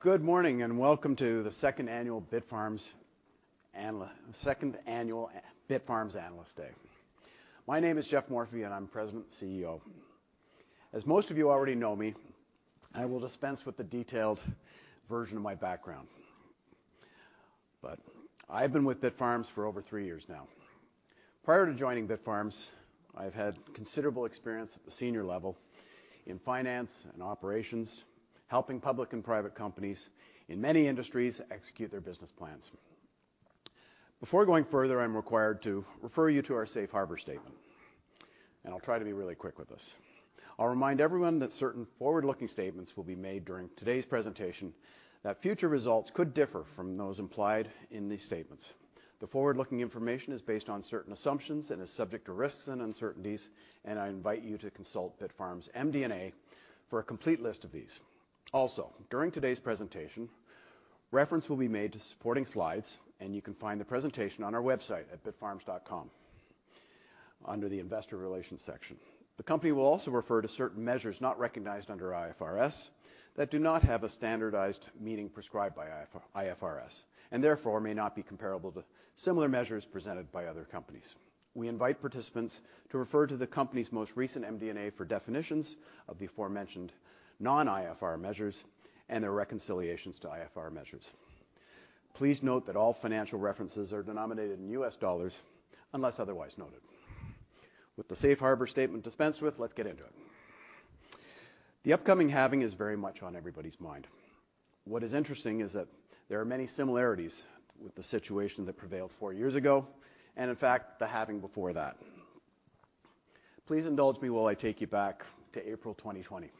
Good morning, and welcome to the second annual Bitfarms Analyst Day. My name is Geoffrey Morphy, and I'm President and CEO. As most of you already know me, I will dispense with the detailed version of my background. I've been with Bitfarms for over three years now. Prior to joining Bitfarms, I've had considerable experience at the senior level in finance and operations, helping public and private companies in many industries execute their business plans. Before going further, I'm required to refer you to our safe harbor statement, and I'll try to be really quick with this. I'll remind everyone that certain forward-looking statements will be made during today's presentation, that future results could differ from those implied in these statements. The forward-looking information is based on certain assumptions and is subject to risks and uncertainties, and I invite you to consult Bitfarms MD&A for a complete list of these. Also, during today's presentation, reference will be made to supporting slides, and you can find the presentation on our website at bitfarms.com under the Investor Relations section. The company will also refer to certain measures not recognized under IFRS that do not have a standardized meaning prescribed by IFRS, and therefore may not be comparable to similar measures presented by other companies. We invite participants to refer to the company's most recent MD&A for definitions of the aforementioned non-IFRS measures and their reconciliations to IFRS measures. Please note that all financial references are denominated in US dollars unless otherwise noted. With the safe harbor statement dispensed with, let's get into it. The upcoming halving is very much on everybody's mind. What is interesting is that there are many similarities with the situation that prevailed four years ago, and in fact, the halving before that. Please indulge me while I take you back to April 2020.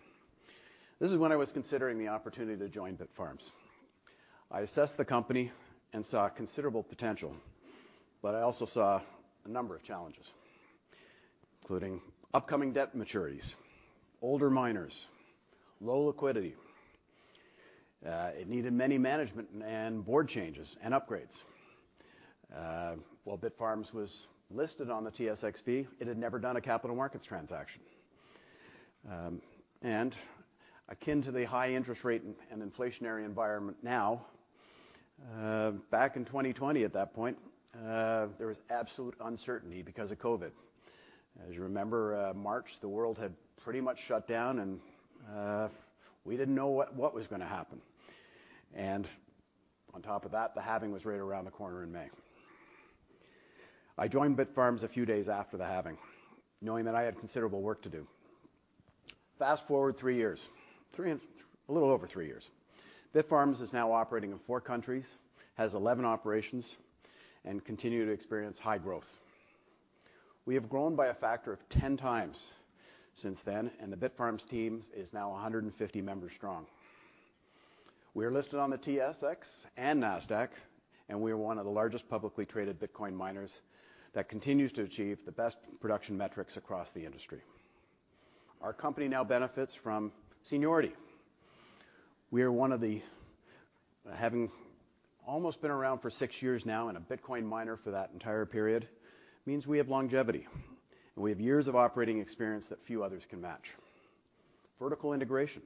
This is when I was considering the opportunity to join Bitfarms. I assessed the company and saw considerable potential, but I also saw a number of challenges, including upcoming debt maturities, older miners, low liquidity. It needed many management and board changes and upgrades. While Bitfarms was listed on the TSXV, it had never done a capital markets transaction. And akin to the high interest rate and inflationary environment now, back in 2020, at that point, there was absolute uncertainty because of COVID. As you remember, March, the world had pretty much shut down, and we didn't know what was gonna happen. On top of that, the halving was right around the corner in May. I joined Bitfarms a few days after the halving, knowing that I had considerable work to do. Fast-forward three years, a little over three years. Bitfarms is now operating in four countries, has 11 operations, and continue to experience high growth. We have grown by a factor of 10x since then, and the Bitfarms teams is now 150 members strong. We are listed on the TSX and Nasdaq, and we are one of the largest publicly traded Bitcoin miners that continues to achieve the best production metrics across the industry. Our company now benefits from seniority. We are one of the—having almost been around for six years now, and a Bitcoin miner for that entire period, means we have longevity, and we have years of operating experience that few others can match. Vertical integration.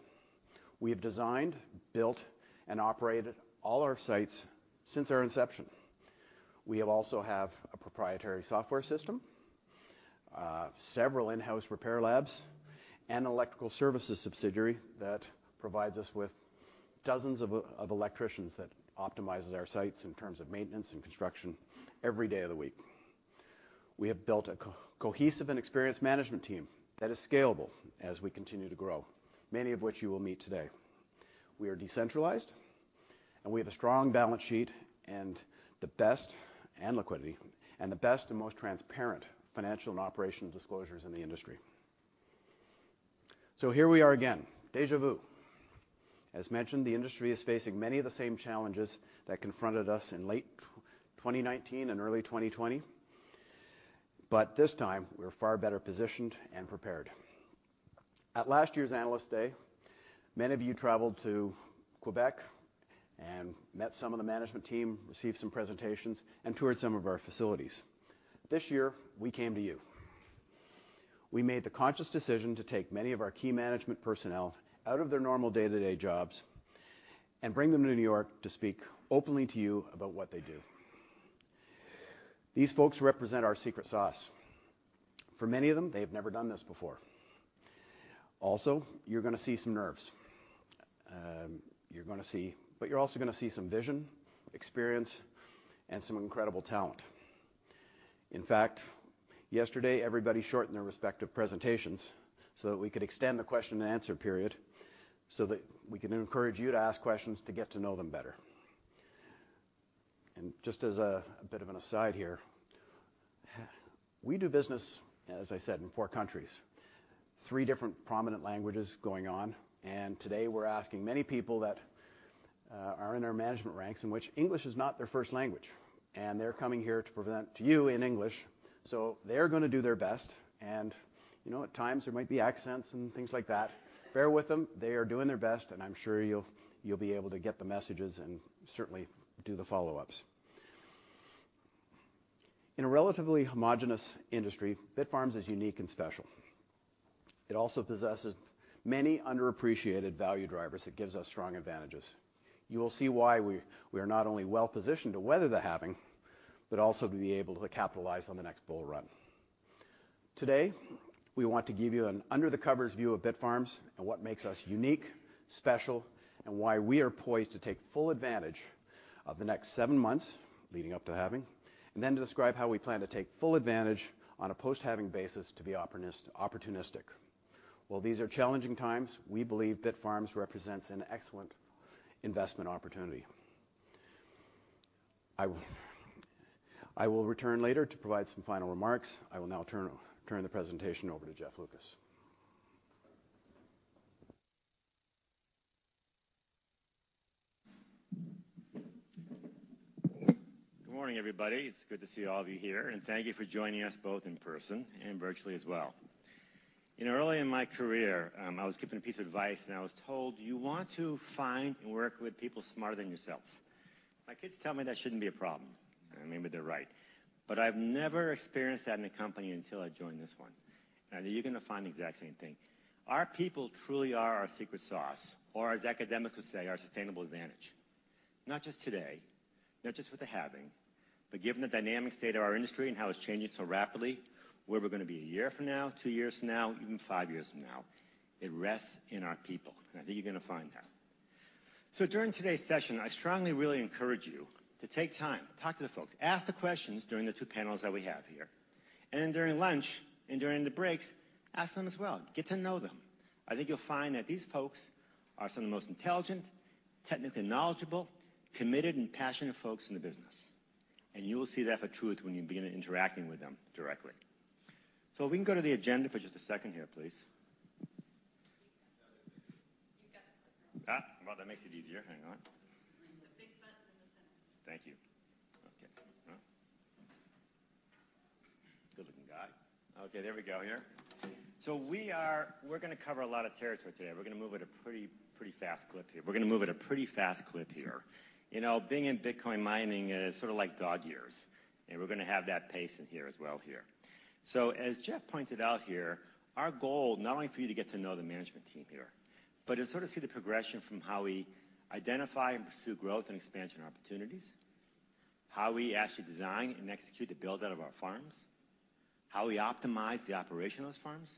We have designed, built, and operated all our sites since our inception. We also have a proprietary software system, several in-house repair labs, and electrical services subsidiary that provides us with dozens of electricians that optimizes our sites in terms of maintenance and construction every day of the week. We have built a cohesive and experienced management team that is scalable as we continue to grow, many of which you will meet today. We are decentralized, and we have a strong balance sheet and the best liquidity, and the best and most transparent financial and operational disclosures in the industry. So here we are again, déjà vu. As mentioned, the industry is facing many of the same challenges that confronted us in late 2019 and early 2020, but this time, we're far better positioned and prepared. At last year's Analyst Day, many of you traveled to Quebec and met some of the management team, received some presentations, and toured some of our facilities. This year, we came to you. We made the conscious decision to take many of our key management personnel out of their normal day-to-day jobs and bring them to New York to speak openly to you about what they do. These folks represent our secret sauce. For many of them, they've never done this before. Also, you're gonna see some nerves. But you're also gonna see some vision, experience, and some incredible talent. In fact, yesterday, everybody shortened their respective presentations so that we could extend the question and answer period, so that we can encourage you to ask questions to get to know them better. Just as a bit of an aside here, we do business, as I said, in four countries, three different prominent languages going on, and today we're asking many people that are in our management ranks in which English is not their first language, and they're coming here to present to you in English, so they're gonna do their best. And, you know, at times there might be accents and things like that. Bear with them. They are doing their best, and I'm sure you'll be able to get the messages and certainly do the follow-ups.... In a relatively homogeneous industry, Bitfarms is unique and special. It also possesses many underappreciated value drivers that gives us strong advantages. You will see why we are not only well-positioned to weather the halving, but also to be able to capitalize on the next bull run. Today, we want to give you an under-the-covers view of Bitfarms and what makes us unique, special, and why we are poised to take full advantage of the next seven months leading up to halving, and then to describe how we plan to take full advantage on a post-halving basis to be opportunistic. While these are challenging times, we believe Bitfarms represents an excellent investment opportunity. I will return later to provide some final remarks. I will now turn the presentation over to Jeff Lucas. Good morning, everybody. It's good to see all of you here, and thank you for joining us both in person and virtually as well. You know, early in my career, I was given a piece of advice, and I was told, "You want to find and work with people smarter than yourself." My kids tell me that shouldn't be a problem, and maybe they're right. But I've never experienced that in a company until I joined this one, and you're gonna find the exact same thing. Our people truly are our secret sauce, or as academics would say, our sustainable advantage. Not just today, not just with the halving, but given the dynamic state of our industry and how it's changing so rapidly, where we're gonna be a year from now, two years from now, even five years from now, it rests in our people, and I think you're gonna find that. So during today's session, I strongly really encourage you to take time, talk to the folks, ask the questions during the two panels that we have here, and then during lunch and during the breaks, ask them as well. Get to know them. I think you'll find that these folks are some of the most intelligent, technically knowledgeable, committed, and passionate folks in the business, and you will see that for truth when you begin interacting with them directly. So if we can go to the agenda for just a second here, please. You got the clicker. Ah! Well, that makes it easier. Hang on. The big button in the center. Thank you. Okay. Good looking guy. Okay, there we go here. So we are, we're gonna cover a lot of territory today. We're gonna move at a pretty, pretty fast clip here. We're gonna move at a pretty fast clip here. You know, being in Bitcoin mining is sort of like God years, and we're gonna have that pace in here as well here. So as Geoff pointed out here, our goal, not only for you to get to know the management team here, but to sort of see the progression from how we identify and pursue growth and expansion opportunities, how we actually design and execute the build-out of our farms, how we optimize the operation of those farms,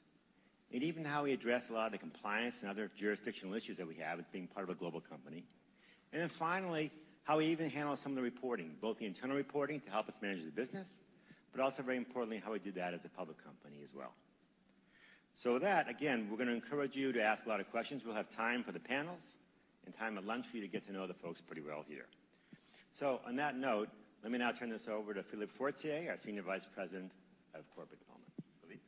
and even how we address a lot of the compliance and other jurisdictional issues that we have as being part of a global company. And then finally, how we even handle some of the reporting, both the internal reporting to help us manage the business, but also very importantly, how we do that as a public company as well. So with that, again, we're gonna encourage you to ask a lot of questions. We'll have time for the panels and time at lunch for you to get to know the folks pretty well here. So on that note, let me now turn this over to Philippe Fortier, our Senior Vice President of Corporate Development. Philippe?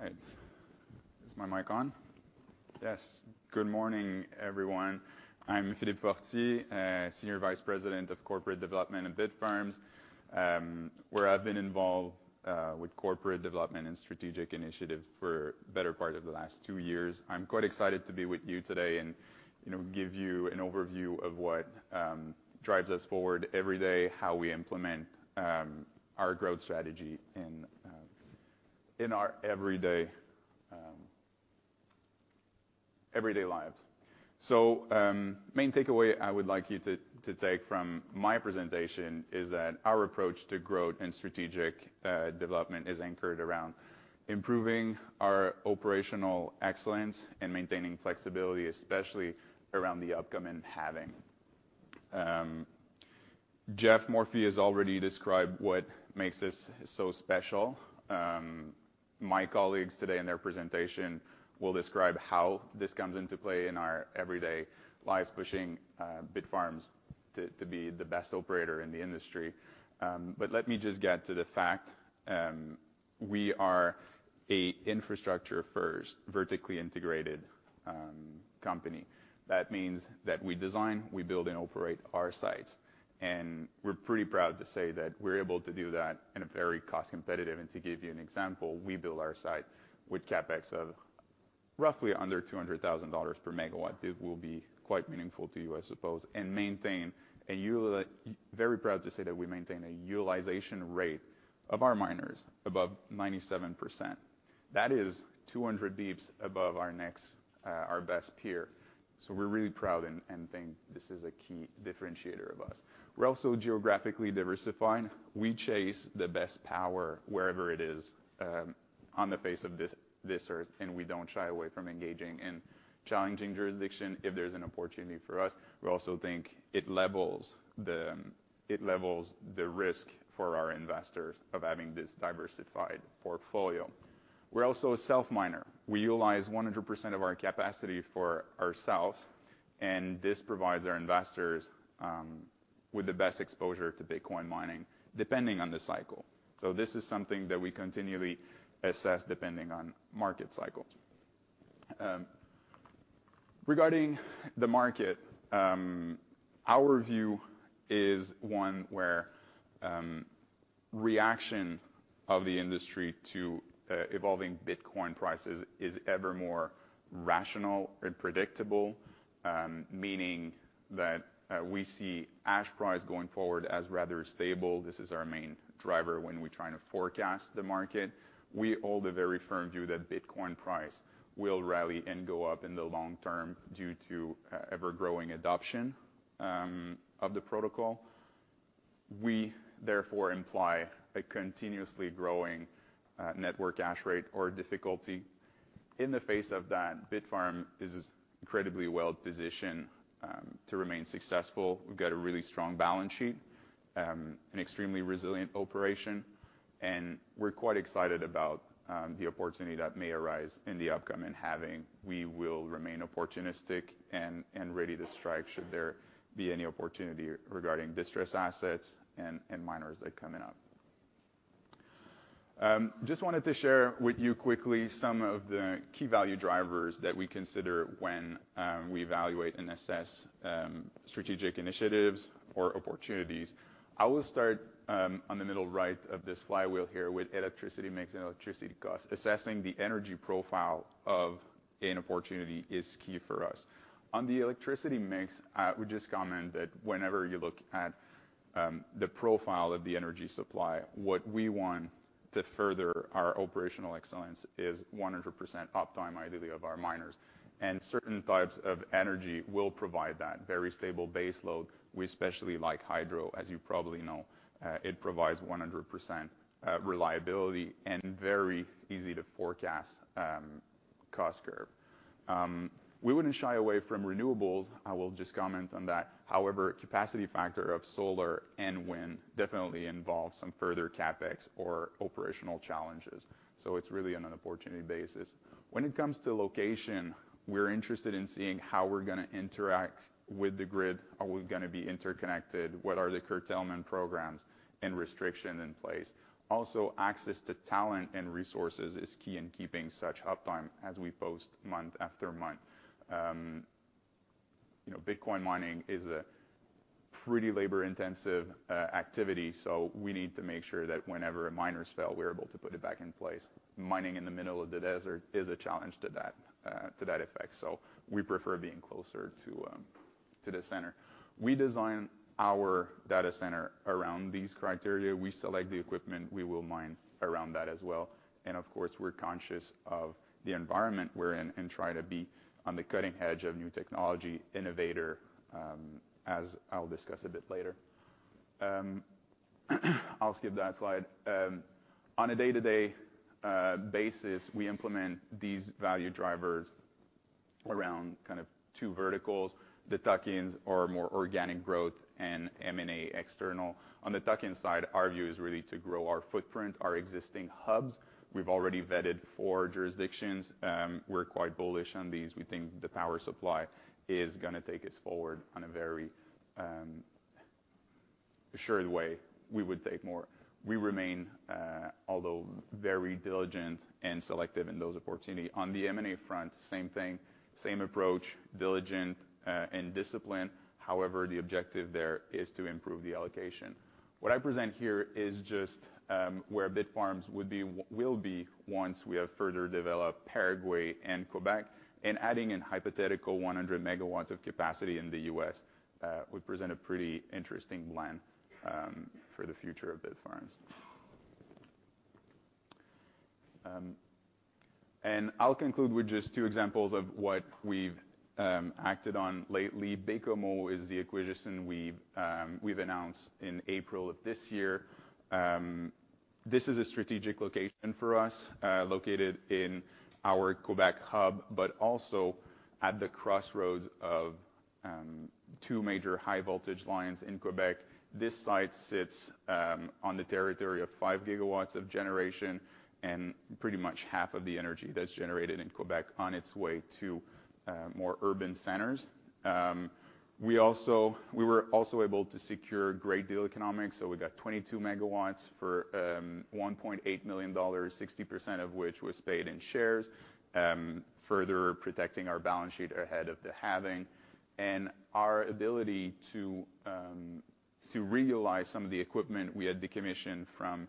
All right. Is my mic on? Yes. Good morning, everyone. I'm Philippe Fortier, Senior Vice President of Corporate Development at Bitfarms, where I've been involved with corporate development and strategic initiatives for better part of the last two years. I'm quite excited to be with you today and, you know, give you an overview of what drives us forward every day, how we implement our growth strategy in our everyday lives. So, main takeaway I would like you to take from my presentation is that our approach to growth and strategic development is anchored around improving our operational excellence and maintaining flexibility, especially around the upcoming halving. Geoffrey Morphy has already described what makes us so special. My colleagues today in their presentation will describe how this comes into play in our everyday lives, pushing Bitfarms to be the best operator in the industry. But let me just get to the fact, we are a infrastructure-first, vertically integrated company. That means that we design, we build, and operate our sites, and we're pretty proud to say that we're able to do that in a very cost competitive. To give you an example, we build our site with CapEx of roughly under $200,000 per MW. This will be quite meaningful to you, I suppose, and very proud to say that we maintain a utilization rate of our miners above 97%. That is 200 basis points above our next, our best peer. So we're really proud and, and think this is a key differentiator of us. We're also geographically diversifying. We chase the best power wherever it is on the face of this, this earth, and we don't shy away from engaging in challenging jurisdiction if there's an opportunity for us. We also think it levels the, it levels the risk for our investors of having this diversified portfolio. We're also a self-miner. We utilize 100% of our capacity for ourselves, and this provides our investors with the best exposure to Bitcoin mining, depending on the cycle. So this is something that we continually assess depending on market cycle. Regarding the market, our view is one where reaction of the industry to evolving Bitcoin prices is ever more rational and predictable, meaning that we see hash price going forward as rather stable. This is our main driver when we're trying to forecast the market. We hold a very firm view that Bitcoin price will rally and go up in the long term due to ever-growing adoption of the protocol. We therefore imply a continuously growing network hash rate or difficulty. In the face of that, Bitfarms is incredibly well-positioned to remain successful. We've got a really strong balance sheet, an extremely resilient operation, and we're quite excited about the opportunity that may arise in the upcoming halving. We will remain opportunistic and ready to strike should there be any opportunity regarding distressed assets and miners that are coming up. Just wanted to share with you quickly some of the key value drivers that we consider when we evaluate and assess strategic initiatives or opportunities. I will start on the middle right of this flywheel here with electricity mix and electricity cost. Assessing the energy profile of an opportunity is key for us. On the electricity mix, I would just comment that whenever you look at the profile of the energy supply, what we want to further our operational excellence is 100% uptime, ideally, of our miners. Certain types of energy will provide that very stable base load. We especially like hydro, as you probably know. It provides 100% reliability and very easy to forecast cost curve. We wouldn't shy away from renewables, I will just comment on that. However, capacity factor of solar and wind definitely involves some further CapEx or operational challenges, so it's really on an opportunity basis. When it comes to location, we're interested in seeing how we're gonna interact with the grid. Are we gonna be interconnected? What are the curtailment programs and restrictions in place? Also, access to talent and resources is key in keeping such uptime as we post month after month. You know, Bitcoin mining is a pretty labor-intensive activity, so we need to make sure that whenever a miners fail, we're able to put it back in place. Mining in the middle of the desert is a challenge to that effect, so we prefer being closer to the center. We design our data center around these criteria. We select the equipment, we will mine around that as well. Of course, we're conscious of the environment we're in and try to be on the cutting edge of new technology innovator, as I'll discuss a bit later. I'll skip that slide. On a day-to-day basis, we implement these value drivers around kind of two verticals, the tuck-ins or more organic growth and M&A external. On the tuck-in side, our view is really to grow our footprint, our existing hubs. We've already vetted four jurisdictions. We're quite bullish on these. We think the power supply is gonna take us forward on a very sure way. We would take more. We remain, although very diligent and selective in those opportunity. On the M&A front, same thing, same approach, diligent, and disciplined. However, the objective there is to improve the allocation. What I present here is just where Bitfarms would be will be once we have further developed Paraguay and Quebec, and adding in hypothetical 100MW of capacity in the U.S. would present a pretty interesting plan for the future of Bitfarms. And I'll conclude with just two examples of what we've acted on lately. Baie-Comeau is the acquisition we've announced in April of this year. This is a strategic location for us, located in our Quebec hub, but also at the crossroads of two major high voltage lines in Quebec. This site sits on the territory of 5 gigawatts of generation, and pretty much half of the energy that's generated in Quebec on its way to more urban centers. We were also able to secure great deal economics, so we got 22 MW for $1.8 million, 60% of which was paid in shares, further protecting our balance sheet ahead of the halving. Our ability to realize some of the equipment we had decommissioned from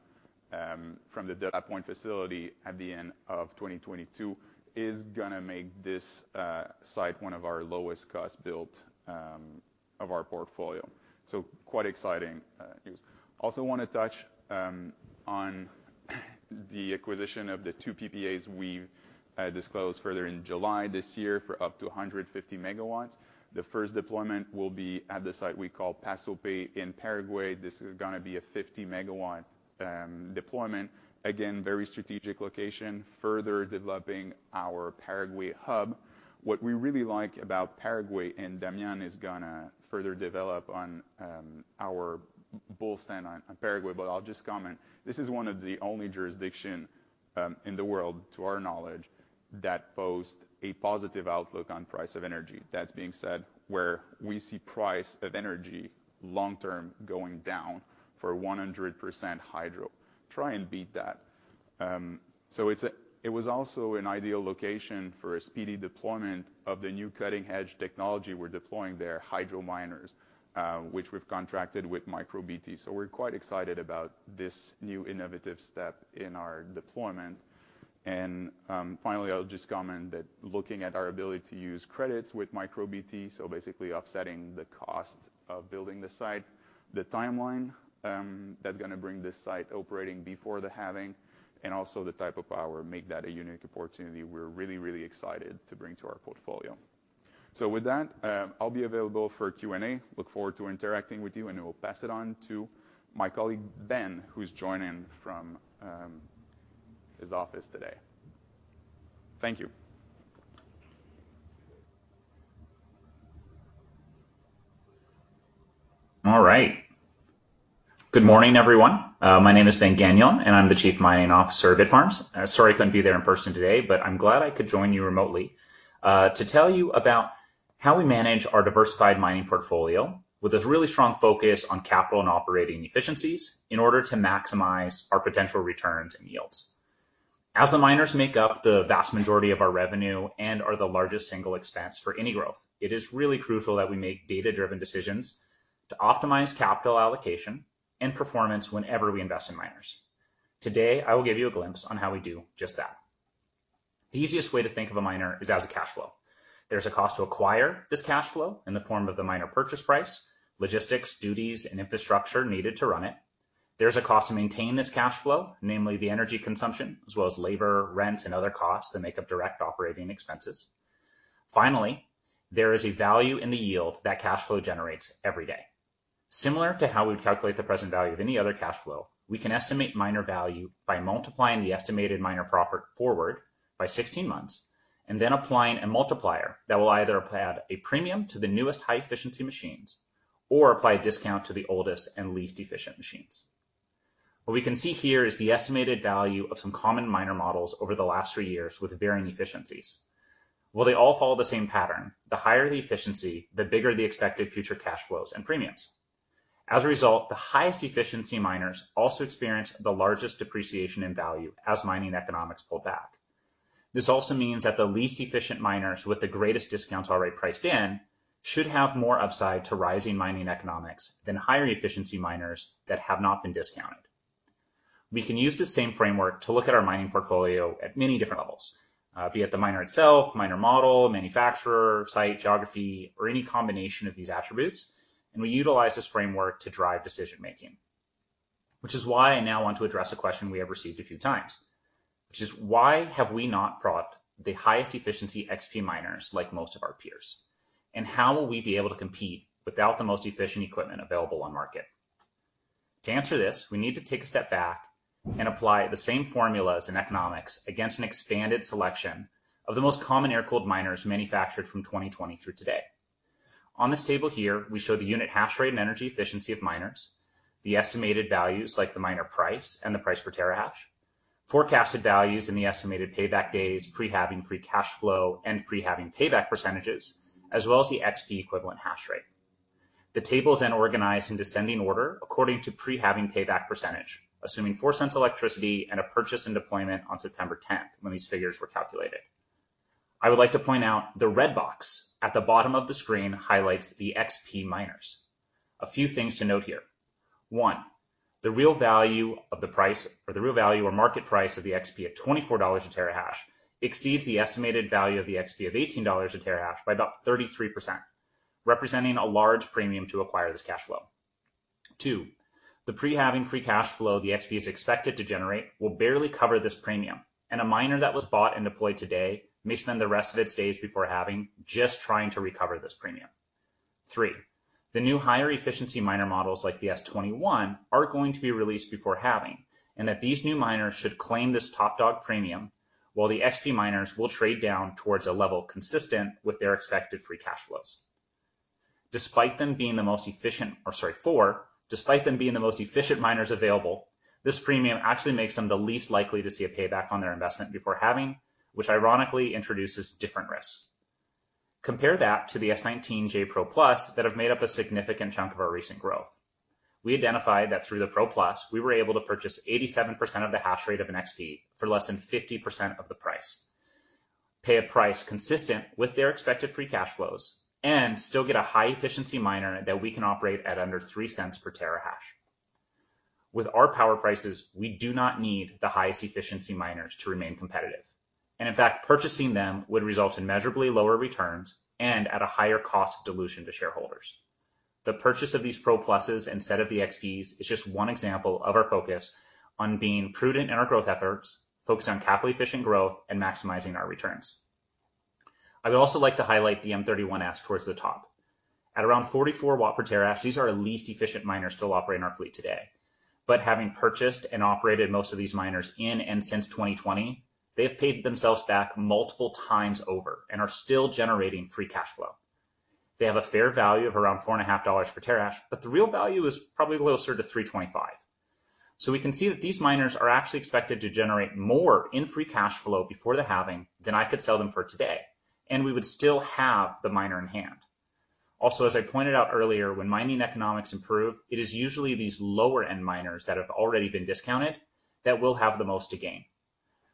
the De la Pointe facility at the end of 2022 is gonna make this site one of our lowest cost built of our portfolio. So quite exciting news. Also want to touch on the acquisition of the two PPAs we've disclosed further in July this year for up to 150 MW. The first deployment will be at the site we call Paso Pe in Paraguay. This is gonna be a 50 MW deployment. Again, very strategic location, further developing our Paraguay hub. What we really like about Paraguay, and Damian is gonna further develop on, our bull stand on Paraguay, but I'll just comment. This is one of the only jurisdiction, in the world, to our knowledge, that boast a positive outlook on price of energy. That's being said, where we see price of energy long term going down for 100% hydro. Try and beat that. So it was also an ideal location for a speedy deployment of the new cutting-edge technology we're deploying there, hydro miners, which we've contracted with MicroBT. So we're quite excited about this new innovative step in our deployment. Finally, I'll just comment that looking at our ability to use credits with MicroBT, so basically offsetting the cost of building the site, the timeline, that's gonna bring this site operating before the halving, and also the type of power, make that a unique opportunity we're really, really excited to bring to our portfolio. With that, I'll be available for Q&A. Look forward to interacting with you, and I will pass it on to my colleague, Ben, who's joining from his office today. Thank you. All right. Good morning, everyone. My name is Ben Gagnon, and I'm the Chief Mining Officer of Bitfarms. Sorry I couldn't be there in person today, but I'm glad I could join you remotely to tell you about how we manage our diversified mining portfolio with a really strong focus on capital and operating efficiencies in order to maximize our potential returns and yields. As the miners make up the vast majority of our revenue and are the largest single expense for any growth, it is really crucial that we make data-driven decisions to optimize capital allocation and performance whenever we invest in miners. Today, I will give you a glimpse on how we do just that. The easiest way to think of a miner is as a cash flow. There's a cost to acquire this cash flow in the form of the miner purchase price, logistics, duties, and infrastructure needed to run it. There's a cost to maintain this cash flow, namely the energy consumption, as well as labor, rents, and other costs that make up direct operating expenses. Finally, there is a value in the yield that cash flow generates every day. Similar to how we would calculate the present value of any other cash flow, we can estimate miner value by multiplying the estimated miner profit forward by 16 months and then applying a multiplier that will either add a premium to the newest high-efficiency machines or apply a discount to the oldest and least efficient machines. What we can see here is the estimated value of some common miner models over the last three years with varying efficiencies. Well, they all follow the same pattern. The higher the efficiency, the bigger the expected future cash flows and premiums. As a result, the highest efficiency miners also experience the largest depreciation in value as mining economics pull back. This also means that the least efficient miners with the greatest discounts already priced in, should have more upside to rising mining economics than higher efficiency miners that have not been discounted. We can use the same framework to look at our mining portfolio at many different levels, be it the miner itself, miner model, manufacturer, site, geography, or any combination of these attributes, and we utilize this framework to drive decision-making. Which is why I now want to address a question we have received a few times, which is: Why have we not brought the highest efficiency XP miners like most of our peers? How will we be able to compete without the most efficient equipment available on market? To answer this, we need to take a step back and apply the same formulas in economics against an expanded selection of the most common air-cooled miners manufactured from 2020 through today. On this table here, we show the unit hash rate and energy efficiency of miners, the estimated values like the miner price and the price per Terahash, forecasted values in the estimated payback days, pre-halving free cash flow, and pre-halving payback percentages, as well as the XP equivalent hash rate. The table is then organized in descending order according to pre-halving payback percentage, assuming $0.04 electricity and a purchase and deployment on September 10, when these figures were calculated. I would like to point out the red box at the bottom of the screen highlights the XP miners. A few things to note here. One, the real value of the price or the real value or market price of the XP at $24 a Terahash exceeds the estimated value of the XP of $18 a Terahash by about 33%, representing a large premium to acquire this cash flow. Two, the pre-halving free cash flow the XP is expected to generate will barely cover this premium, and a miner that was bought and deployed today may spend the rest of its days before halving, just trying to recover this premium. Three, the new higher efficiency miner models like the S21, are going to be released before halving, and that these new miners should claim this top-dog premium, while the XP miners will trade down towards a level consistent with their expected free cash flows. Despite them being the most efficient miners available, this premium actually makes them the least likely to see a payback on their investment before halving, which ironically introduces different risks. Compare that to the S19j Pro+ that have made up a significant chunk of our recent growth. We identified that through the Pro+, we were able to purchase 87% of the hash rate of an XP for less than 50% of the price, pay a price consistent with their expected free cash flows, and still get a high-efficiency miner that we can operate at under $0.03 per Terahash. With our power prices, we do not need the highest efficiency miners to remain competitive, and in fact, purchasing them would result in measurably lower returns and at a higher cost of dilution to shareholders. The purchase of these Pro+s instead of the XPs is just one example of our focus on being prudent in our growth efforts, focused on capital-efficient growth, and maximizing our returns. I would also like to highlight the M31S towards the top. At around 44 watts per Terahash, these are our least efficient miners still operating in our fleet today. But having purchased and operated most of these miners in and since 2020, they've paid themselves back multiple times over and are still generating free cash flow. They have a fair value of around $4.5 per Terahash, but the real value is probably a little closer to $3.25. So we can see that these miners are actually expected to generate more in free cash flow before the halving than I could sell them for today, and we would still have the miner in hand. Also, as I pointed out earlier, when mining economics improve, it is usually these lower-end miners that have already been discounted that will have the most to gain.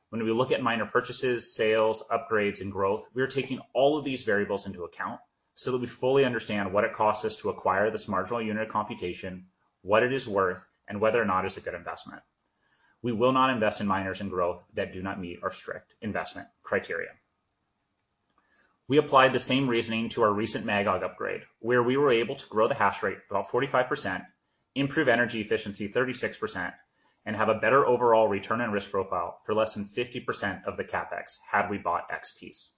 When we look at miner purchases, sales, upgrades, and growth, we are taking all of these variables into account so that we fully understand what it costs us to acquire this marginal unit of computation, what it is worth, and whether or not it's a good investment. We will not invest in miners and growth that do not meet our strict investment criteria. We applied the same reasoning to our recent Magog upgrade, where we were able to grow the hash rate about 45%, improve energy efficiency 36%, and have a better overall return and risk profile for less than 50% of the CapEx had we bought XPs.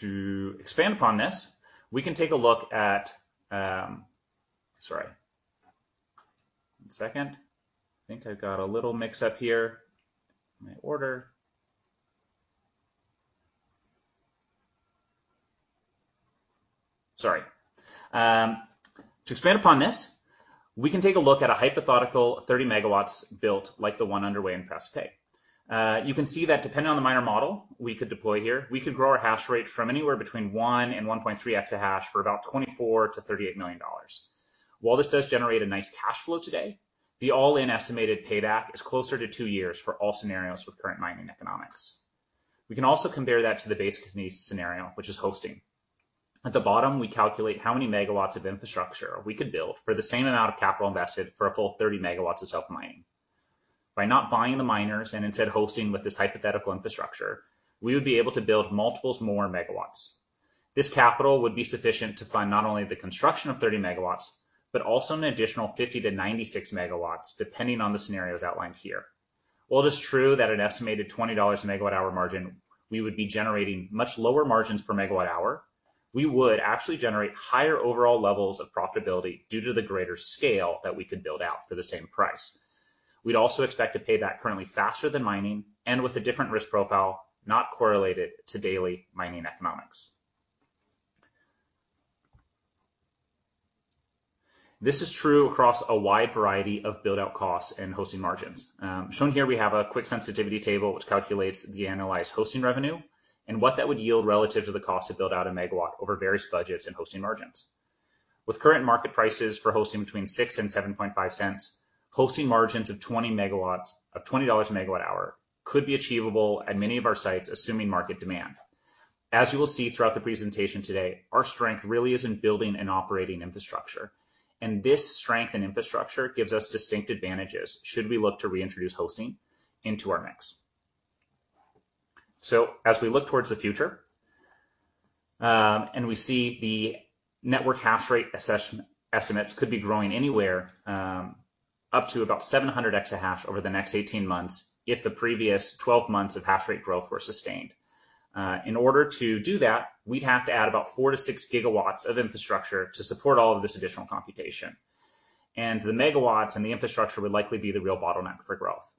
To expand upon this, we can take a look at... Sorry. One second. I think I've got a little mix-up here in my order. Sorry. To expand upon this, we can take a look at a hypothetical 30 MW built like the one underway in Paso Pe. You can see that depending on the miner model we could deploy here, we could grow our hash rate from anywhere between 1-1.3 EH/s for about $24 million-$38 million. While this does generate a nice cash flow today, the all-in estimated payback is closer to 2 years for all scenarios with current mining economics. We can also compare that to the base case scenario, which is hosting. At the bottom, we calculate how many MW of infrastructure we could build for the same amount of capital invested for a full 30 MW of self mining. By not buying the miners and instead hosting with this hypothetical infrastructure, we would be able to build multiples moreMW. This capital would be sufficient to fund not only the construction of 30MW, but also an additional 50-96MW, depending on the scenarios outlined here. While it is true that an estimated $20 aMW-hour margin, we would be generating much lower margins perMW-hour, we would actually generate higher overall levels of profitability due to the greater scale that we could build out for the same price. We'd also expect to pay back currently faster than mining and with a different risk profile, not correlated to daily mining economics. This is true across a wide variety of build-out costs and hosting margins. Shown here, we have a quick sensitivity table, which calculates the annualized hosting revenue and what that would yield relative to the cost to build out aMW over various budgets and hosting margins. With current market prices for hosting between $0.06 and $0.075, hosting margins of $20 aMW hour could be achievable at many of our sites, assuming market demand. As you will see throughout the presentation today, our strength really is in building and operating infrastructure, and this strength in infrastructure gives us distinct advantages should we look to reintroduce hosting into our mix. As we look towards the future, and we see the network hash rate estimates could be growing anywhere up to about 700 Exahash over the next 18 months, if the previous 12 months of hash rate growth were sustained. In order to do that, we'd have to add about 4-6 gigawatts of infrastructure to support all of this additional computation. TheMW and the infrastructure would likely be the real bottleneck for growth.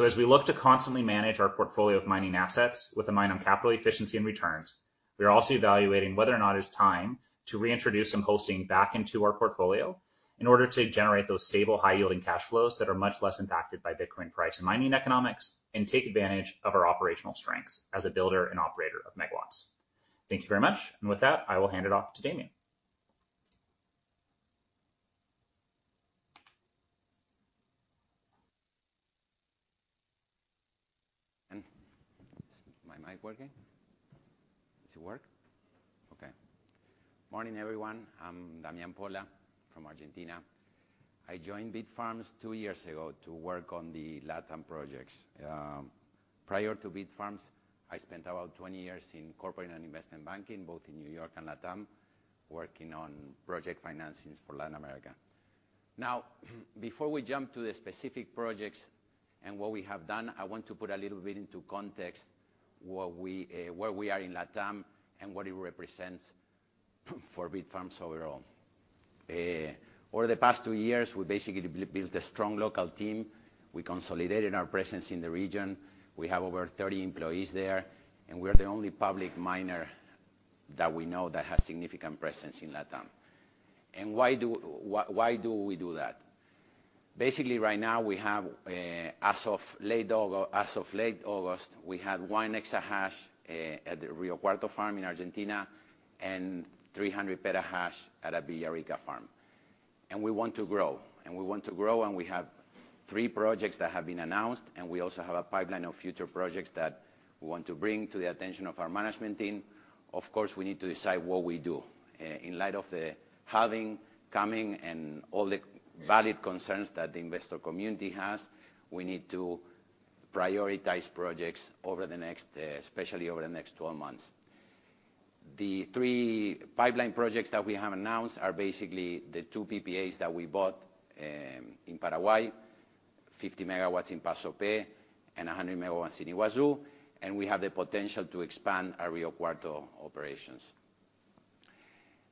As we look to constantly manage our portfolio of mining assets with a mind on capital efficiency and returns, we are also evaluating whether or not it's time to reintroduce some hosting back into our portfolio in order to generate those stable, high-yielding cash flows that are much less impacted by Bitcoin price and mining economics, and take advantage of our operational strengths as a builder and operator of MWs. Thank you very much, and with that, I will hand it off to Damian. Is my mic working? Does it work? Okay. Morning, everyone. I'm Damian Polla from Argentina. I joined Bitfarms two years ago to work on the LatAm projects. Prior to Bitfarms, I spent about 20 years in corporate and investment banking, both in New York and LatAm, working on project financings for Latin America. Now, before we jump to the specific projects and what we have done, I want to put a little bit into context what we, where we are in LatAm and what it represents for Bitfarms overall. Over the past two years, we basically built a strong local team. We consolidated our presence in the region. We have over 30 employees there, and we are the only public miner that we know that has significant presence in LatAm. Why do we do that? Basically, right now, we have, as of late August, as of late August, we had 1 Exahash at the Rio Cuarto farm in Argentina and 300 petahash at the Villarrica farm. And we want to grow, and we want to grow, and we have 3 projects that have been announced, and we also have a pipeline of future projects that we want to bring to the attention of our management team. Of course, we need to decide what we do. In light of the halving, coming, and all the valid concerns that the investor community has, we need to prioritize projects over the next, especially over the next 12 months. The three pipeline projects that we have announced are basically the two PPAs that we bought in Paraguay, 50 MW in Paso Pe and 100 MW in Yguazu, and we have the potential to expand our Rio Cuarto operations.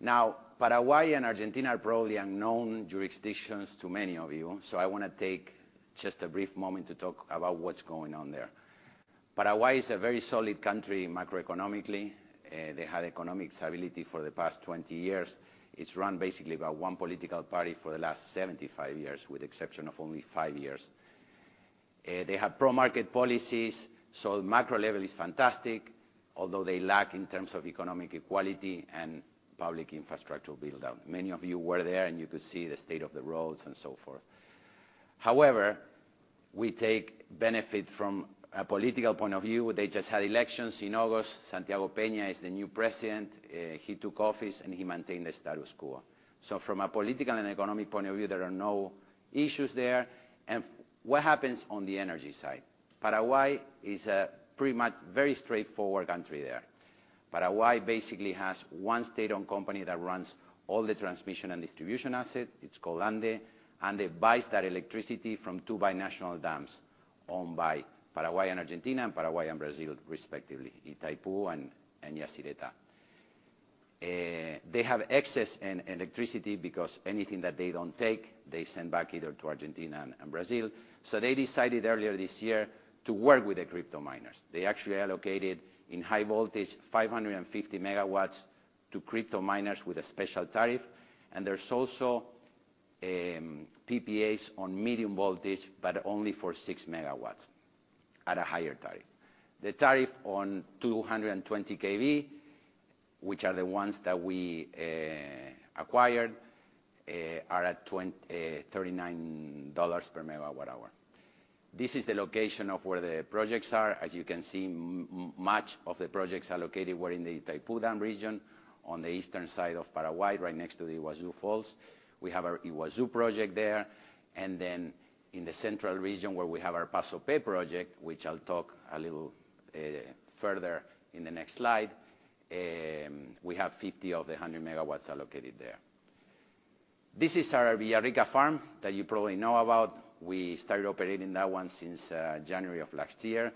Now, Paraguay and Argentina are probably unknown jurisdictions to many of you, so I want to take just a brief moment to talk about what's going on there. Paraguay is a very solid country macroeconomically. They had economic stability for the past 20 years. It's run basically by one political party for the last 75 years, with the exception of only 5 years.... They have pro-market policies, so the macro level is fantastic, although they lack in terms of economic equality and public infrastructural build-out. Many of you were there, and you could see the state of the roads and so forth. However, we take benefit from a political point of view. They just had elections in August. Santiago Peña is the new president. He took office, and he maintained the status quo. So from a political and economic point of view, there are no issues there. And what happens on the energy side? Paraguay is a pretty much very straightforward country there. Paraguay basically has one state-owned company that runs all the transmission and distribution asset. It's called ANDE, and they buys that electricity from two binational dams owned by Paraguay and Argentina, and Paraguay and Brazil, respectively, Itaipu and Yacyretá. They have excess in electricity, because anything that they don't take, they send back either to Argentina and Brazil. So they decided earlier this year to work with the crypto miners. They actually allocated, in high voltage, 550 MW to crypto miners with a special tariff, and there's also PPAs on medium voltage, but only for 6 MW at a higher tariff. The tariff on 220 kV, which are the ones that we acquired, are at $39 per MWh. This is the location of where the projects are. As you can see, much of the projects are located where in the Itaipu Dam region, on the eastern side of Paraguay, right next to the Iguazu Falls. We have our Iguazu project there, and then in the central region, where we have our Paso Pe project, which I'll talk a little further in the next slide, we have 50 of the 100 MW allocated there. This is our Villarrica farm that you probably know about. We started operating that one since January of last year.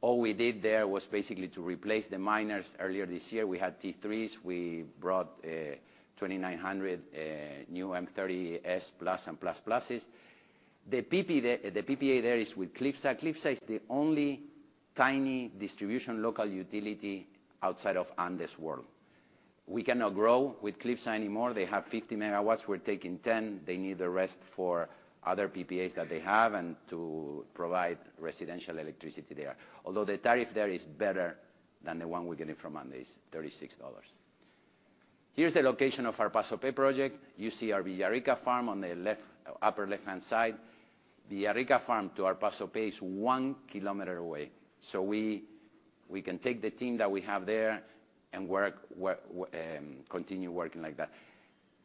All we did there was basically to replace the miners. Earlier this year, we had T3s. We brought 2,900 new M30S+ and M30S++. The PPA there is with CLYFSA. CLYFSA is the only tiny distribution local utility outside of ANDE's world. We cannot grow with CLYFSA anymore. They have 50 MW. We're taking 10 MW. They need the rest for other PPAs that they have and to provide residential electricity there. Although the tariff there is better than the one we're getting from ANDE's, $36. Here's the location of our Paso Pe project. You see our Villarrica farm on the left, upper left-hand side. Villarrica farm to our Paso Pe is 1 kilometer away, so we can take the team that we have there and work, continue working like that.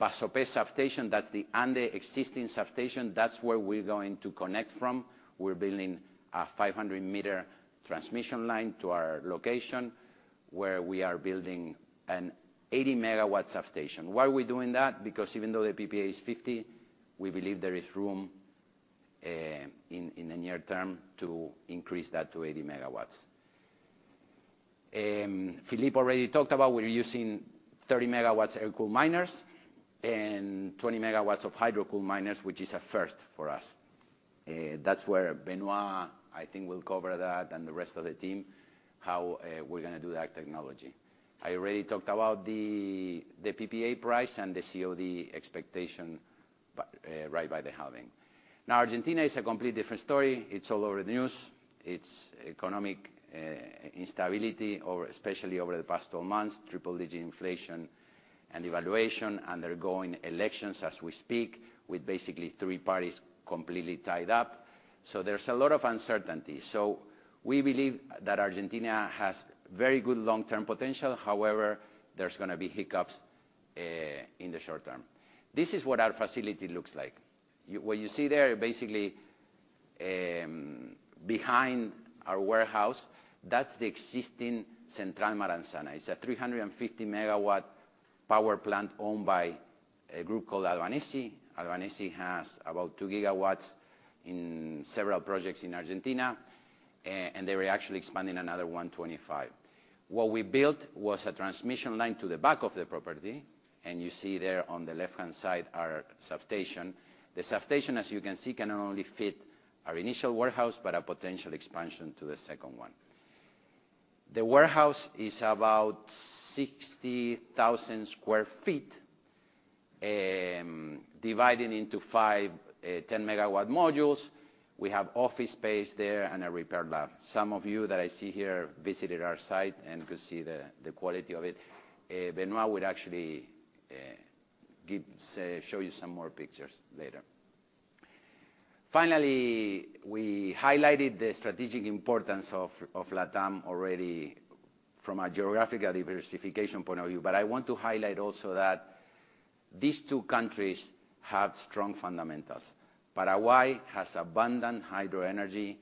Paso Pe substation, that's the ANDE existing substation. That's where we're going to connect from. We're building a 500-meter transmission line to our location, where we are building an 80 MW substation. Why are we doing that? Because even though the PPA is 50, we believe there is room in the near term to increase that to 80 MW. Philippe already talked about we're using 30MW air-cooled miners and 20MW of hydro-cooled miners, which is a first for us. That's where Benoit, I think, will cover that and the rest of the team, how we're gonna do that technology. I already talked about the PPA price and the COD expectation right by the halving. Now, Argentina is a completely different story. It's all over the news. It's economic instability over especially over the past 12 months, triple-digit inflation and devaluation, and they're going elections as we speak, with basically three parties completely tied up. So there's a lot of uncertainty. So we believe that Argentina has very good long-term potential. However, there's gonna be hiccups in the short term. This is what our facility looks like. What you see there, basically, behind our warehouse, that's the existing Central Maranzana. It's a 350 MW power plant owned by a group called Albanesi. Albanesi has about 2 GW in several projects in Argentina, and they were actually expanding another one 25. What we built was a transmission line to the back of the property, and you see there on the left-hand side, our substation. The substation, as you can see, can only fit our initial warehouse, but a potential expansion to the second one. The warehouse is about 60,000 sq ft, divided into five 10-megawatt modules. We have office space there and a repair lab. Some of you that I see here visited our site and could see the quality of it. Benoit would actually show you some more pictures later. Finally, we highlighted the strategic importance of LatAm already from a geographical diversification point of view, but I want to highlight also that these two countries have strong fundamentals. Paraguay has abundant hydro energy.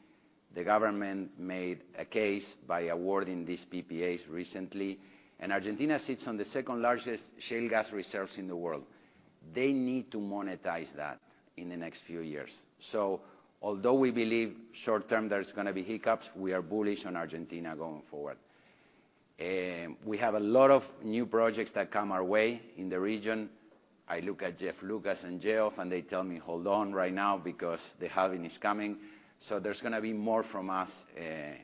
The government made a case by awarding these PPAs recently, and Argentina sits on the second-largest shale gas reserves in the world. They need to monetize that in the next few years. So although we believe short term there's gonna be hiccups, we are bullish on Argentina going forward. We have a lot of new projects that come our way in the region. I look at Jeff Lucas and Geoff, and they tell me, "Hold on right now, because the halving is coming." So there's gonna be more from us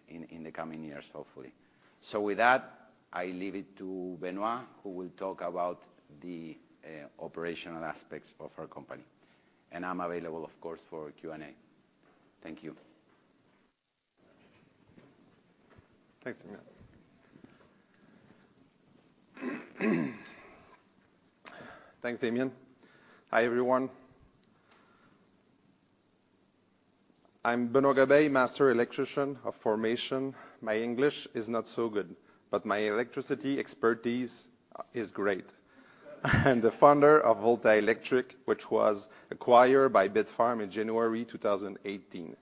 in the coming years, hopefully. So with that, I leave it to Benoit, who will talk about the operational aspects of our company. And I'm available, of course, for Q&A. Thank you. Thanks, Damien. Thanks, Damien. Hi, everyone. I'm Benoit Gobeil, Master Electrician at Bitfarms. My English is not so good, but my electricity expertise is great. I am the founder of Volta Électrique, which was acquired by Bitfarms in January 2018.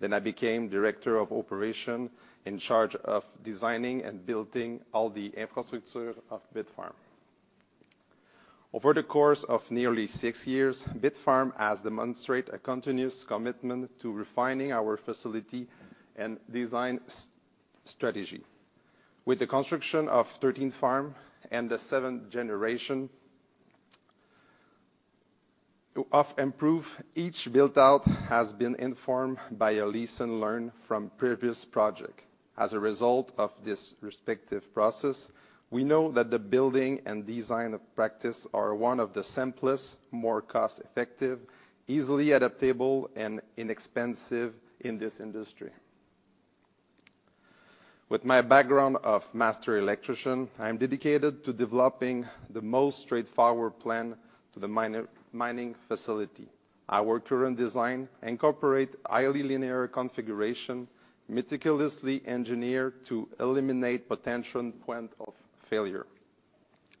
Then I became Director of Operations, in charge of designing and building all the infrastructure of Bitfarms. Over the course of nearly six years, Bitfarms has demonstrated a continuous commitment to refining our facility and design strategy. With the construction of thirteenth farm and the seventh generation, to of improve each built-out has been informed by a lease and learn from previous project. As a result of this respective process, we know that the building and design of practice are one of the simplest, more cost-effective, easily adaptable, and inexpensive in this industry. With my background as master electrician, I'm dedicated to developing the most straightforward plan to the mining facility. Our current design incorporates highly linear configuration, meticulously engineered to eliminate potential points of failure.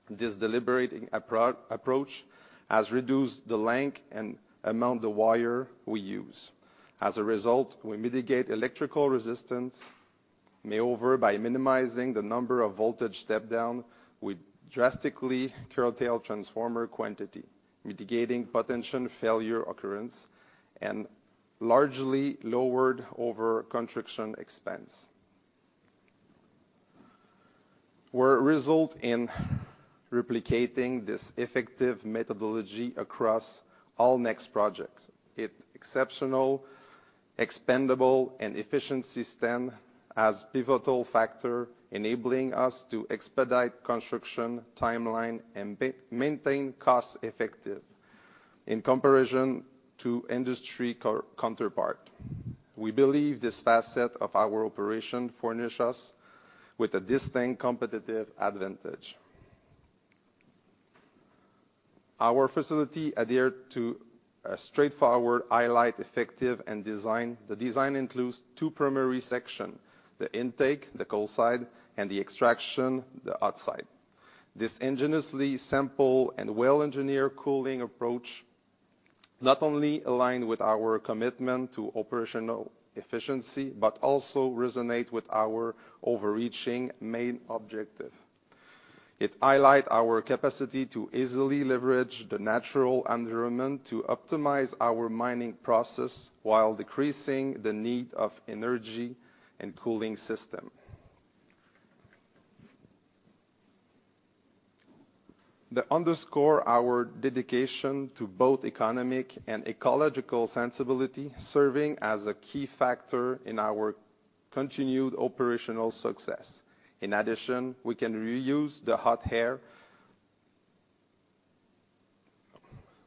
This deliberate approach has reduced the length and amount of wire we use. As a result, we mitigate electrical resistance. Moreover, by minimizing the number of voltage step-downs, we drastically curtail transformer quantity, mitigating potential failure occurrence, and largely lowered our construction expense. This results in replicating this effective methodology across all next projects. Its exceptional, expandable, and efficient system as pivotal factor, enabling us to expedite construction timeline and maintain costs effective in comparison to industry counterparts. We believe this facet of our operation furnishes us with a distinct competitive advantage. Our facility adheres to a straightforward, highly effective, and design. The design includes two primary sections, the intake, the cold side, and the extraction, the outside. This ingeniously simple and well-engineered cooling approach not only aligns with our commitment to operational efficiency, but also resonates with our overarching main objective. It highlights our capacity to easily leverage the natural environment to optimize our mining process, while decreasing the need for energy and cooling systems. This underscores our dedication to both economic and ecological sensibility, serving as a key factor in our continued operational success. In addition, we can reuse the hot air...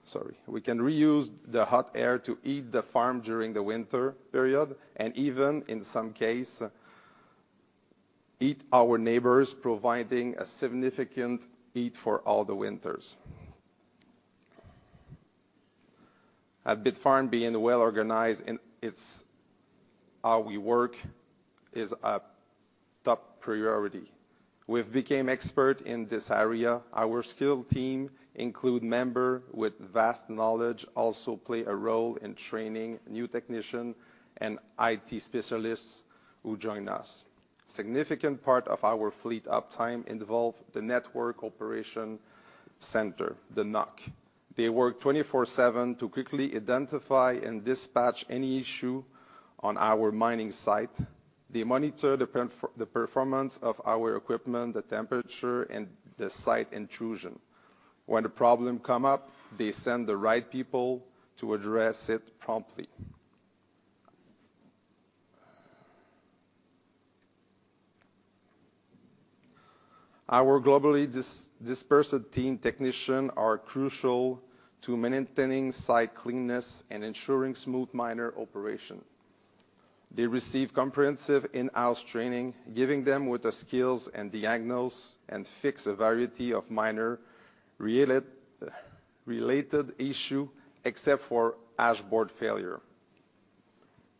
Sorry, we can reuse the hot air to heat the farm during the winter period, and even in some cases, heat our neighbors, providing a significant heat for all the winters. At Bitfarms, being well organized, it's how we work is a top priority. We've become experts in this area. Our skilled team includes members with vast knowledge, also plays a role in training new technicians and IT specialists who join us. A significant part of our fleet uptime involves the Network Operation Center, the NOC. They work 24/7 to quickly identify and dispatch any issue on our mining site. They monitor the performance of our equipment, the temperature, and the site intrusion. When a problem comes up, they send the right people to address it promptly. Our globally dispersed team technicians are crucial to maintaining site cleanliness and ensuring smooth miner operation. They receive comprehensive in-house training, giving them the skills to diagnose and fix a variety of miner related issues, except for hash board failure.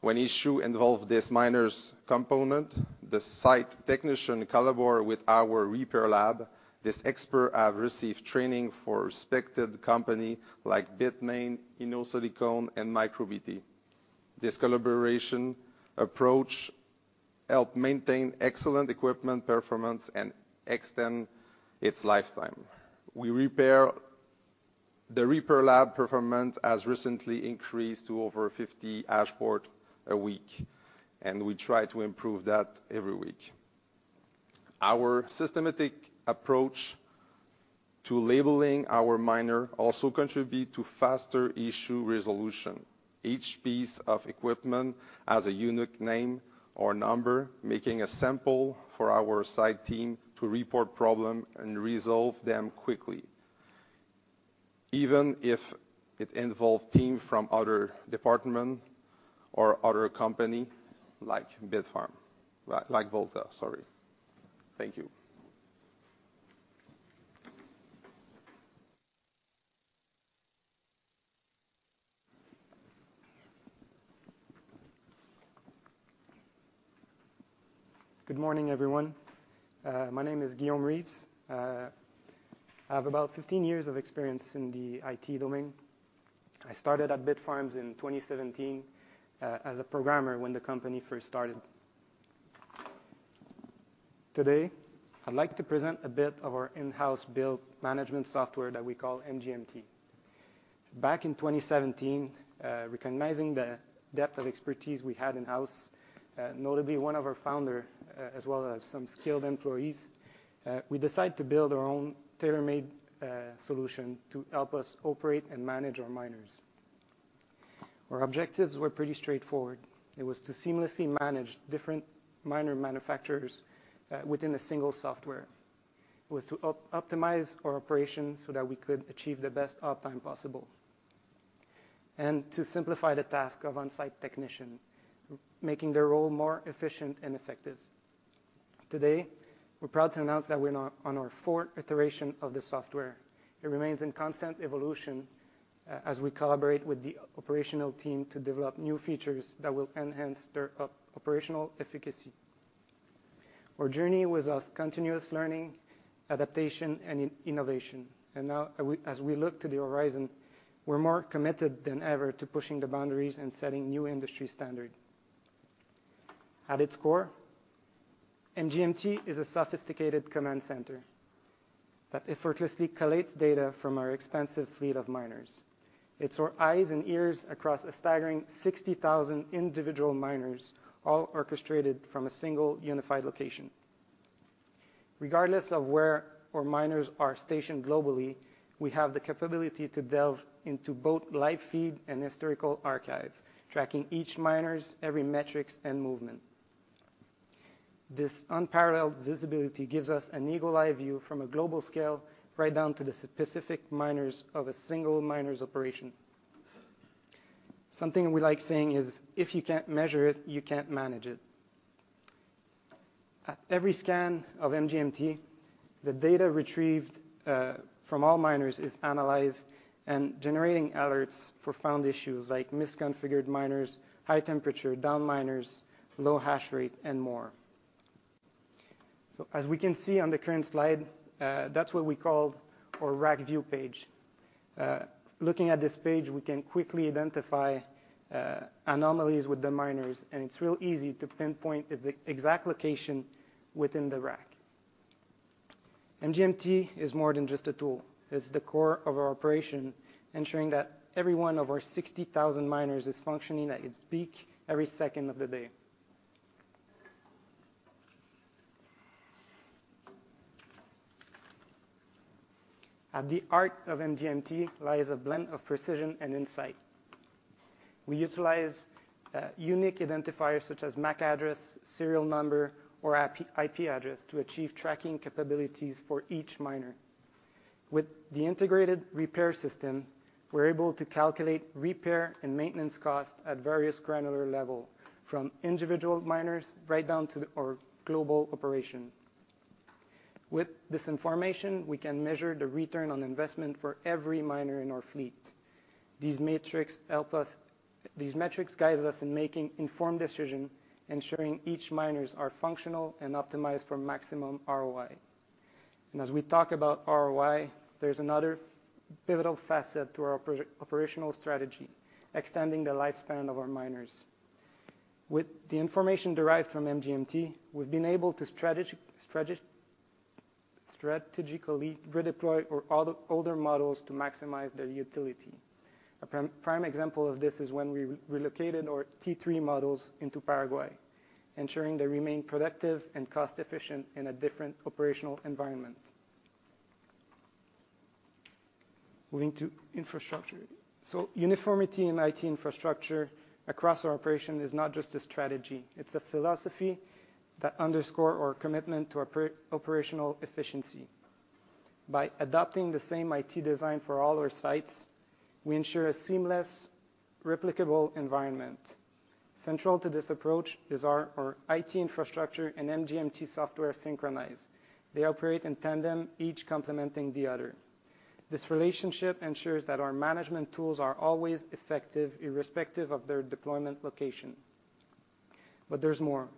When issues involve this miner's component, the site technicians collaborate with our repair lab. These experts have received training from respected companies like Bitmain, Innosilicon, and MicroBT. This collaboration approach help maintain excellent equipment performance and extend its lifetime. The repair lab performance has recently increased to over 50 hash boards a week, and we try to improve that every week. Our systematic approach to labeling our miner also contribute to faster issue resolution. Each piece of equipment has a unique name or number, making it simple for our site team to report problem and resolve them quickly, even if it involves team from other department or other company, like Bitfarms, like Volta, sorry. Thank you. Good morning, everyone. My name is Guillaume Reeves. I have about 15 years of experience in the IT domain. I started at Bitfarms in 2017, as a programmer when the company first started. Today, I'd like to present a bit of our in-house built management software that we call MGMT. Back in 2017, recognizing the depth of expertise we had in-house, notably one of our founder, as well as some skilled employees, we decided to build our own tailor-made solution to help us operate and manage our miners. Our objectives were pretty straightforward. It was to seamlessly manage different miner manufacturers, within a single software. It was to optimize our operations so that we could achieve the best uptime possible, and to simplify the task of on-site technician, making their role more efficient and effective. Today, we're proud to announce that we're now on our fourth iteration of the software. It remains in constant evolution as we collaborate with the operational team to develop new features that will enhance their operational efficacy. Our journey was of continuous learning, adaptation, and innovation, and now, as we look to the horizon, we're more committed than ever to pushing the boundaries and setting new industry standard. At its core, MGMT is a sophisticated command center that effortlessly collates data from our expansive fleet of miners. It's our eyes and ears across a staggering 60,000 individual miners, all orchestrated from a single unified location. Regardless of where our miners are stationed globally, we have the capability to delve into both live feed and historical archive, tracking each miner's every metrics and movement. This unparalleled visibility gives us an eagle-eye view from a global scale, right down to the specific miners of a single miner's operation. Something we like saying is, if you can't measure it, you can't manage it. At every scan of MGMT, the data retrieved from all miners is analyzed and generating alerts for found issues like misconfigured miners, high temperature, down miners, low hash rate, and more. So as we can see on the current slide, that's what we call our Rack View page. Looking at this page, we can quickly identify anomalies with the miners, and it's real easy to pinpoint the exact location within the rack. MGMT is more than just a tool. It's the core of our operation, ensuring that every one of our 60,000 miners is functioning at its peak every second of the day. At the heart of MGMT lies a blend of precision and insight. We utilize unique identifiers such as MAC address, serial number, or IP address to achieve tracking capabilities for each miner. With the integrated repair system, we're able to calculate repair and maintenance costs at various granular level, from individual miners right down to our global operation. With this information, we can measure the return on investment for every miner in our fleet. These metrics help us. These metrics guides us in making informed decision, ensuring each miners are functional and optimized for maximum ROI. And as we talk about ROI, there's another pivotal facet to our operational strategy: extending the lifespan of our miners. With the information derived from MGMT, we've been able to strategically redeploy our older models to maximize their utility. A prime example of this is when we relocated our T3 models into Paraguay, ensuring they remain productive and cost-efficient in a different operational environment. Moving to infrastructure. So uniformity in IT infrastructure across our operation is not just a strategy, it's a philosophy that underscore our commitment to operational efficiency. By adopting the same IT design for all our sites, we ensure a seamless, replicable environment. Central to this approach is our IT infrastructure and MGMT software synchronize. They operate in tandem, each complementing the other. This relationship ensures that our management tools are always effective, irrespective of their deployment location. But there's more.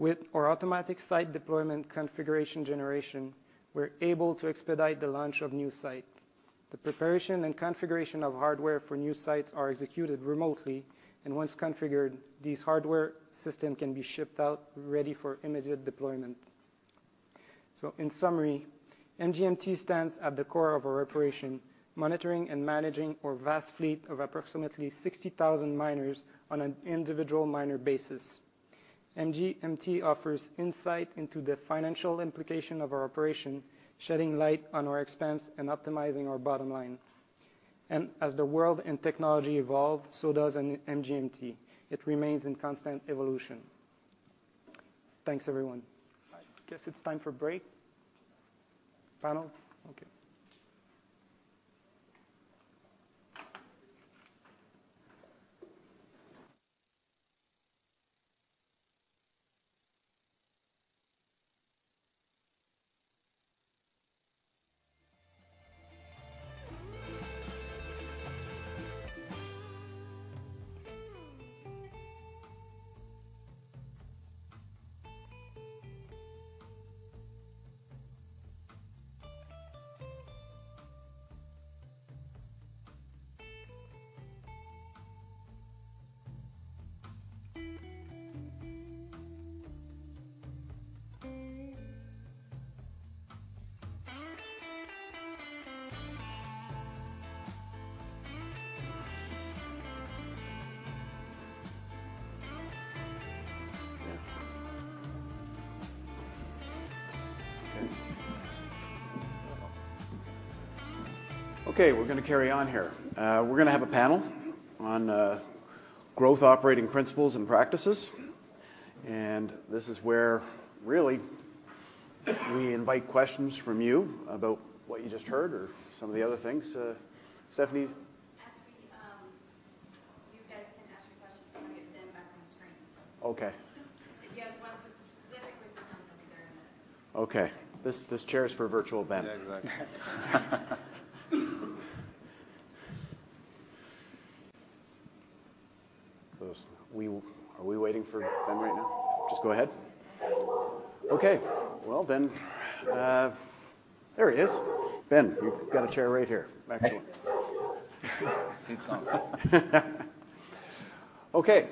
With our automatic site deployment configuration generation, we're able to expedite the launch of new site. The preparation and configuration of hardware for new sites are executed remotely, and once configured, these hardware system can be shipped out, ready for immediate deployment. So in summary, MGMT stands at the core of our operation, monitoring and managing our vast fleet of approximately 60,000 miners on an individual miner basis. MGMT offers insight into the financial implication of our operation, shedding light on our expense and optimizing our bottom line. And as the world and technology evolve, so does an MGMT. It remains in constant evolution. Thanks, everyone. I guess it's time for break. Panel? Okay. Okay. Okay, we're gonna carry on here. We're gonna have a panel on growth, operating principles, and practices. And this is where, really, we invite questions from you about what you just heard or some of the other things. Stephanie? Ask me. You guys can ask your questions, and we'll get Ben back on the screen. Okay. If you have one specifically for him, he'll be there in a minute. Okay. This, this chair is for virtual Ben. Yeah, exactly. Are we, are we waiting for Ben right now? Just go ahead? Okay. Well, then, there he is. Ben, you've got a chair right here. Excellent. Hey. Zoom call. Okay,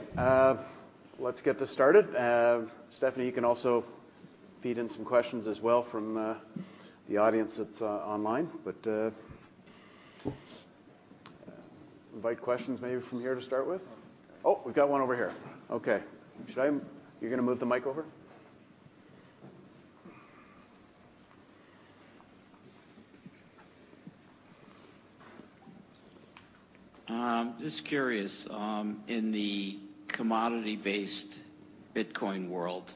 let's get this started. Stephanie, you can also feed in some questions as well from the audience that's online. But, invite questions maybe from here to start with. Oh, we've got one over here. Okay. Should I-- You're gonna move the mic over? Just curious, in the commodity-based Bitcoin world,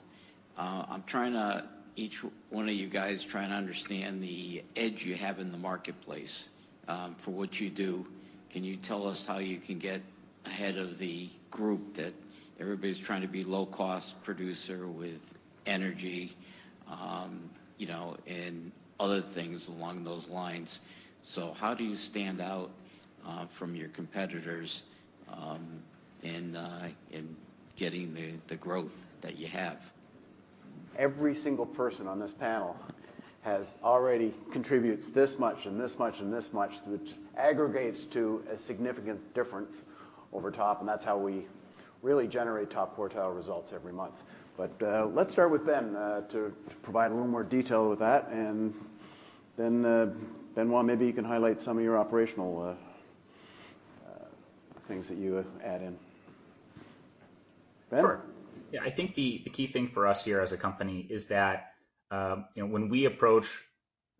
I'm trying to... Each one of you guys, trying to understand the edge you have in the marketplace, for what you do. Can you tell us how you can get ahead of the group, that everybody's trying to be low-cost producer with energy, you know, and other things along those lines? So how do you stand out, from your competitors, in, in getting the, the growth that you have? Every single person on this panel has already contributes this much and this much and this much, which aggregates to a significant difference over top, and that's how we really generate top quartile results every month. But, let's start with Ben, to, to provide a little more detail with that. And then, Benoit, maybe you can highlight some of your operational, things that you would add in. Ben? Sure. Yeah, I think the key thing for us here as a company is that, you know, when we approach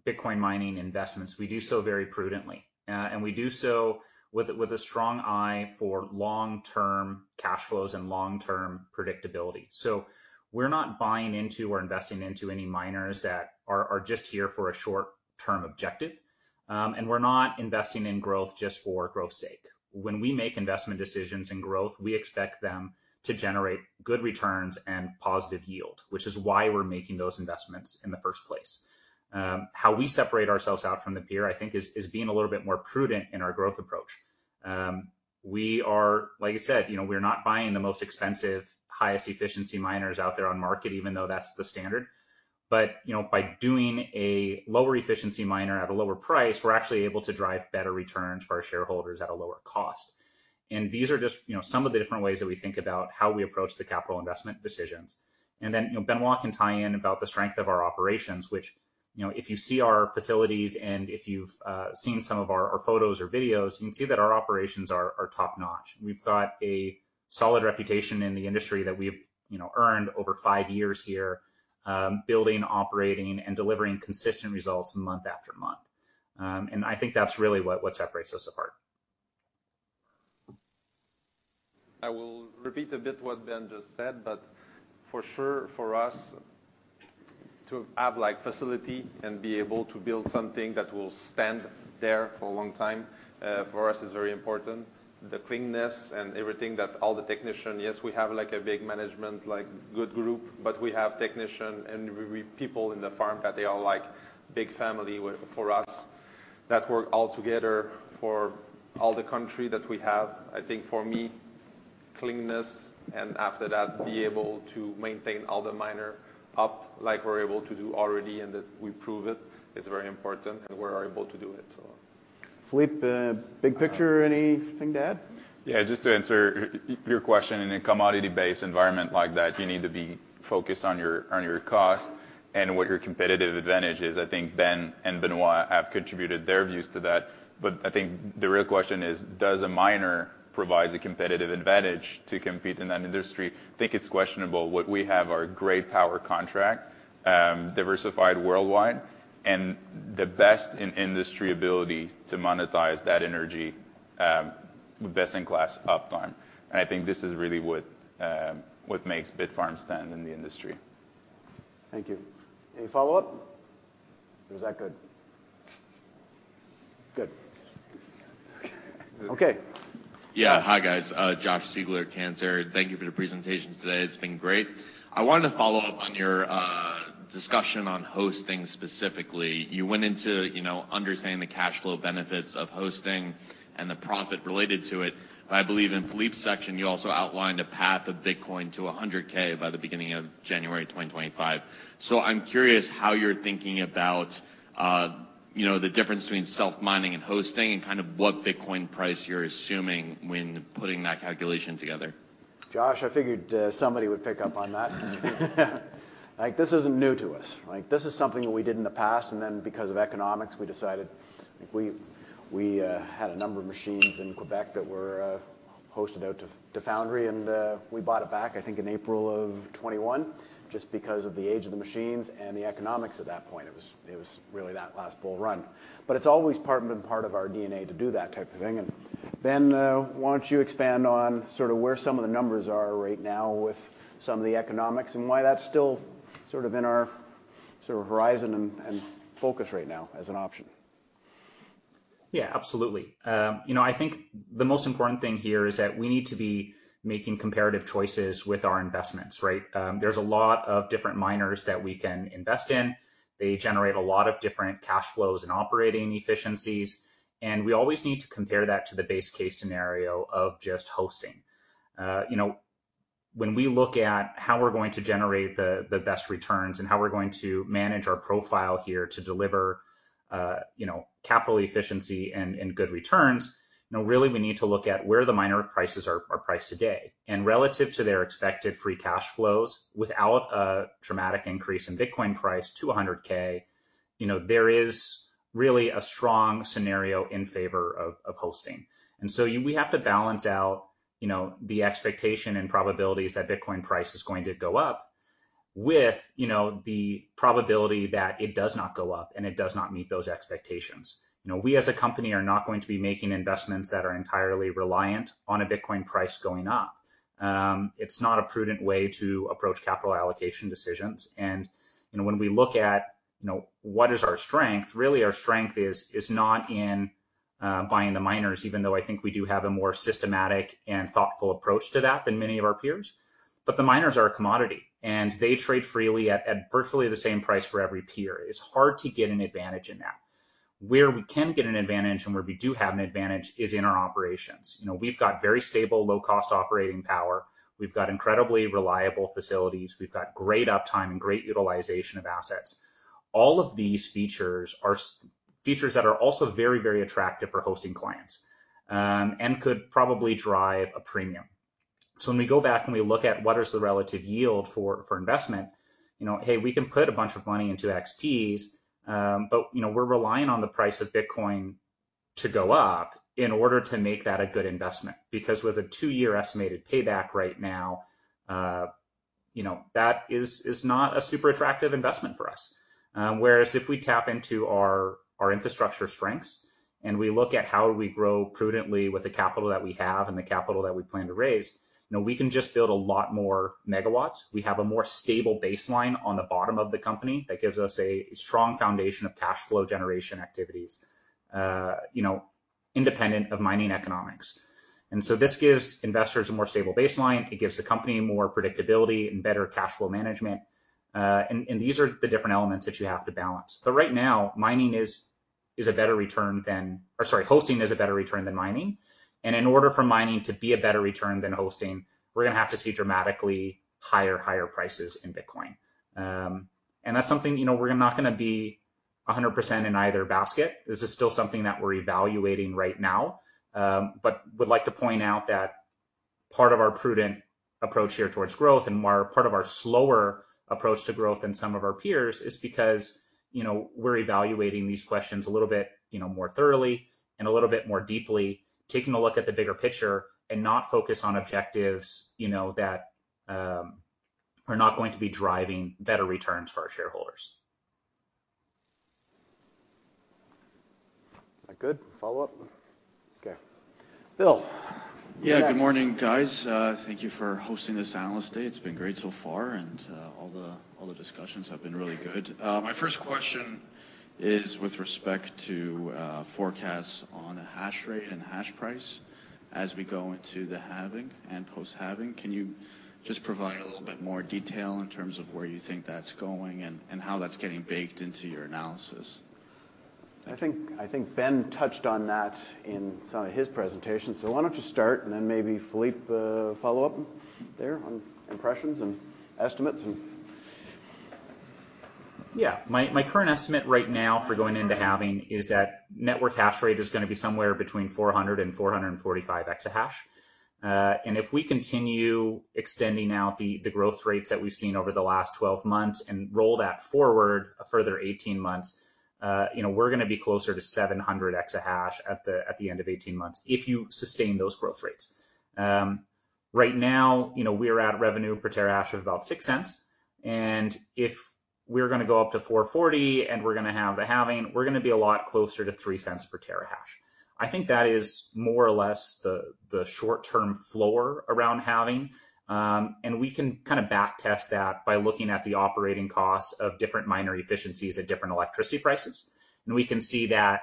Bitcoin mining investments, we do so very prudently. And we do so with a strong eye for long-term cash flows and long-term predictability. So we're not buying into or investing into any miners that are just here for a short-term objective. And we're not investing in growth just for growth's sake. When we make investment decisions in growth, we expect them to generate good returns and positive yield, which is why we're making those investments in the first place. How we separate ourselves out from the peer, I think, is being a little bit more prudent in our growth approach. Like I said, you know, we're not buying the most expensive, highest efficiency miners out there on market, even though that's the standard. But, you know, by doing a lower efficiency miner at a lower price, we're actually able to drive better returns for our shareholders at a lower cost. And these are just, you know, some of the different ways that we think about how we approach the capital investment decisions. And then, you know, Benoit can tie in about the strength of our operations, which, you know, if you see our facilities and if you've seen some of our, our photos or videos, you can see that our operations are, are top-notch. We've got a solid reputation in the industry that we've, you know, earned over five years here, building, operating, and delivering consistent results month after month. I think that's really what separates us apart. I will repeat a bit what Ben just said, but for sure, for us to have like facility and be able to build something that will stand there for a long time, for us is very important. The cleanliness and everything that all the technician... Yes, we have like a big management, like, good group, but we have technician and we, people in the farm that they are like big family with for us, that work all together for all the country that we have. I think for me, cleanliness, and after that, be able to maintain all the miner up like we're able to do already and that we prove it, is very important, and we're able to do it, so. Philippe, big picture, anything to add? Yeah, just to answer your question, in a commodity-based environment like that, you need to be-... focus on your cost and what your competitive advantage is. I think Ben and Benoit have contributed their views to that, but I think the real question is, does a miner provide a competitive advantage to compete in that industry? I think it's questionable. What we have are great power contract, diversified worldwide, and the best in industry ability to monetize that energy, with best-in-class uptime. And I think this is really what, what makes Bitfarms stand in the industry. Thank you. Any follow-up? Or was that good? Good. Okay. Yeah. Hi, guys, Josh Siegler, Canaccord. Thank you for the presentation today. It's been great. I wanted to follow up on your discussion on hosting specifically. You went into, you know, understanding the cash flow benefits of hosting and the profit related to it. But I believe in Philippe's section, you also outlined a path of Bitcoin to $100K by the beginning of January 2025. So I'm curious how you're thinking about, you know, the difference between self-mining and hosting and kind of what Bitcoin price you're assuming when putting that calculation together. Josh, I figured somebody would pick up on that. Like, this isn't new to us. Like, this is something that we did in the past, and then because of economics, we decided—I think we had a number of machines in Quebec that were hosted out to Foundry, and we bought it back, I think, in April 2021, just because of the age of the machines and the economics at that point. It was really that last bull run. But it's always been part of our DNA to do that type of thing. And Ben, why don't you expand on sort of where some of the numbers are right now with some of the economics, and why that's still sort of in our horizon and focus right now as an option? Yeah, absolutely. You know, I think the most important thing here is that we need to be making comparative choices with our investments, right? There's a lot of different miners that we can invest in. They generate a lot of different cash flows and operating efficiencies, and we always need to compare that to the base case scenario of just hosting. You know, when we look at how we're going to generate the, the best returns and how we're going to manage our profile here to deliver, you know, capital efficiency and, and good returns, you know, really, we need to look at where the miner prices are, are priced today. And relative to their expected free cash flows, without a dramatic increase in Bitcoin price to $100K, you know, there is really a strong scenario in favor of, of hosting. And so we have to balance out, you know, the expectation and probabilities that Bitcoin price is going to go up with, you know, the probability that it does not go up and it does not meet those expectations. You know, we as a company are not going to be making investments that are entirely reliant on a Bitcoin price going up. It's not a prudent way to approach capital allocation decisions. And, you know, when we look at, you know, what is our strength, really, our strength is not in buying the miners, even though I think we do have a more systematic and thoughtful approach to that than many of our peers. But the miners are a commodity, and they trade freely at virtually the same price for every peer. It's hard to get an advantage in that. Where we can get an advantage and where we do have an advantage is in our operations. You know, we've got very stable, low-cost operating power. We've got incredibly reliable facilities. We've got great uptime and great utilization of assets. All of these features are features that are also very, very attractive for hosting clients, and could probably drive a premium. So when we go back and we look at what is the relative yield for, for investment, you know, hey, we can put a bunch of money into XPs, but, you know, we're relying on the price of Bitcoin to go up in order to make that a good investment, because with a two-year estimated payback right now, you know, that is not a super attractive investment for us. Whereas if we tap into our, our infrastructure strengths, and we look at how we grow prudently with the capital that we have and the capital that we plan to raise, you know, we can just build a lot moreMW. We have a more stable baseline on the bottom of the company that gives us a strong foundation of cash flow generation activities, you know, independent of mining economics. And so this gives investors a more stable baseline. It gives the company more predictability and better cash flow management. And these are the different elements that you have to balance. But right now, mining is a better return than— or sorry, hosting is a better return than mining. And in order for mining to be a better return than hosting, we're gonna have to see dramatically higher prices in Bitcoin. And that's something, you know, we're not gonna be 100% in either basket. This is still something that we're evaluating right now. But would like to point out that part of our prudent approach here towards growth and more, part of our slower approach to growth than some of our peers is because, you know, we're evaluating these questions a little bit, you know, more thoroughly and a little bit more deeply, taking a look at the bigger picture and not focus on objectives, you know, that are not going to be driving better returns for our shareholders. That good? Follow-up? Okay. Bill. Yeah, good morning, guys. Thank you for hosting this analyst day. It's been great so far, and all the discussions have been really good. My first question is with respect to forecasts on Hash Rate and Hash Price as we go into the Halving and post-Halving. Can you just provide a little bit more detail in terms of where you think that's going and how that's getting baked into your analysis? I think, I think Ben touched on that in some of his presentation. So why don't you start, and then maybe Philippe, follow up there on impressions and estimates and-... Yeah, my, my current estimate right now for going into halving is that network hash rate is going to be somewhere between 400 and 445 Exahash. And if we continue extending out the, the growth rates that we've seen over the last 12 months and roll that forward a further 18 months, you know, we're gonna be closer to 700 Exahash at the, at the end of 18 months, if you sustain those growth rates. Right now, you know, we are at revenue per Terahash of about $0.06, and if we're gonna go up to 440 and we're gonna have the halving, we're gonna be a lot closer to $0.03 per Terahash. I think that is more or less the, the short-term floor around halving. And we can kind of back test that by looking at the operating costs of different miner efficiencies at different electricity prices. And we can see that,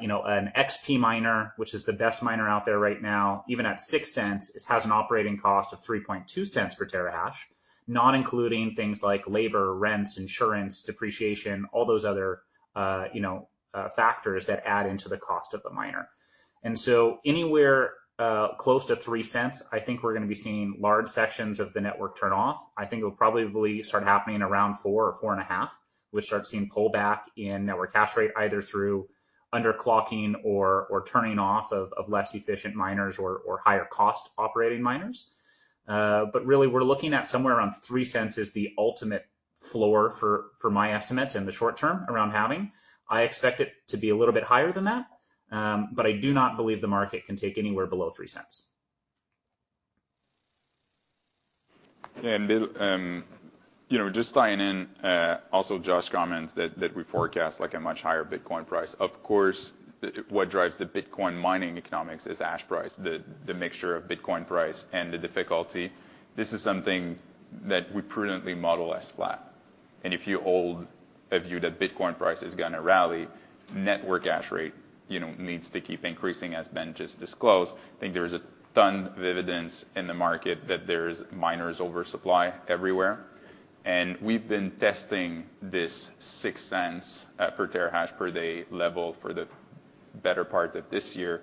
you know, an XP miner, which is the best miner out there right now, even at $0.06, it has an operating cost of $0.032 per Terahash, not including things like labor, rents, insurance, depreciation, all those other, you know, factors that add into the cost of the miner. And so anywhere close to $0.03, I think we're gonna be seeing large sections of the network turn off. I think it'll probably start happening around $0.04 or $0.045. We'll start seeing pullback in network hash rate, either through underclocking or turning off of less efficient miners or higher cost operating miners. But really, we're looking at somewhere around $0.03 is the ultimate floor for my estimates in the short term around Halving. I expect it to be a little bit higher than that, but I do not believe the market can take anywhere below $0.03. And Bill, you know, just tying in, also Josh comments that we forecast like a much higher Bitcoin price. Of course, what drives the Bitcoin mining economics is hash price, the mixture of Bitcoin price and the difficulty. This is something that we prudently model as flat. And if you hold a view that Bitcoin price is gonna rally, network hash rate, you know, needs to keep increasing, as Ben just disclosed. I think there is a ton of evidence in the market that there's miners' oversupply everywhere, and we've been testing this $0.06 per Terahash per day level for the better part of this year.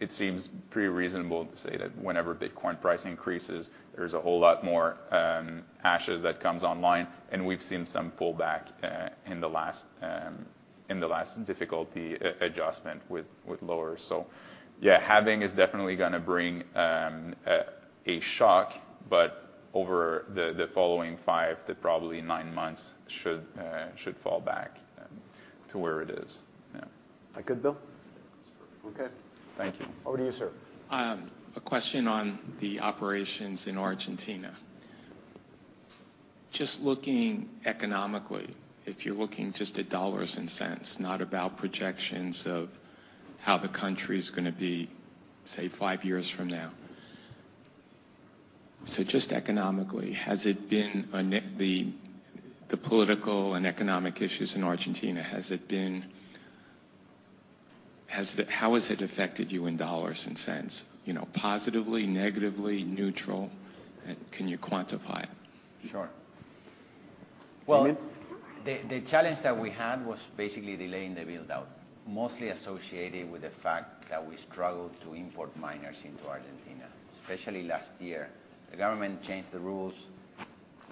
It seems pretty reasonable to say that whenever Bitcoin price increases, there's a whole lot more hashes that comes online, and we've seen some pullback in the last difficulty adjustment with lower. So yeah, halving is definitely gonna bring a shock, but over the following 5 to probably 9 months should fall back to where it is. Yeah. That good, Bill? That's perfect. Okay. Thank you. Over to you, sir. A question on the operations in Argentina. Just looking economically, if you're looking just at dollars and cents, not about projections of how the country is gonna be, say, five years from now. So just economically, the political and economic issues in Argentina, has it been... How has it affected you in dollars and cents? You know, positively, negatively, neutral, and can you quantify it? Sure. Well- Emilio? The challenge that we had was basically delaying the build-out, mostly associated with the fact that we struggled to import miners into Argentina, especially last year. The government changed the rules.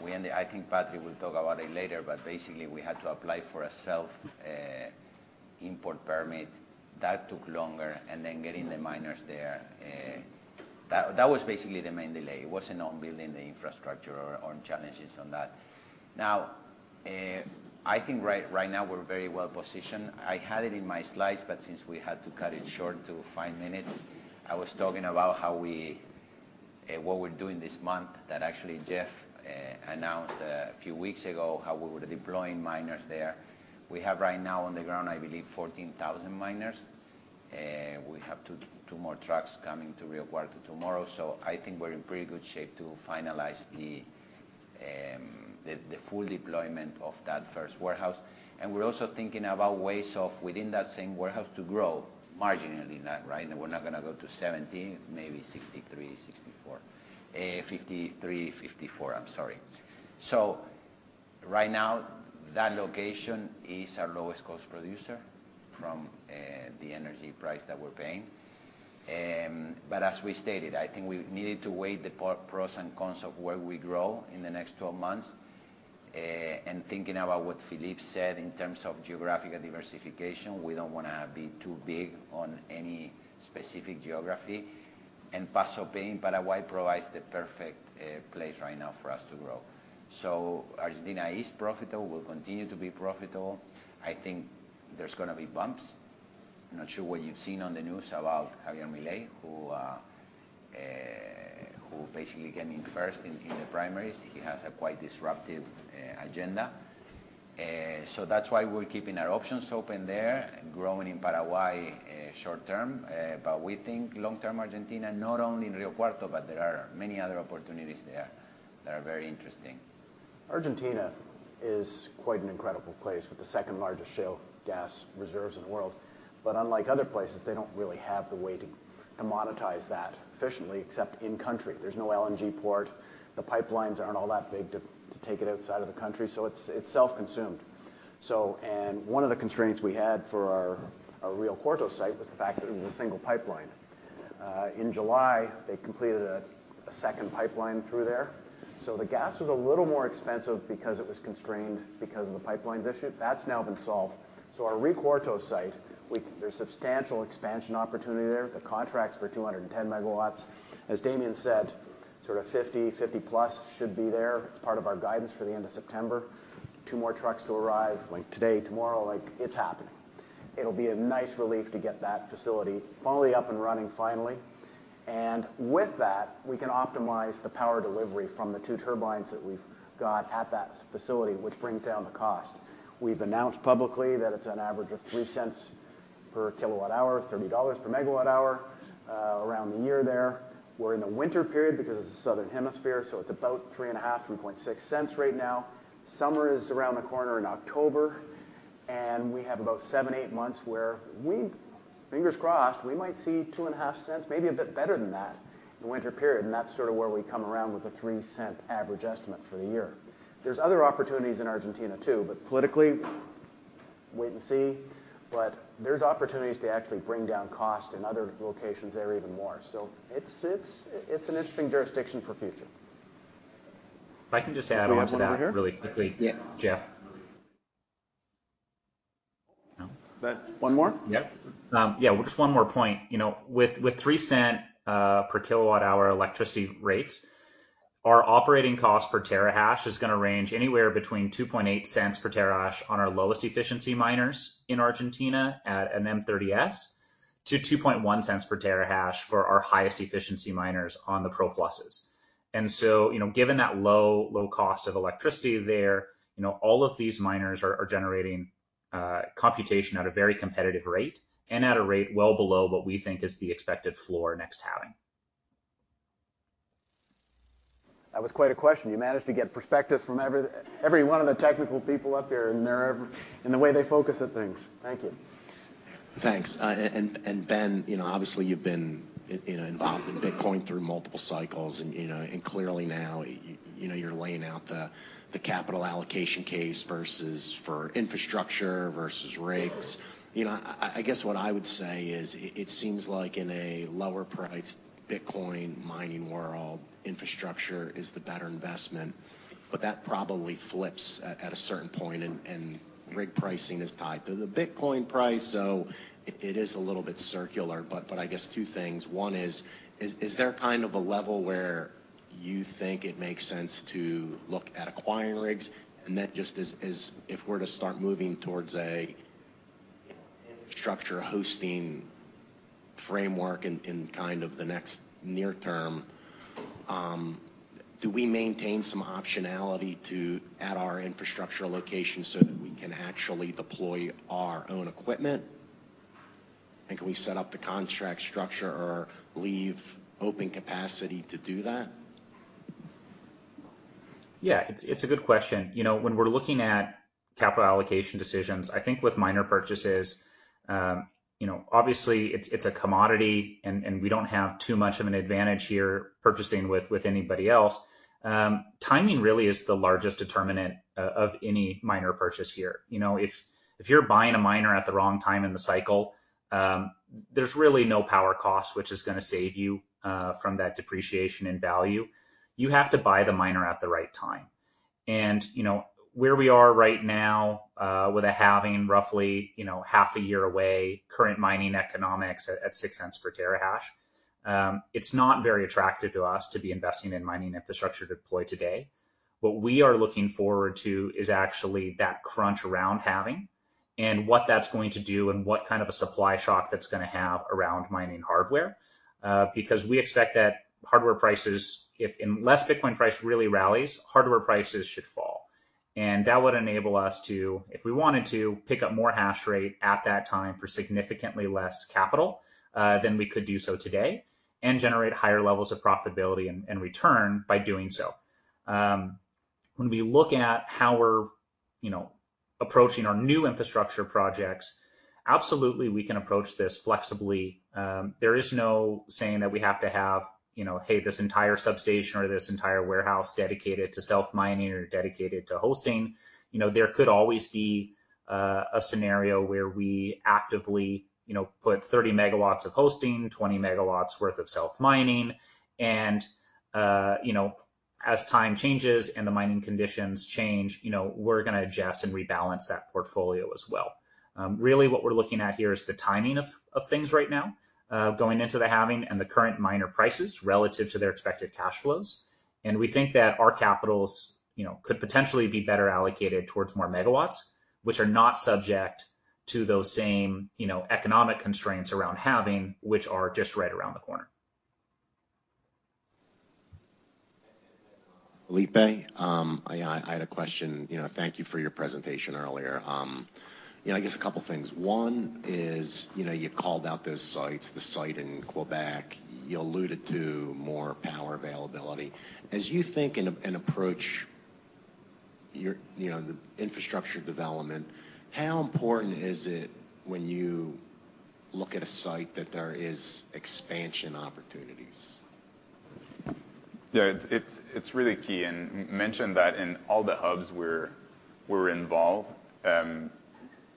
We and the I think Patrick will talk about it later, but basically, we had to apply for a self import permit. That took longer, and then getting the miners there, that was basically the main delay. It wasn't on building the infrastructure or challenges on that. Now, I think right now we're very well positioned. I had it in my slides, but since we had to cut it short to five minutes, I was talking about how we, what we're doing this month, that actually Jeff announced a few weeks ago, how we were deploying miners there. We have right now on the ground, I believe, 14,000 miners, we have 2, 2 more trucks coming to Rio Cuarto tomorrow. So I think we're in pretty good shape to finalize the full deployment of that first warehouse. And we're also thinking about ways of, within that same warehouse, to grow marginally not, right? And we're not gonna go to 70, maybe 63, 64, 53, 54, I'm sorry. So right now, that location is our lowest cost producer from the energy price that we're paying. But as we stated, I think we needed to weigh the pros and cons of where we grow in the next 12 months. And thinking about what Philippe said in terms of geographic diversification, we don't want to be too big on any specific geography. Paso Peña, Paraguay, provides the perfect place right now for us to grow. So Argentina is profitable, will continue to be profitable. I think there's gonna be bumps. I'm not sure what you've seen on the news about Javier Milei, who basically came in first in the primaries. He has a quite disruptive agenda. So that's why we're keeping our options open there, growing in Paraguay, short term. But we think long term, Argentina, not only in Rio Cuarto, but there are many other opportunities there that are very interesting. Argentina is quite an incredible place with the second-largest shale gas reserves in the world. But unlike other places, they don't really have the way to monetize that efficiently, except in-country. There's no LNG port. The pipelines aren't all that big to take it outside of the country, so it's self-consuming. So, one of the constraints we had for our Rio Cuarto site was the fact that it was a single pipeline. In July, they completed a second pipeline through there. So the gas was a little more expensive because it was constrained because of the pipelines issue. That's now been solved. So our Rio Cuarto site, there's substantial expansion opportunity there. The contract's for 210 MW. As Damian said, sort of 50/50+ should be there. It's part of our guidance for the end of September. Two more trucks to arrive, like, today, tomorrow, like, it's happening. It'll be a nice relief to get that facility fully up and running finally. With that, we can optimize the power delivery from the two turbines that we've got at that facility, which brings down the cost. We've announced publicly that it's an average of $0.03/kWh, $30/MWh, around the year there. We're in the winter period because it's the southern hemisphere, so it's about $0.035, $0.036 right now. Summer is around the corner in October, and we have about 7, 8 months where we, fingers crossed, we might see $0.025, maybe a bit better than that in the winter period, and that's sort of where we come around with the $0.03 average estimate for the year. There's other opportunities in Argentina too, but politically, wait and see. But there's opportunities to actually bring down cost in other locations there even more. So it's an interesting jurisdiction for future. If I can just add on to that really quickly- Yeah. Jeff. That one more? Yep. Yeah, just one more point. You know, with $0.03 per kWh electricity rates, our operating cost per Terahash is gonna range anywhere between $0.028 per Terahash on our lowest efficiency miners in Argentina at an M30S, to $0.021 per Terahash for our highest efficiency miners on the Pro+. And so, you know, given that low, low cost of electricity there, you know, all of these miners are generating computation at a very competitive rate and at a rate well below what we think is the expected floor next halving. That was quite a question. You managed to get perspectives from every, every one of the technical people up here, and they're and the way they focus at things. Thank you. Thanks. And, Ben, you know, obviously you've been, you know, involved in Bitcoin through multiple cycles and, you know, and clearly now, you know, you're laying out the capital allocation case versus for infrastructure versus rigs. You know, I guess what I would say is, it seems like in a lower priced Bitcoin mining world, infrastructure is the better investment, but that probably flips at a certain point, and rig pricing is tied to the Bitcoin price, so it is a little bit circular. But I guess two things. One is, is there kind of a level where you think it makes sense to look at acquiring rigs? And that just is if we're to start moving towards a structure hosting framework in kind of the next near term, do we maintain some optionality to at our infrastructure location so that we can actually deploy our own equipment? And can we set up the contract structure or leave open capacity to do that? Yeah, it's a good question. You know, when we're looking at capital allocation decisions, I think with miner purchases, you know, obviously it's a commodity, and we don't have too much of an advantage here purchasing with anybody else. Timing really is the largest determinant of any miner purchase here. You know, if you're buying a miner at the wrong time in the cycle, there's really no power cost, which is gonna save you from that depreciation in value. You have to buy the miner at the right time. And, you know, where we are right now, with a halving roughly half a year away, current mining economics at $0.06 per Terahash, it's not very attractive to us to be investing in mining infrastructure deployed today. What we are looking forward to is actually that crunch around halving and what that's going to do and what kind of a supply shock that's gonna have around mining hardware. Because we expect that hardware prices, if unless Bitcoin price really rallies, hardware prices should fall. And that would enable us to, if we wanted to, pick up more hash rate at that time for significantly less capital than we could do so today, and generate higher levels of profitability and, and return by doing so. When we look at how we're, you know, approaching our new infrastructure projects, absolutely, we can approach this flexibly. There is no saying that we have to have, you know, hey, this entire substation or this entire warehouse dedicated to self-mining or dedicated to hosting. You know, there could always be a scenario where we actively, you know, put 30 MW of hosting, 20 MW worth of self-mining, and, you know, as time changes and the mining conditions change, you know, we're gonna adjust and rebalance that portfolio as well. Really, what we're looking at here is the timing of things right now, going into the halving and the current miner prices relative to their expected cash flows. And we think that our capitals, you know, could potentially be better allocated towards moreMW, which are not subject to those same, you know, economic constraints around halving, which are just right around the corner. Felipe, I had a question. You know, thank you for your presentation earlier. You know, I guess a couple of things. One is, you know, you called out those sites, the site in Quebec, you alluded to more power availability. As you think and approach your, you know, the infrastructure development, how important is it when you look at a site that there is expansion opportunities?... Yeah, it's really key, and mentioned that in all the hubs we're involved,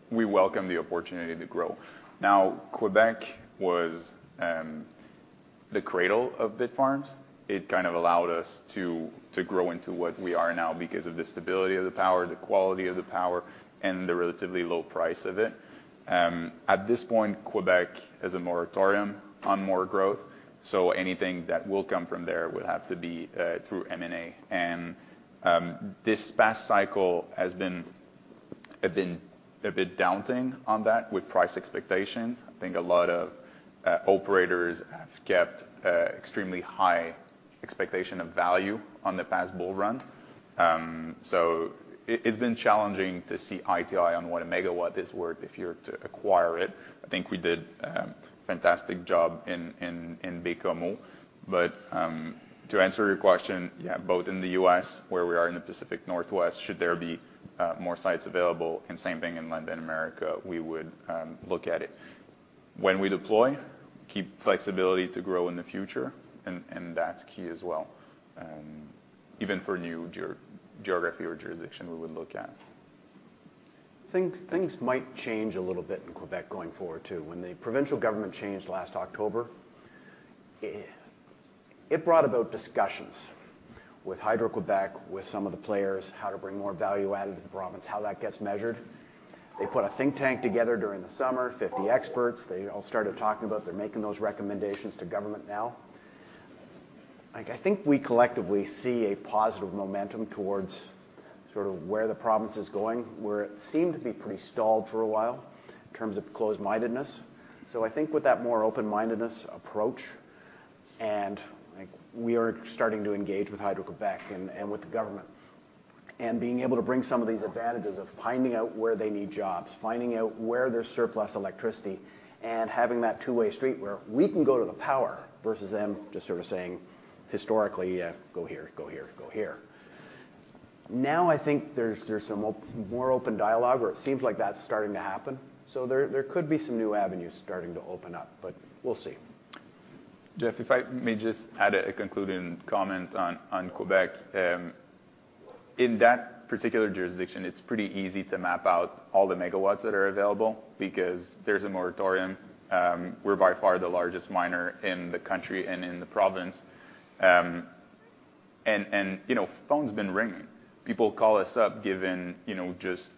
we welcome the opportunity to grow. Now, Quebec was the cradle of Bitfarms. It kind of allowed us to grow into what we are now because of the stability of the power, the quality of the power, and the relatively low price of it. At this point, Quebec has a moratorium on more growth, so anything that will come from there will have to be through M&A. And this past cycle has been a bit daunting on that with price expectations. I think a lot of operators have kept extremely high expectation of value on the past bull run. So it's been challenging to see equity on what aMW is worth if you're to acquire it. I think we did a fantastic job in Baie-Comeau. But, to answer your question, yeah, both in the U.S., where we are in the Pacific Northwest, should there be more sites available, and same thing in Latin America, we would look at it. When we deploy, keep flexibility to grow in the future, and that's key as well, even for a new geography or jurisdiction we would look at. Things might change a little bit in Quebec going forward, too. When the provincial government changed last October, it brought about discussions with Hydro-Québec, with some of the players, how to bring more value added to the province, how that gets measured. They put a think tank together during the summer, 50 experts, they all started talking about, they're making those recommendations to government now. Like, I think we collectively see a positive momentum towards sort of where the province is going, where it seemed to be pretty stalled for a while in terms of closed-mindedness. So I think with that more open-mindedness approach, and, like, we are starting to engage with Hydro-Québec and with the government, and being able to bring some of these advantages of finding out where they need jobs, finding out where there's surplus electricity, and having that two-way street where we can go to the power versus them just sort of saying, historically, "Uh, go here, go here, go here." Now, I think there's some more open dialogue, or it seems like that's starting to happen. So there could be some new avenues starting to open up, but we'll see. Jeff, if I may just add a concluding comment on, on Quebec. In that particular jurisdiction, it's pretty easy to map out all theMW that are available because there's a moratorium, we're by far the largest miner in the country and in the province. And, you know, phone's been ringing. People call us up given, you know, just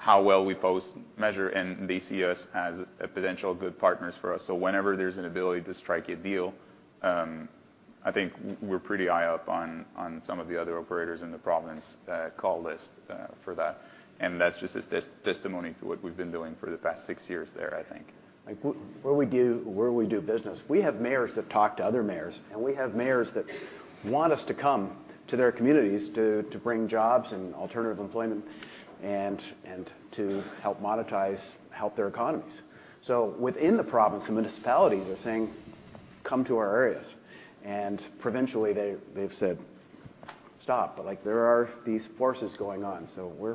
how well we posture, and they see us as a potential good partners for us. So whenever there's an ability to strike a deal, I think we're pretty high up on, on some of the other operators in the province, call list, for that. And that's just a testimony to what we've been doing for the past six years there, I think. Like, where we do business, we have mayors that talk to other mayors, and we have mayors that want us to come to their communities to bring jobs and alternative employment and to help monetize, help their economies. So within the province, the municipalities are saying, "Come to our areas." And provincially, they've said, "Stop," but, like, there are these forces going on, so we're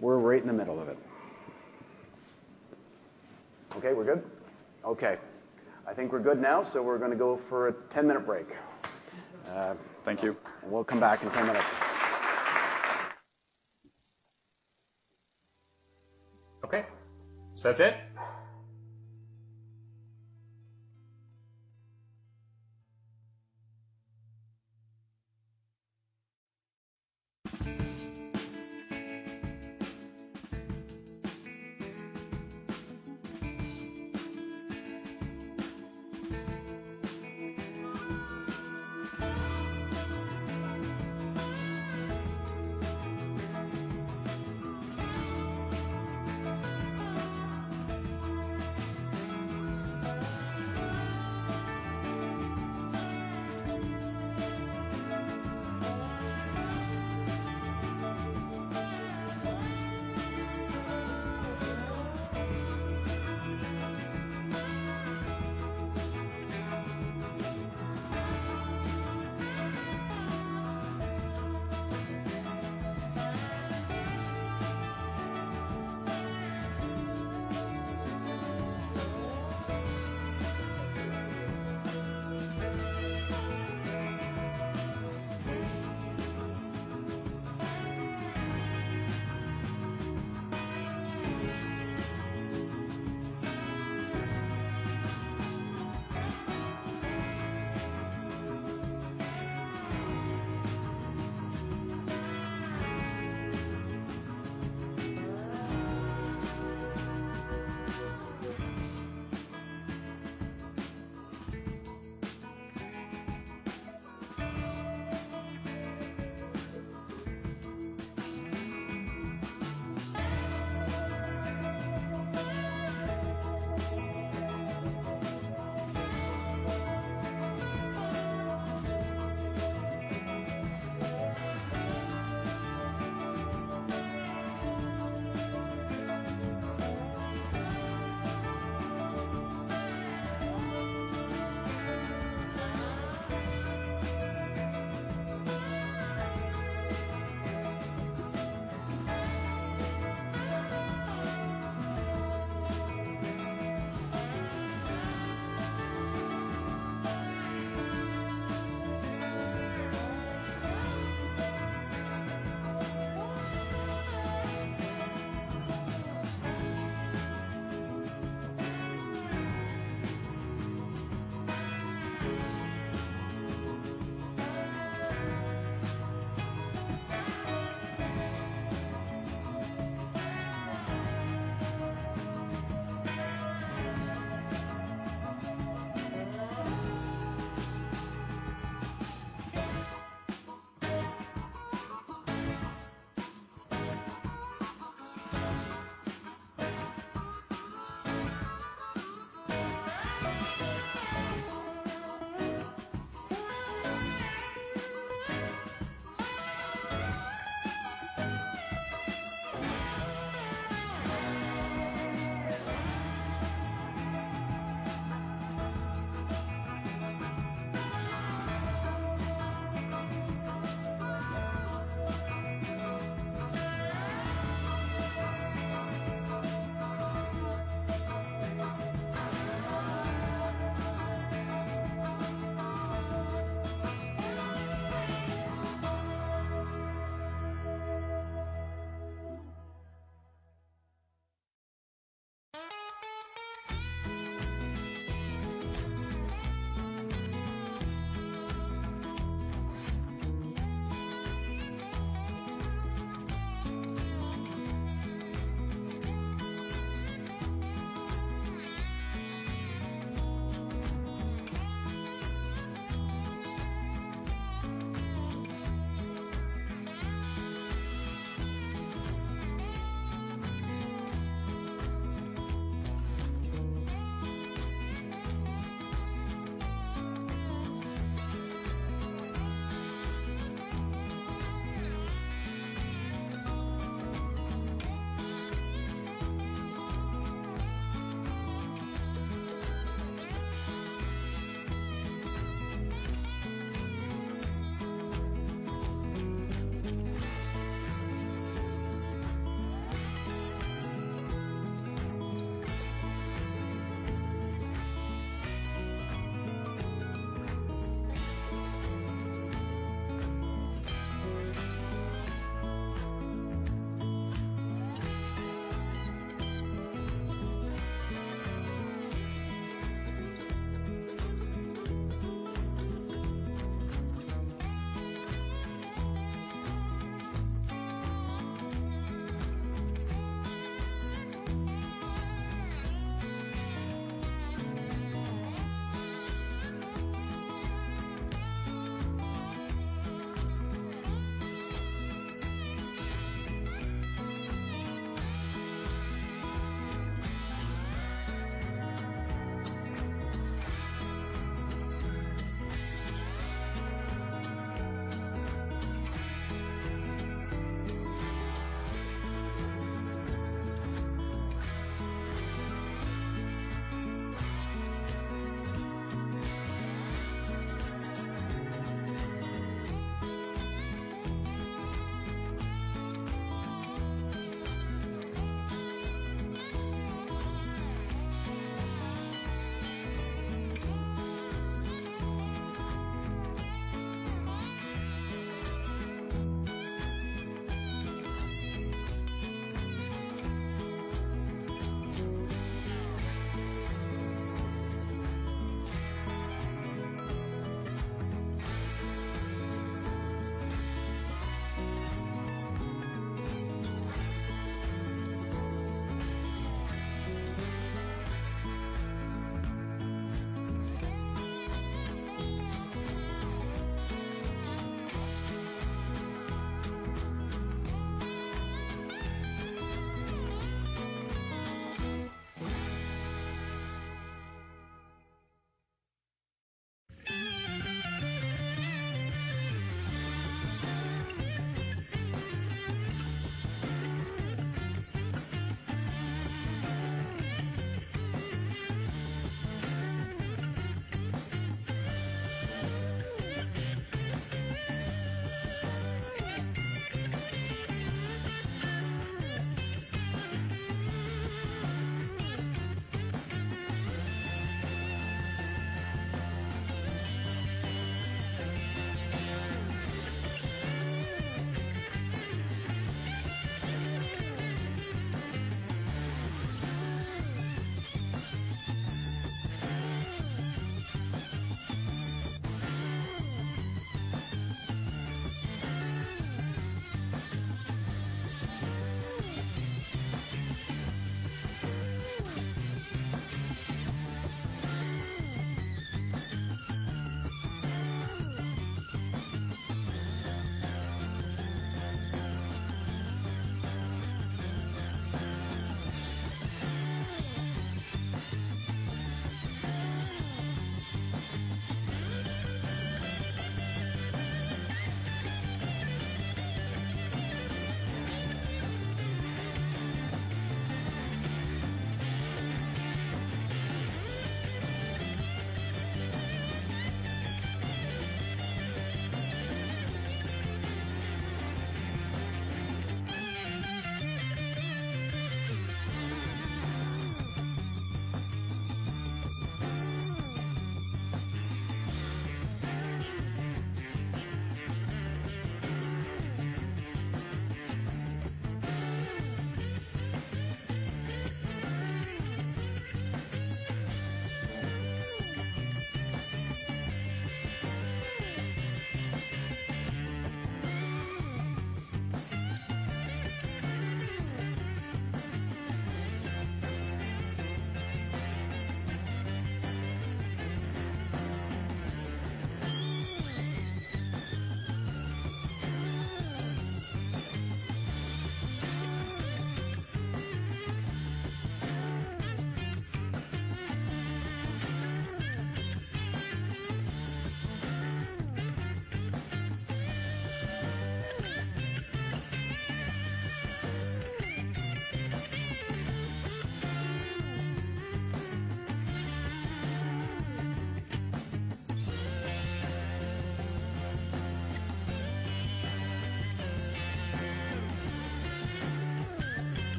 right in the middle of it. Okay, we're good? Okay. I think we're good now, so we're going to go for a 10-minute break. Thank you. We'll come back in 10 minutes. Okay, so that's it?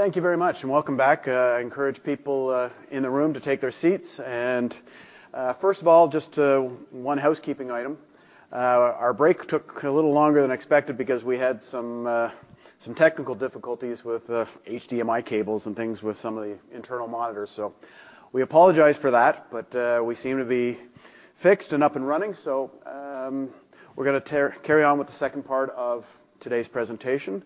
Thank you very much, and welcome back. I encourage people in the room to take their seats. And first of all, just one housekeeping item. Our break took a little longer than expected because we had some technical difficulties with HDMI cables and things with some of the internal monitors. So we apologize for that, but we seem to be fixed and up and running, so we're gonna carry on with the second part of today's presentation.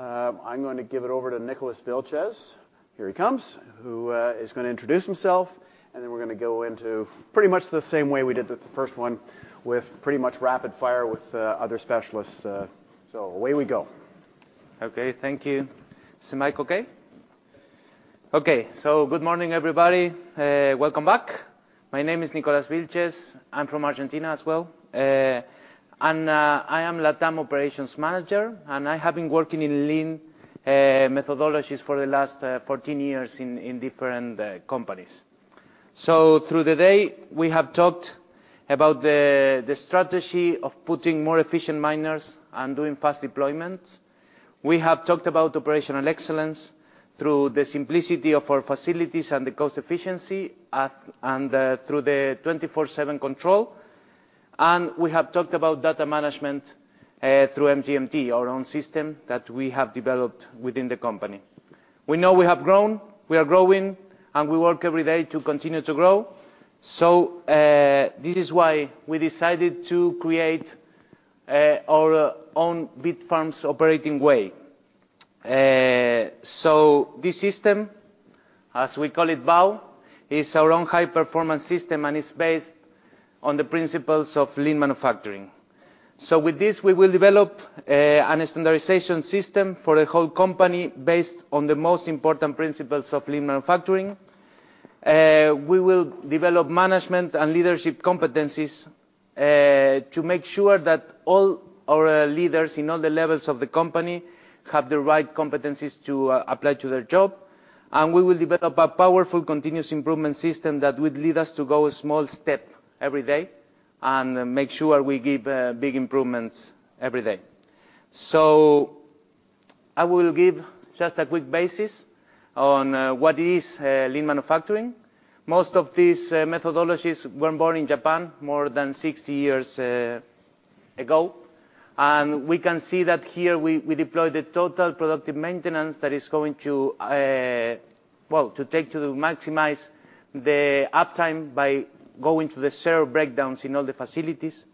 I'm going to give it over to Nicolas Vilches; here he comes, who is gonna introduce himself, and then we're gonna go into pretty much the same way we did with the first one, with pretty much rapid fire with other specialists. So away we go. Okay. Thank you. Is the mic okay? Okay, so good morning, everybody. Welcome back. My name is Nicolas Vilches. I'm from Argentina as well. And I am LatAm operations manager, and I have been working in lean methodologies for the last 14 years in different companies. So through the day, we have talked about the strategy of putting more efficient miners and doing fast deployments. We have talked about operational excellence through the simplicity of our facilities and the cost efficiency as, and through the 24/7 control. And we have talked about data management through MGMT, our own system that we have developed within the company. We know we have grown, we are growing, and we work every day to continue to grow. So this is why we decided to create our own Bitfarms Operating Way. So this system, as we call it, BOW, is our own high-performance system, and it's based on the principles of lean manufacturing. So with this, we will develop a standardization system for the whole company, based on the most important principles of lean manufacturing. We will develop management and leadership competencies to make sure that all our leaders in all the levels of the company have the right competencies to apply to their job. And we will develop a powerful continuous improvement system that would lead us to go a small step every day and make sure we give big improvements every day. So I will give just a quick basis on what is lean manufacturing. Most of these methodologies were born in Japan more than 60 years ago, and we can see that here we deploy the Total Productive Maintenance that is going to maximize the uptime by going to the 0 breakdowns in all the facilities.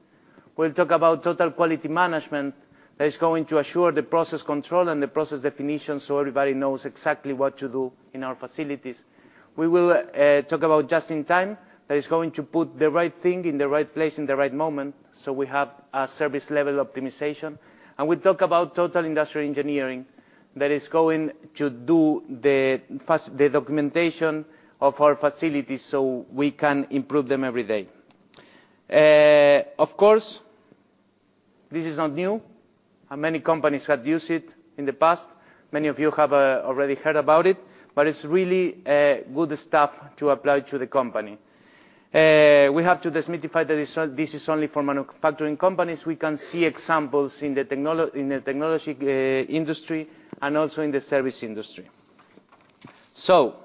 We'll talk about total quality management. That is going to assure the process control and the process definition, so everybody knows exactly what to do in our facilities. We will talk about just-in-time. That is going to put the right thing in the right place, in the right moment, so we have a service-level optimization. And we talk about total industrial engineering. That is going to do the documentation of our facilities so we can improve them every day. Of course, this is not new, and many companies have used it in the past. Many of you have already heard about it, but it's really good stuff to apply to the company. We have to demystify that this is only for manufacturing companies. We can see examples in the technology industry and also in the service industry. So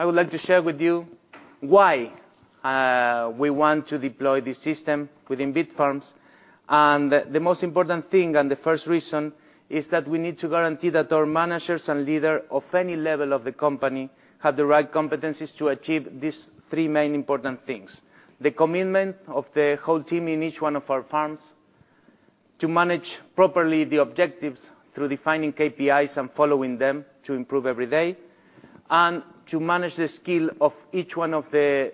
I would like to share with you why we want to deploy this system within Bitfarms. The most important thing, and the first reason, is that we need to guarantee that our managers and leader of any level of the company have the right competencies to achieve these three main important things: the commitment of the whole team in each one of our farms, to manage properly the objectives through defining KPIs and following them to improve every day, and to manage the skill of each one of the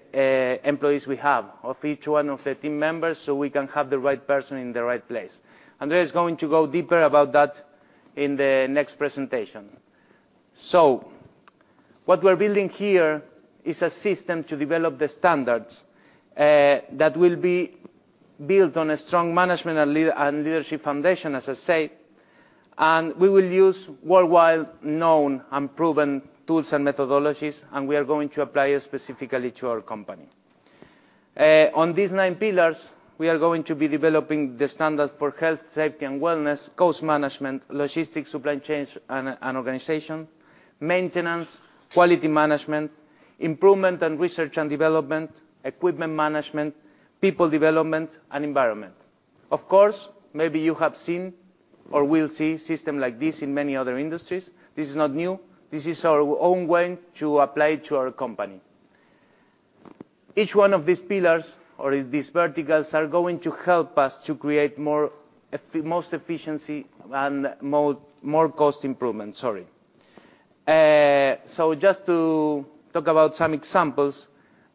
employees we have, of each one of the team members, so we can have the right person in the right place. Andrea is going to go deeper about that in the next presentation. What we're building here is a system to develop the standards that will be built on a strong management and leadership foundation, as I say. We will use worldwide known and proven tools and methodologies, and we are going to apply it specifically to our company. On these nine pillars, we are going to be developing the standard for health, safety, and wellness, cost management, logistics, supply chains, and organization, maintenance, quality management, improvement and research and development, equipment management, people development, and environment. Of course, maybe you have seen or will see system like this in many other industries. This is not new. This is our own way to apply to our company. Each one of these pillars, or these verticals, are going to help us to create more efficiency and more cost improvement, sorry. So just to talk about some examples,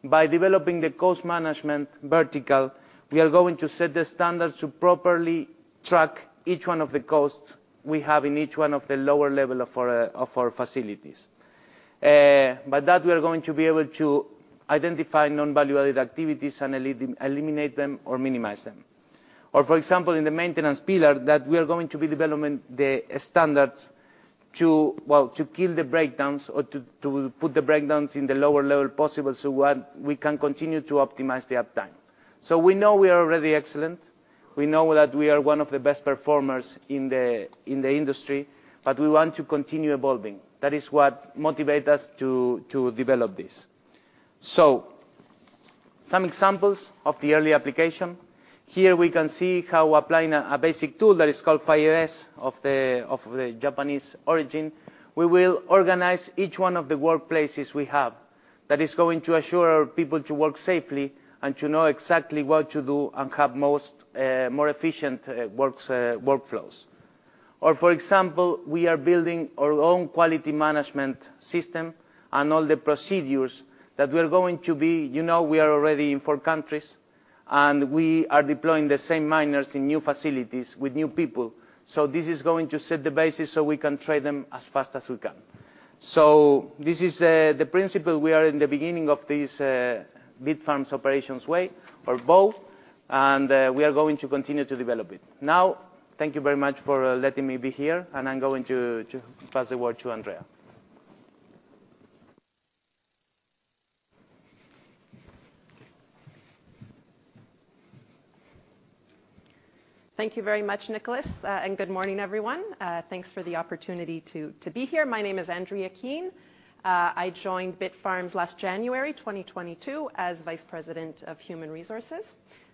by developing the cost management vertical, we are going to set the standards to properly track each one of the costs we have in each one of the lower level of our facilities. By that, we are going to be able to identify non-value-added activities and eliminate them or minimize them. Or, for example, in the maintenance pillar, that we are going to develop the standards to, well, to kill the breakdowns or to put the breakdowns in the lower level possible, so we can continue to optimize the uptime. So we know we are already excellent. We know that we are one of the best performers in the industry, but we want to continue evolving. That is what motivate us to develop this. So some examples of the early application. Here, we can see how applying a basic tool that is called 5S, of the Japanese origin, we will organize each one of the workplaces we have. That is going to assure our people to work safely and to know exactly what to do and have more efficient workflows. Or, for example, we are building our own quality management system and all the procedures that we are going to be, you know, we are already in four countries, and we are deploying the same miners in new facilities with new people. So this is going to set the basis so we can train them as fast as we can. So this is the principle. We are in the beginning of this Bitfarms Operations Way, or BOW, and we are going to continue to develop it. Now, thank you very much for letting me be here, and I'm going to pass the word to Andrea.... Thank you very much, Nicolás, and good morning, everyone. Thanks for the opportunity to, to be here. My name is Andrea Keen. I joined Bitfarms last January 2022 as Vice President of Human Resources.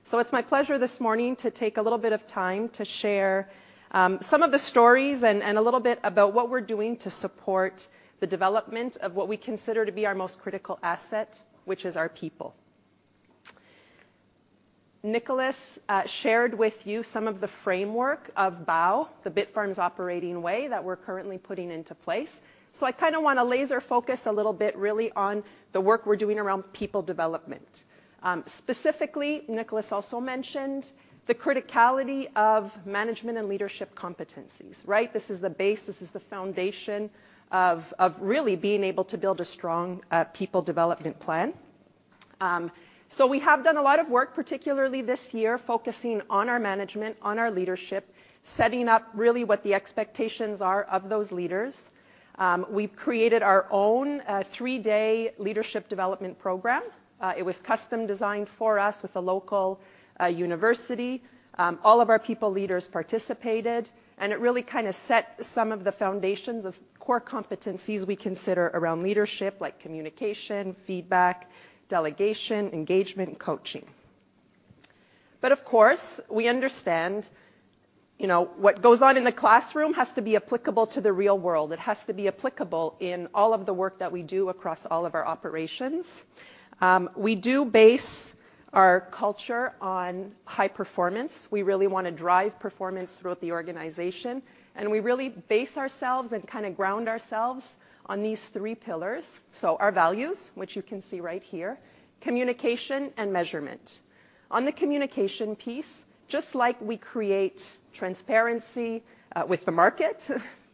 So it's my pleasure this morning to take a little bit of time to share, some of the stories and, and a little bit about what we're doing to support the development of what we consider to be our most critical asset, which is our people. Nicolás, shared with you some of the framework of BOW, the Bitfarms Operating Way, that we're currently putting into place. So I kinda wanna laser focus a little bit really on the work we're doing around people development. Specifically, Nicolás also mentioned the criticality of management and leadership competencies, right? This is the base, this is the foundation of really being able to build a strong people development plan. So we have done a lot of work, particularly this year, focusing on our management, on our leadership, setting up really what the expectations are of those leaders. We've created our own three-day leadership development program. It was custom designed for us with a local university. All of our people leaders participated, and it really kinda set some of the foundations of core competencies we consider around leadership, like communication, feedback, delegation, engagement, and coaching. But of course, we understand, you know, what goes on in the classroom has to be applicable to the real world. It has to be applicable in all of the work that we do across all of our operations. We do base our culture on high performance. We really wanna drive performance throughout the organization, and we really base ourselves and kinda ground ourselves on these three pillars. So our values, which you can see right here, communication, and measurement. On the communication piece, just like we create transparency with the market,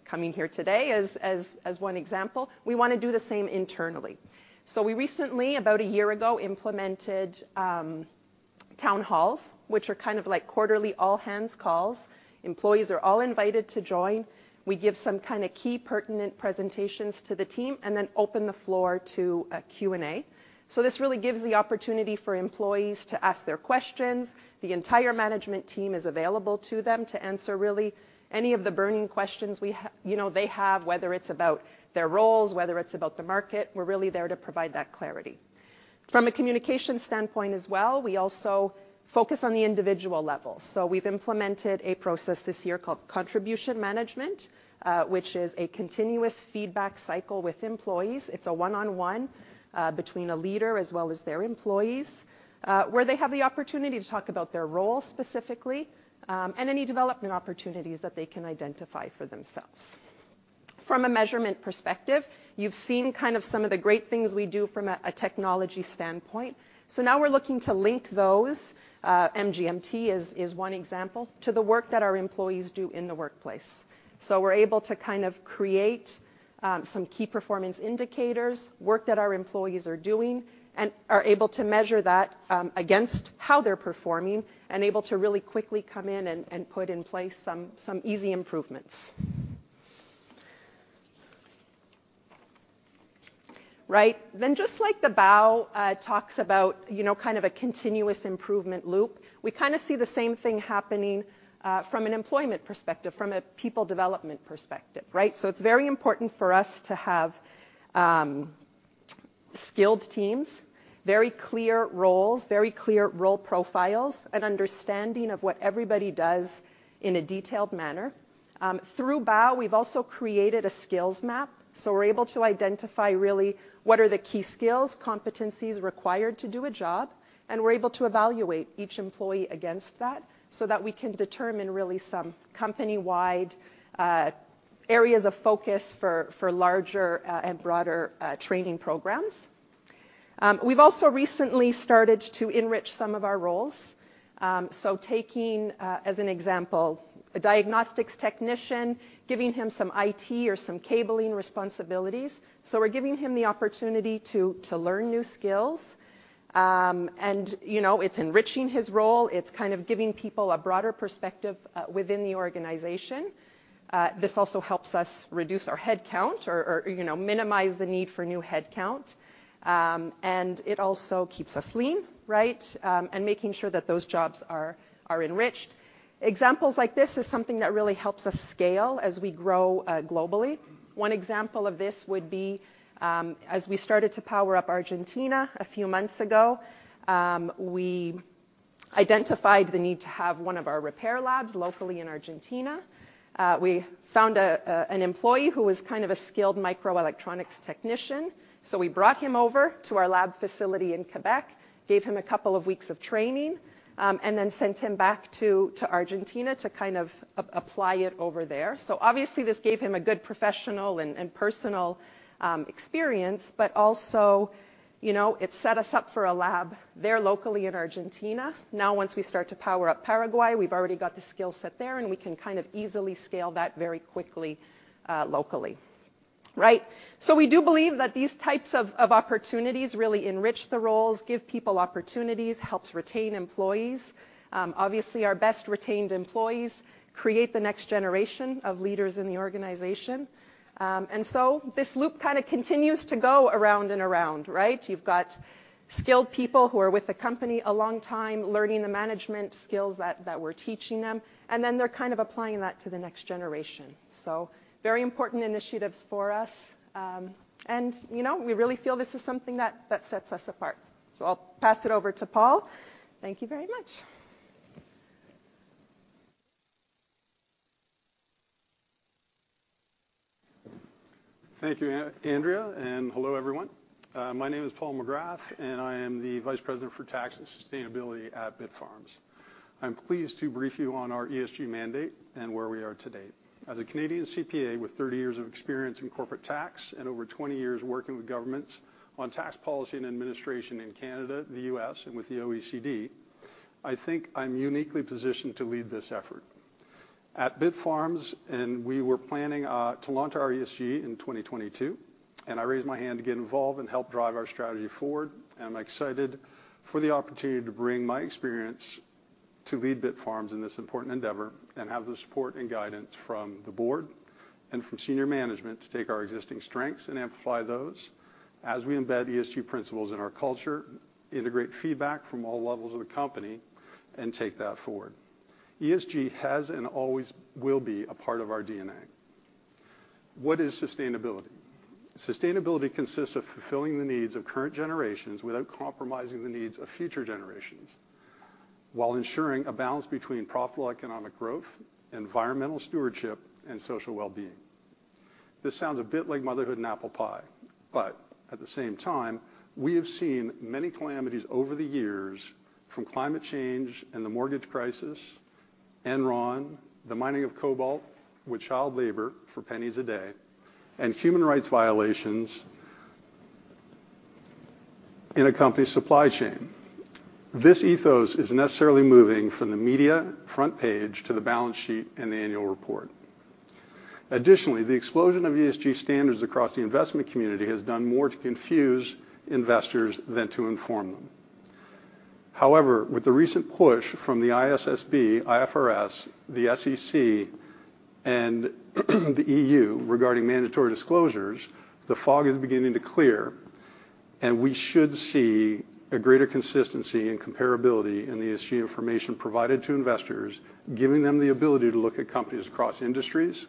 coming here today as one example, we wanna do the same internally. So we recently, about a year ago, implemented town halls, which are kind of like quarterly all-hands calls. Employees are all invited to join. We give some kinda key pertinent presentations to the team and then open the floor to a Q&A. So this really gives the opportunity for employees to ask their questions. The entire management team is available to them to answer really any of the burning questions, you know, they have, whether it's about their roles, whether it's about the market. We're really there to provide that clarity. From a communication standpoint as well, we also focus on the individual level. So we've implemented a process this year called Contribution Management, which is a continuous feedback cycle with employees. It's a one-on-one between a leader as well as their employees, where they have the opportunity to talk about their role specifically, and any development opportunities that they can identify for themselves. From a measurement perspective, you've seen kind of some of the great things we do from a technology standpoint. So now we're looking to link those, MGMT is one example, to the work that our employees do in the workplace. So we're able to kind of create some key performance indicators, work that our employees are doing, and are able to measure that against how they're performing, and able to really quickly come in and put in place some easy improvements. Right, then just like the BOW talks about, you know, kind of a continuous improvement loop, we kinda see the same thing happening from an employment perspective, from a people development perspective, right? So it's very important for us to have skilled teams, very clear roles, very clear role profiles, an understanding of what everybody does in a detailed manner. Through BOW, we've also created a skills map, so we're able to identify really what are the key skills, competencies required to do a job, and we're able to evaluate each employee against that, so that we can determine really some company-wide areas of focus for larger and broader training programs. We've also recently started to enrich some of our roles. So taking as an example, a diagnostics technician, giving him some IT or some cabling responsibilities. So we're giving him the opportunity to learn new skills, and you know, it's enriching his role. It's kind of giving people a broader perspective within the organization. This also helps us reduce our headcount or you know, minimize the need for new headcount. And it also keeps us lean, right? and making sure that those jobs are enriched. Examples like this is something that really helps us scale as we grow globally. One example of this would be as we started to power up Argentina a few months ago, we identified the need to have one of our repair labs locally in Argentina. We found an employee who was kind of a skilled microelectronics technician, so we brought him over to our lab facility in Quebec, gave him a couple of weeks of training, and then sent him back to Argentina to kind of apply it over there. So obviously, this gave him a good professional and personal experience, but also, you know, it set us up for a lab there locally in Argentina. Now, once we start to power up Paraguay, we've already got the skill set there, and we can kind of easily scale that very quickly, locally. Right? So we do believe that these types of, of opportunities really enrich the roles, give people opportunities, helps retain employees. Obviously, our best-retained employees create the next generation of leaders in the organization. And so this loop kinda continues to go around and around, right? You've got skilled people who are with the company a long time, learning the management skills that we're teaching them, and then they're kind of applying that to the next generation. So very important initiatives for us. And, you know, we really feel this is something that sets us apart. So I'll pass it over to Paul. Thank you very much. Thank you, Andrea, and hello, everyone. My name is Paul Magrath, and I am the Vice President for Tax and Sustainability at Bitfarms. I'm pleased to brief you on our ESG mandate and where we are today. As a Canadian CPA with 30 years of experience in corporate tax and over 20 years working with governments on tax policy and administration in Canada, the U.S., and with the OECD, I think I'm uniquely positioned to lead this effort. At Bitfarms, we were planning to launch our ESG in 2022, and I raised my hand to get involved and help drive our strategy forward, and I'm excited for the opportunity to bring my experience to lead Bitfarms in this important endeavor and have the support and guidance from the board and from senior management to take our existing strengths and amplify those as we embed ESG principles in our culture, integrate feedback from all levels of the company, and take that forward. ESG has and always will be a part of our DNA. What is sustainability? Sustainability consists of fulfilling the needs of current generations without compromising the needs of future generations, while ensuring a balance between profitable economic growth, environmental stewardship, and social well-being. This sounds a bit like motherhood and apple pie, but at the same time, we have seen many calamities over the years, from climate change and the mortgage crisis, Enron, the mining of cobalt with child labor for pennies a day, and human rights violations in a company's supply chain. This ethos is necessarily moving from the media front page to the balance sheet and the annual report. Additionally, the explosion of ESG standards across the investment community has done more to confuse investors than to inform them. However, with the recent push from the ISSB, IFRS, the SEC, and the EU regarding mandatory disclosures, the fog is beginning to clear, and we should see a greater consistency and comparability in the ESG information provided to investors, giving them the ability to look at companies across industries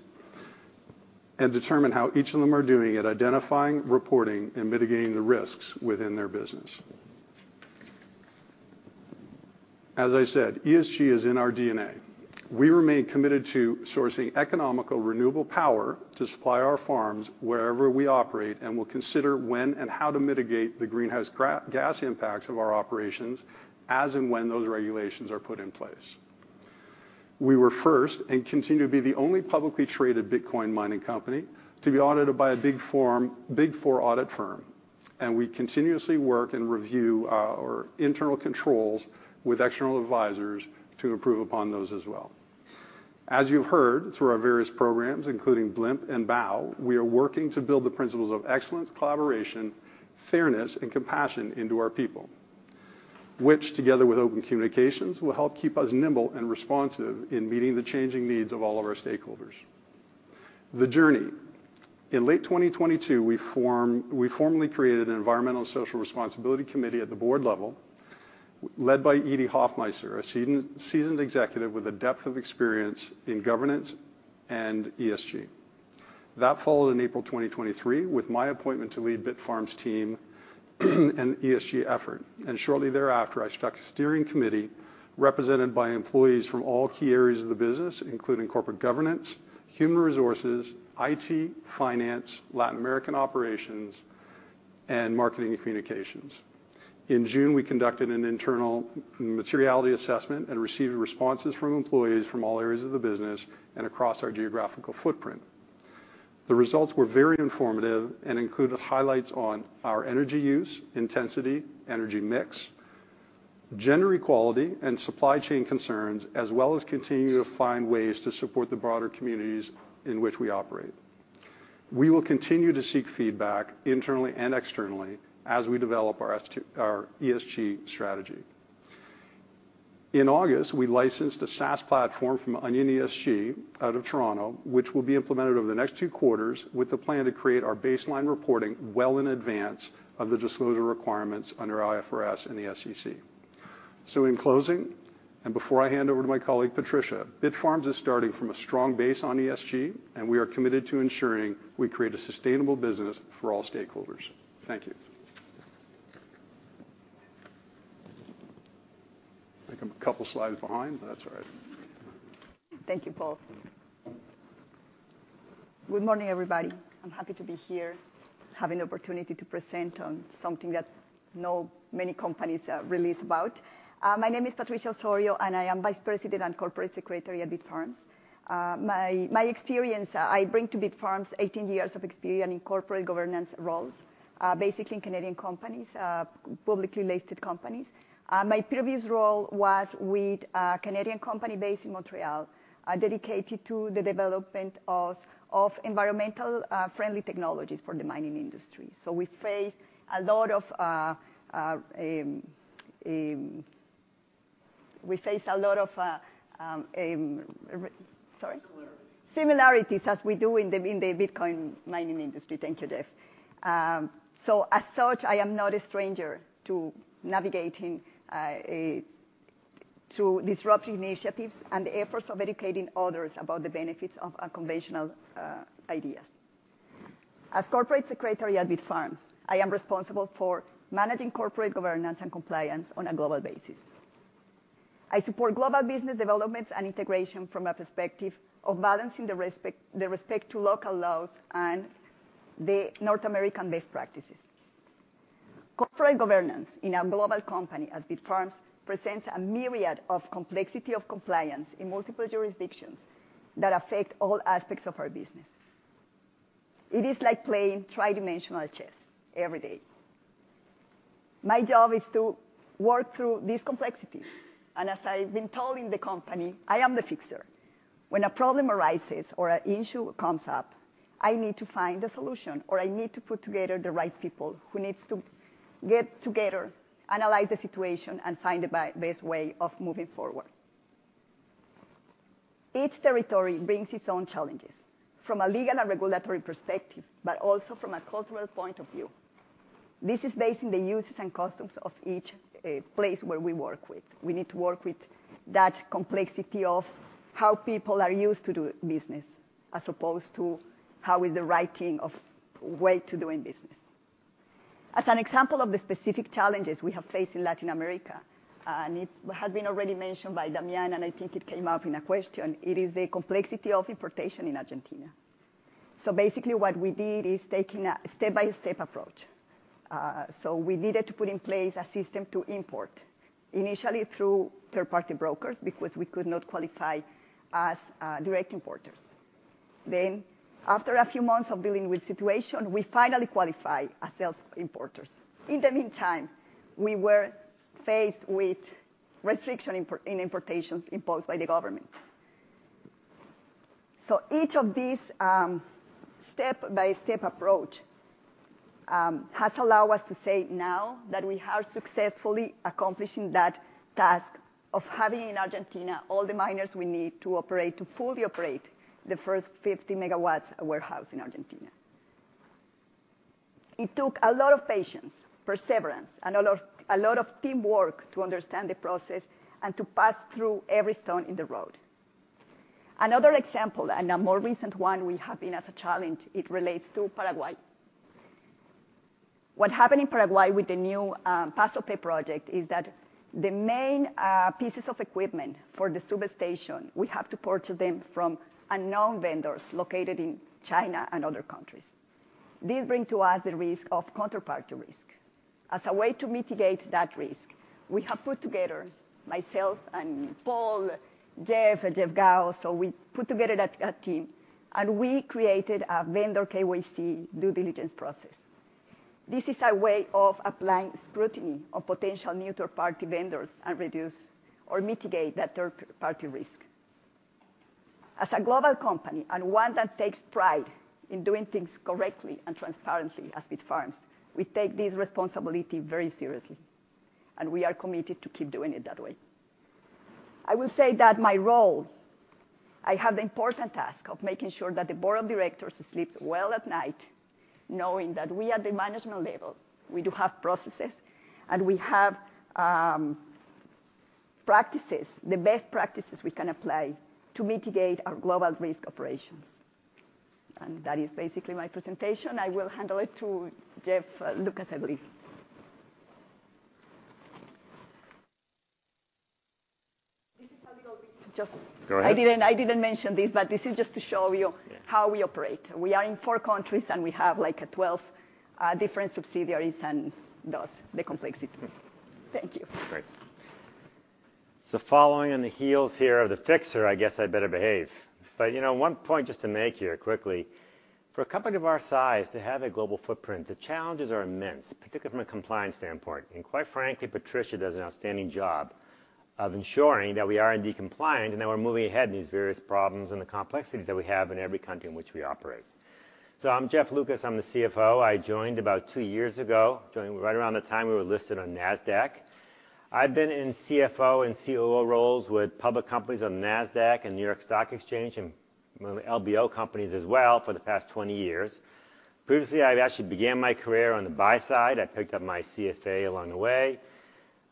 and determine how each of them are doing at identifying, reporting, and mitigating the risks within their business. As I said, ESG is in our DNA. We remain committed to sourcing economical, renewable power to supply our farms wherever we operate and will consider when and how to mitigate the greenhouse gas impacts of our operations as and when those regulations are put in place. We were first, and continue to be the only publicly traded Bitcoin mining company, to be audited by a Big Four audit firm, and we continuously work and review our internal controls with external advisors to improve upon those as well. As you've heard, through our various programs, including BLIMP and BOW, we are working to build the principles of excellence, collaboration, fairness, and compassion into our people, which, together with open communications, will help keep us nimble and responsive in meeting the changing needs of all of our stakeholders. The journey. In late 2022, we formally created an environmental and social responsibility committee at the board level, led by Edie Hofmeister, a seasoned executive with a depth of experience in governance and ESG. That followed in April 2023, with my appointment to lead Bitfarms' team and ESG effort, and shortly thereafter, I struck a steering committee represented by employees from all key areas of the business, including corporate governance, human resources, IT, finance, Latin American operations, and marketing and communications. In June, we conducted an internal materiality assessment and received responses from employees from all areas of the business and across our geographical footprint. The results were very informative and included highlights on our energy use, intensity, energy mix, gender equality, and supply chain concerns, as well as continuing to find ways to support the broader communities in which we operate. We will continue to seek feedback, internally and externally, as we develop our ESG strategy. In August, we licensed a SaaS platform from Onion ESG out of Toronto, which will be implemented over the next 2 quarters with the plan to create our baseline reporting well in advance of the disclosure requirements under IFRS and the SEC. In closing, and before I hand over to my colleague, Patricia, Bitfarms is starting from a strong base on ESG, and we are committed to ensuring we create a sustainable business for all stakeholders. Thank you. I think I'm a couple slides behind, but that's all right. Thank you, Paul. Good morning, everybody. I'm happy to be here, having the opportunity to present on something that not many companies are really about. My name is Patricia Osorio, and I am Vice President and Corporate Secretary at Bitfarms. My experience, I bring to Bitfarms 18 years of experience in corporate governance roles, basically in Canadian companies, publicly-listed companies. My previous role was with a Canadian company based in Montreal, dedicated to the development of environmental friendly technologies for the mining industry. So we face a lot of, sorry? Similarities. Similarities, as we do in the Bitcoin mining industry. Thank you, Jeff. So as such, I am not a stranger to navigating through disruptive initiatives and the efforts of educating others about the benefits of unconventional ideas. As Corporate Secretary at Bitfarms, I am responsible for managing corporate governance and compliance on a global basis. I support global business developments and integration from a perspective of balancing the respect to local laws and the North American best practices. Corporate governance in a global company, as Bitfarms, presents a myriad of complexity of compliance in multiple jurisdictions that affect all aspects of our business. It is like playing tri-dimensional chess every day. My job is to work through these complexities, and as I've been telling the company, I am the fixer. When a problem arises or an issue comes up, I need to find a solution, or I need to put together the right people who needs to get together, analyze the situation, and find the best way of moving forward. Each territory brings its own challenges from a legal and regulatory perspective, but also from a cultural point of view. This is based on the uses and customs of each place where we work with. We need to work with that complexity of how people are used to do business, as opposed to how is the right way to doing business. As an example of the specific challenges we have faced in Latin America, and it has been already mentioned by Damian, and I think it came up in a question, it is the complexity of importation in Argentina. So basically, what we did is taking a step-by-step approach. So we needed to put in place a system to import, initially through third-party brokers because we could not qualify as direct importers. Then, after a few months of dealing with situation, we finally qualify as self-importers. In the meantime, we were faced with restrictions in importations imposed by the government. So each of these step-by-step approach has allowed us to say now that we are successfully accomplishing that task of having in Argentina all the miners we need to operate, to fully operate the first 50 MW warehouse in Argentina. It took a lot of patience, perseverance, and a lot of teamwork to understand the process and to pass through every stone in the road. Another example, and a more recent one we have been as a challenge, it relates to Paraguay. What happened in Paraguay with the new Paso Pe project is that the main pieces of equipment for the substation, we have to purchase them from unknown vendors located in China and other countries. This bring to us the risk of counterparty risk. As a way to mitigate that risk, we have put together, myself and Paul, Jeff, and Jeff Gao, so we put together that, a team, and we created a vendor KYC due diligence process. This is a way of applying scrutiny of potential new third-party vendors and reduce or mitigate that third-party risk. As a global company, and one that takes pride in doing things correctly and transparently as Bitfarms, we take this responsibility very seriously, and we are committed to keep doing it that way. I will say that my role, I have the important task of making sure that the board of directors sleeps well at night, knowing that we, at the management level, we do have processes, and we have practices, the best practices we can apply to mitigate our global risk operations. That is basically my presentation. I will hand over to Jeff Lucas, I believe. This is how we go. Just- Go ahead. I didn't mention this, but this is just to show you- Yeah... how we operate. We are in four countries, and we have, like, 12 different subsidiaries and thus, the complexity. Thank you. Great. So following on the heels here of the fixer, I guess I better behave. But, you know, one point just to make here quickly, for a company of our size to have a global footprint, the challenges are immense, particularly from a compliance standpoint. And quite frankly, Patricia does an outstanding job of ensuring that we are indeed compliant, and that we're moving ahead in these various problems and the complexities that we have in every country in which we operate. So I'm Jeff Lucas. I'm the CFO. I joined about 2 years ago, joining right around the time we were listed on NASDAQ. I've been in CFO and COO roles with public companies on NASDAQ and New York Stock Exchange, and many LBO companies as well, for the past 20 years. Previously, I've actually began my career on the buy side. I picked up my CFA along the way.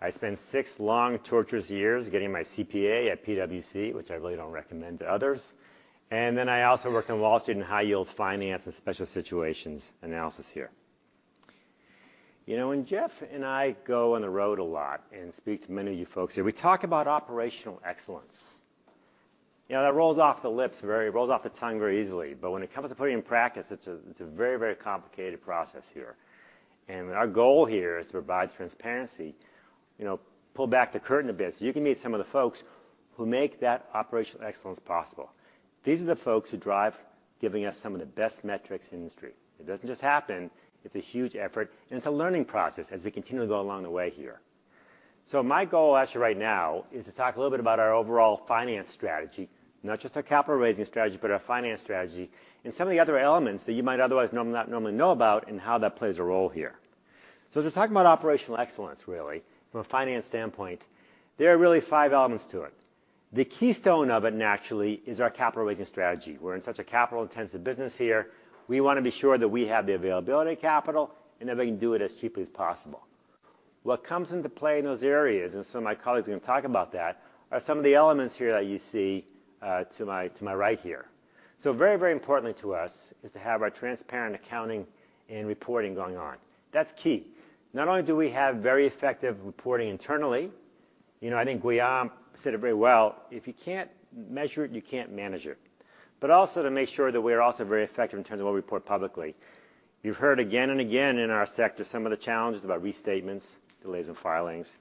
I spent six long, torturous years getting my CPA at PwC, which I really don't recommend to others. And then I also worked in Wall Street in high yield finance and special situations analysis here. You know, and Jeff and I go on the road a lot and speak to many of you folks here. We talk about operational excellence. You know, that rolls off the tongue very easily, but when it comes to putting in practice, it's a very, very complicated process here. And our goal here is to provide transparency, you know, pull back the curtain a bit, so you can meet some of the folks who make that operational excellence possible. These are the folks who drive, giving us some of the best metrics in the industry. It doesn't just happen. It's a huge effort, and it's a learning process as we continue to go along the way here. So my goal actually right now is to talk a little bit about our overall finance strategy, not just our capital raising strategy, but our finance strategy and some of the other elements that you might otherwise not normally know about and how that plays a role here.... So to talk about operational excellence, really, from a finance standpoint, there are really five elements to it. The keystone of it, naturally, is our capital raising strategy. We're in such a capital-intensive business here, we wanna be sure that we have the availability of capital, and that we can do it as cheaply as possible. What comes into play in those areas, and some of my colleagues are gonna talk about that, are some of the elements here that you see to my right here. So very, very importantly to us is to have our transparent accounting and reporting going on. That's key. Not only do we have very effective reporting internally, you know, I think Guillaume said it very well: "If you can't measure it, you can't manage it." But also to make sure that we are also very effective in terms of what we report publicly. You've heard again and again in our sector, some of the challenges about restatements, delays in filings.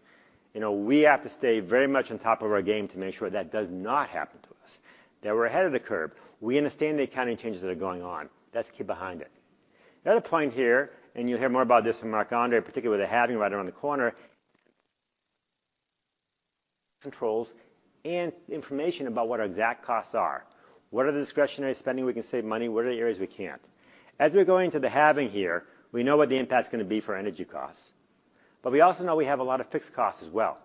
You know, we have to stay very much on top of our game to make sure that does not happen to us, that we're ahead of the curve. We understand the accounting changes that are going on. That's key behind it. The other point here, and you'll hear more about this from Marc-André, particularly with the halving right around the corner, controls and information about what our exact costs are. What are the discretionary spending we can save money? What are the areas we can't? As we're going to the halving here, we know what the impact's gonna be for energy costs, but we also know we have a lot of fixed costs as well.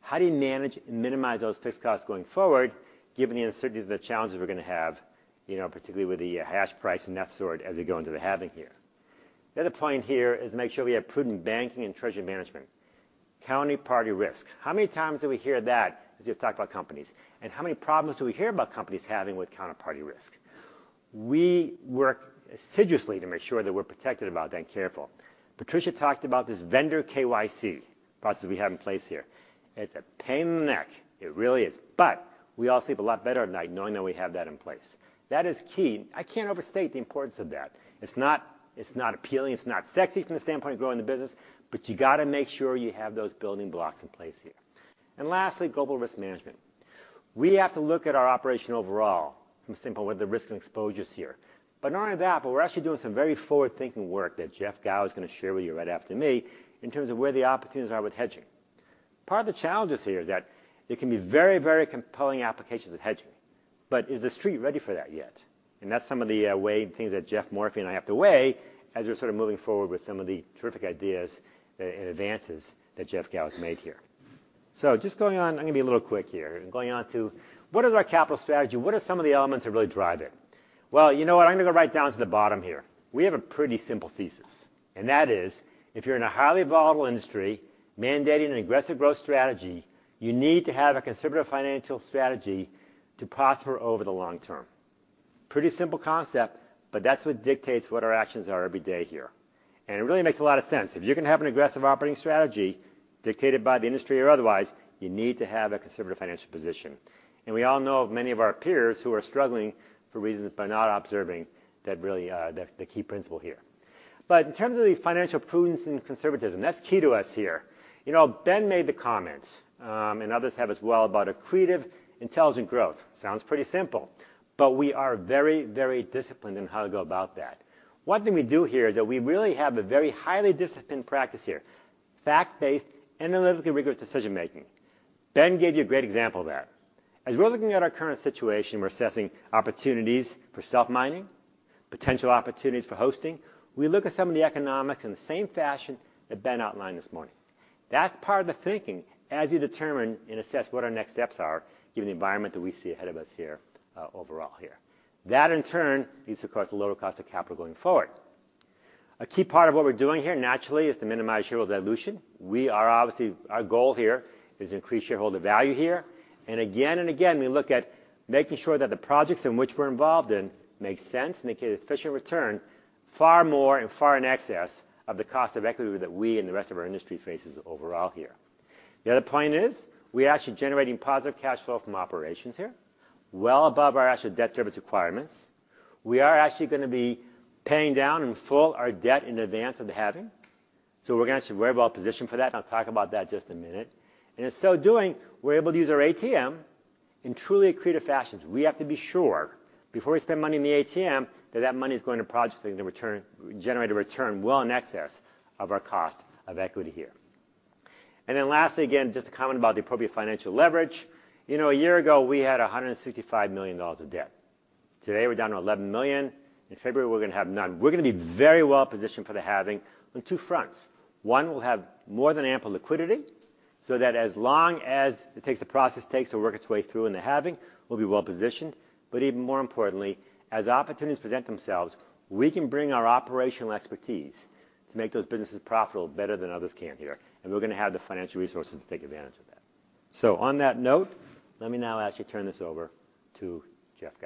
How do you manage and minimize those fixed costs going forward, given the uncertainties and the challenges we're gonna have, you know, particularly with the hash price and that sort as we go into the halving here? The other point here is to make sure we have prudent banking and treasury management. Counterparty risk. How many times do we hear that as we talk about companies? And how many problems do we hear about companies having with counterparty risk? We work assiduously to make sure that we're protected about that and careful. Patricia talked about this vendor KYC process we have in place here. It's a pain in the neck. It really is. But we all sleep a lot better at night knowing that we have that in place. That is key. I can't overstate the importance of that. It's not, it's not appealing, it's not sexy from the standpoint of growing the business, but you gotta make sure you have those building blocks in place here. And lastly, global risk management. We have to look at our operation overall from simple with the risk and exposures here. But not only that, but we're actually doing some very forward-thinking work that Jeff Gao is gonna share with you right after me, in terms of where the opportunities are with hedging. Part of the challenges here is that it can be very, very compelling applications of hedging, but is the street ready for that yet? And that's some of the way and things that Geoff Morphy and I have to weigh as we're sort of moving forward with some of the terrific ideas and advances that Jeff Gao has made here. So just going on, I'm gonna be a little quick here and going on to: what is our capital strategy? What are some of the elements that really drive it? Well, you know what? I'm gonna go right down to the bottom here. We have a pretty simple thesis, and that is, if you're in a highly volatile industry, mandating an aggressive growth strategy, you need to have a conservative financial strategy to prosper over the long term. Pretty simple concept, but that's what dictates what our actions are every day here. It really makes a lot of sense. If you're gonna have an aggressive operating strategy, dictated by the industry or otherwise, you need to have a conservative financial position. We all know of many of our peers who are struggling for reasons by not observing that really, the key principle here. But in terms of the financial prudence and conservatism, that's key to us here. You know, Ben made the comment, and others have as well, about accretive, intelligent growth. Sounds pretty simple, but we are very, very disciplined in how to go about that. One thing we do here is that we really have a very highly disciplined practice here, fact-based, analytically rigorous decision-making. Ben gave you a great example of that. As we're looking at our current situation, we're assessing opportunities for self-mining, potential opportunities for hosting. We look at some of the economics in the same fashion that Ben outlined this morning. That's part of the thinking as you determine and assess what our next steps are, given the environment that we see ahead of us here, overall here. That, in turn, leads to, of course, a lower cost of capital going forward. A key part of what we're doing here, naturally, is to minimize shareholder dilution. We are obviously, our goal here is to increase shareholder value here. And again and again, we look at making sure that the projects in which we're involved in make sense, make an efficient return, far more and far in excess of the cost of equity that we and the rest of our industry faces overall here. The other point is, we're actually generating positive cash flow from operations here, well above our actual debt service requirements. We are actually gonna be paying down in full our debt in advance of the Halving, so we're gonna actually very well positioned for that, and I'll talk about that in just a minute. In so doing, we're able to use our ATM in truly accretive fashions. We have to be sure, before we spend money in the ATM, that that money is going to projects that are gonna return—generate a return well in excess of our cost of equity here. And then lastly, again, just a comment about the appropriate financial leverage. You know, a year ago, we had $165 million of debt. Today, we're down to $11 million. In February, we're gonna have none. We're gonna be very well positioned for the halving on two fronts. One, we'll have more than ample liquidity, so that as long as it takes the process takes to work its way through in the halving, we'll be well positioned. But even more importantly, as opportunities present themselves, we can bring our operational expertise to make those businesses profitable better than others can here, and we're gonna have the financial resources to take advantage of that. So on that note, let me now actually turn this over to Jeff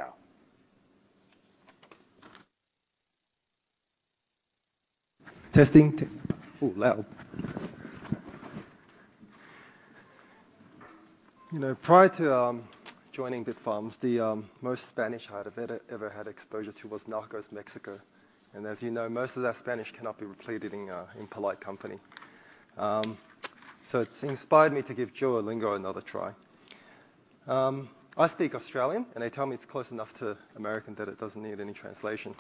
Gao. You know, prior to joining Bitfarms, the most Spanish I'd ever had exposure to was Narcos Mexico. And as you know, most of that Spanish cannot be repeated in polite company. So it's inspired me to give Duolingo another try. I speak Australian, and they tell me it's close enough to American that it doesn't need any translation.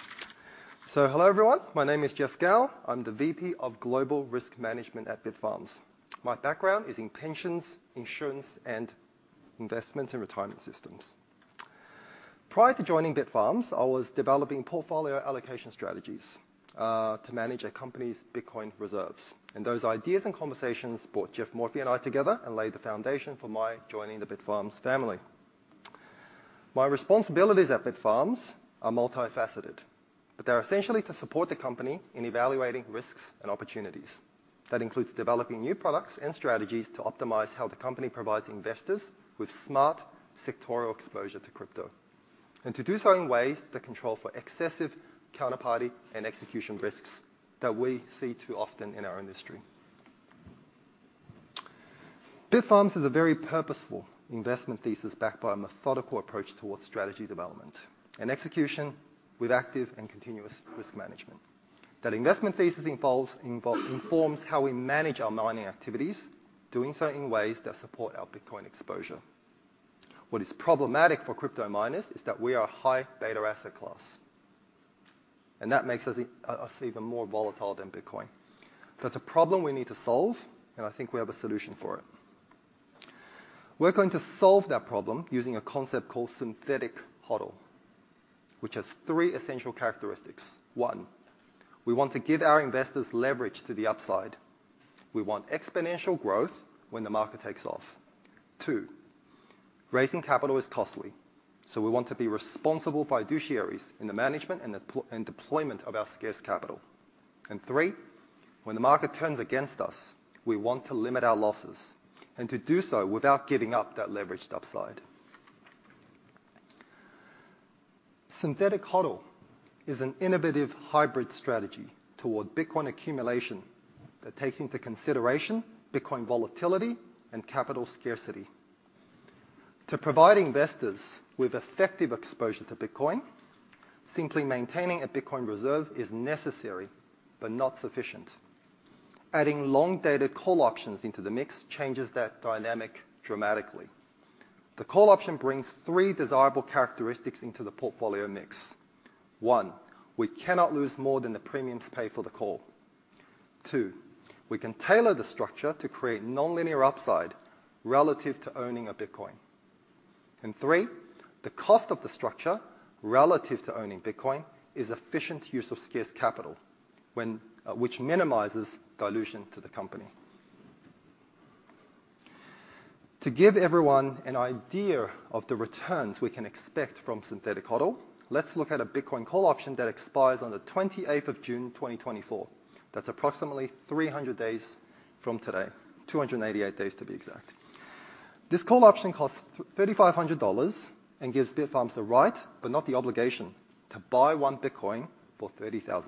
So hello, everyone. My name is Jeff Gao. I'm the VP of Global Risk Management at Bitfarms. My background is in pensions, insurance, and investment, and retirement systems.... Prior to joining Bitfarms, I was developing portfolio allocation strategies to manage a company's Bitcoin reserves. And those ideas and conversations brought Geoffrey Morphy and I together, and laid the foundation for my joining the Bitfarms family. My responsibilities at Bitfarms are multifaceted, but they're essentially to support the company in evaluating risks and opportunities. That includes developing new products and strategies to optimize how the company provides investors with smart sectoral exposure to crypto, and to do so in ways that control for excessive counterparty and execution risks that we see too often in our industry. Bitfarms is a very purposeful investment thesis, backed by a methodical approach towards strategy development and execution with active and continuous risk management. That investment thesis informs how we manage our mining activities, doing so in ways that support our Bitcoin exposure. What is problematic for crypto miners is that we are a high beta asset class, and that makes us, us even more volatile than Bitcoin. That's a problem we need to solve, and I think we have a solution for it. We're going to solve that problem using a concept called Synthetic HODL, which has three essential characteristics. One, we want to give our investors leverage to the upside. We want exponential growth when the market takes off. Two, raising capital is costly, so we want to be responsible fiduciaries in the management and deployment of our scarce capital. And three, when the market turns against us, we want to limit our losses, and to do so without giving up that leveraged upside. Synthetic HODL is an innovative hybrid strategy toward Bitcoin accumulation that takes into consideration Bitcoin volatility and capital scarcity. To provide investors with effective exposure to Bitcoin, simply maintaining a Bitcoin reserve is necessary, but not sufficient. Adding long-dated call options into the mix changes that dynamic dramatically. The call option brings three desirable characteristics into the portfolio mix. 1, we cannot lose more than the premiums paid for the call. 2, we can tailor the structure to create nonlinear upside relative to owning a Bitcoin. And 3, the cost of the structure relative to owning Bitcoin is efficient use of scarce capital when, which minimizes dilution to the company. To give everyone an idea of the returns we can expect from Synthetic HODL, let's look at a Bitcoin call option that expires on the 28th of June, 2024. That's approximately 300 days from today, 288 days to be exact. This call option costs $3,500 and gives Bitfarms the right, but not the obligation, to buy 1 Bitcoin for $30,000.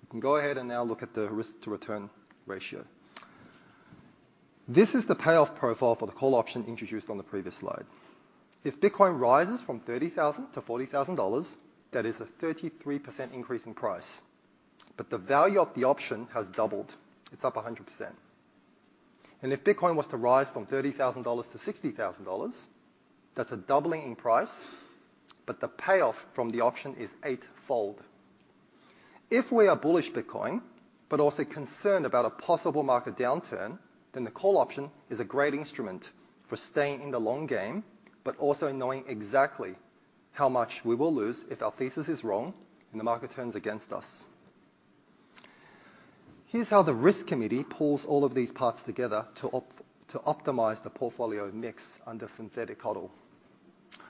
You can go ahead and now look at the risk-to-return ratio. This is the payoff profile for the call option introduced on the previous slide. If Bitcoin rises from $30,000-$40,000, that is a 33% increase in price, but the value of the option has doubled. It's up 100%. And if Bitcoin was to rise from $30,000-$60,000, that's a doubling in price, but the payoff from the option is eightfold. If we are bullish Bitcoin, but also concerned about a possible market downturn, then the call option is a great instrument for staying in the long game, but also knowing exactly how much we will lose if our thesis is wrong and the market turns against us. Here's how the risk committee pulls all of these parts together to optimize the portfolio mix under synthetic HODL.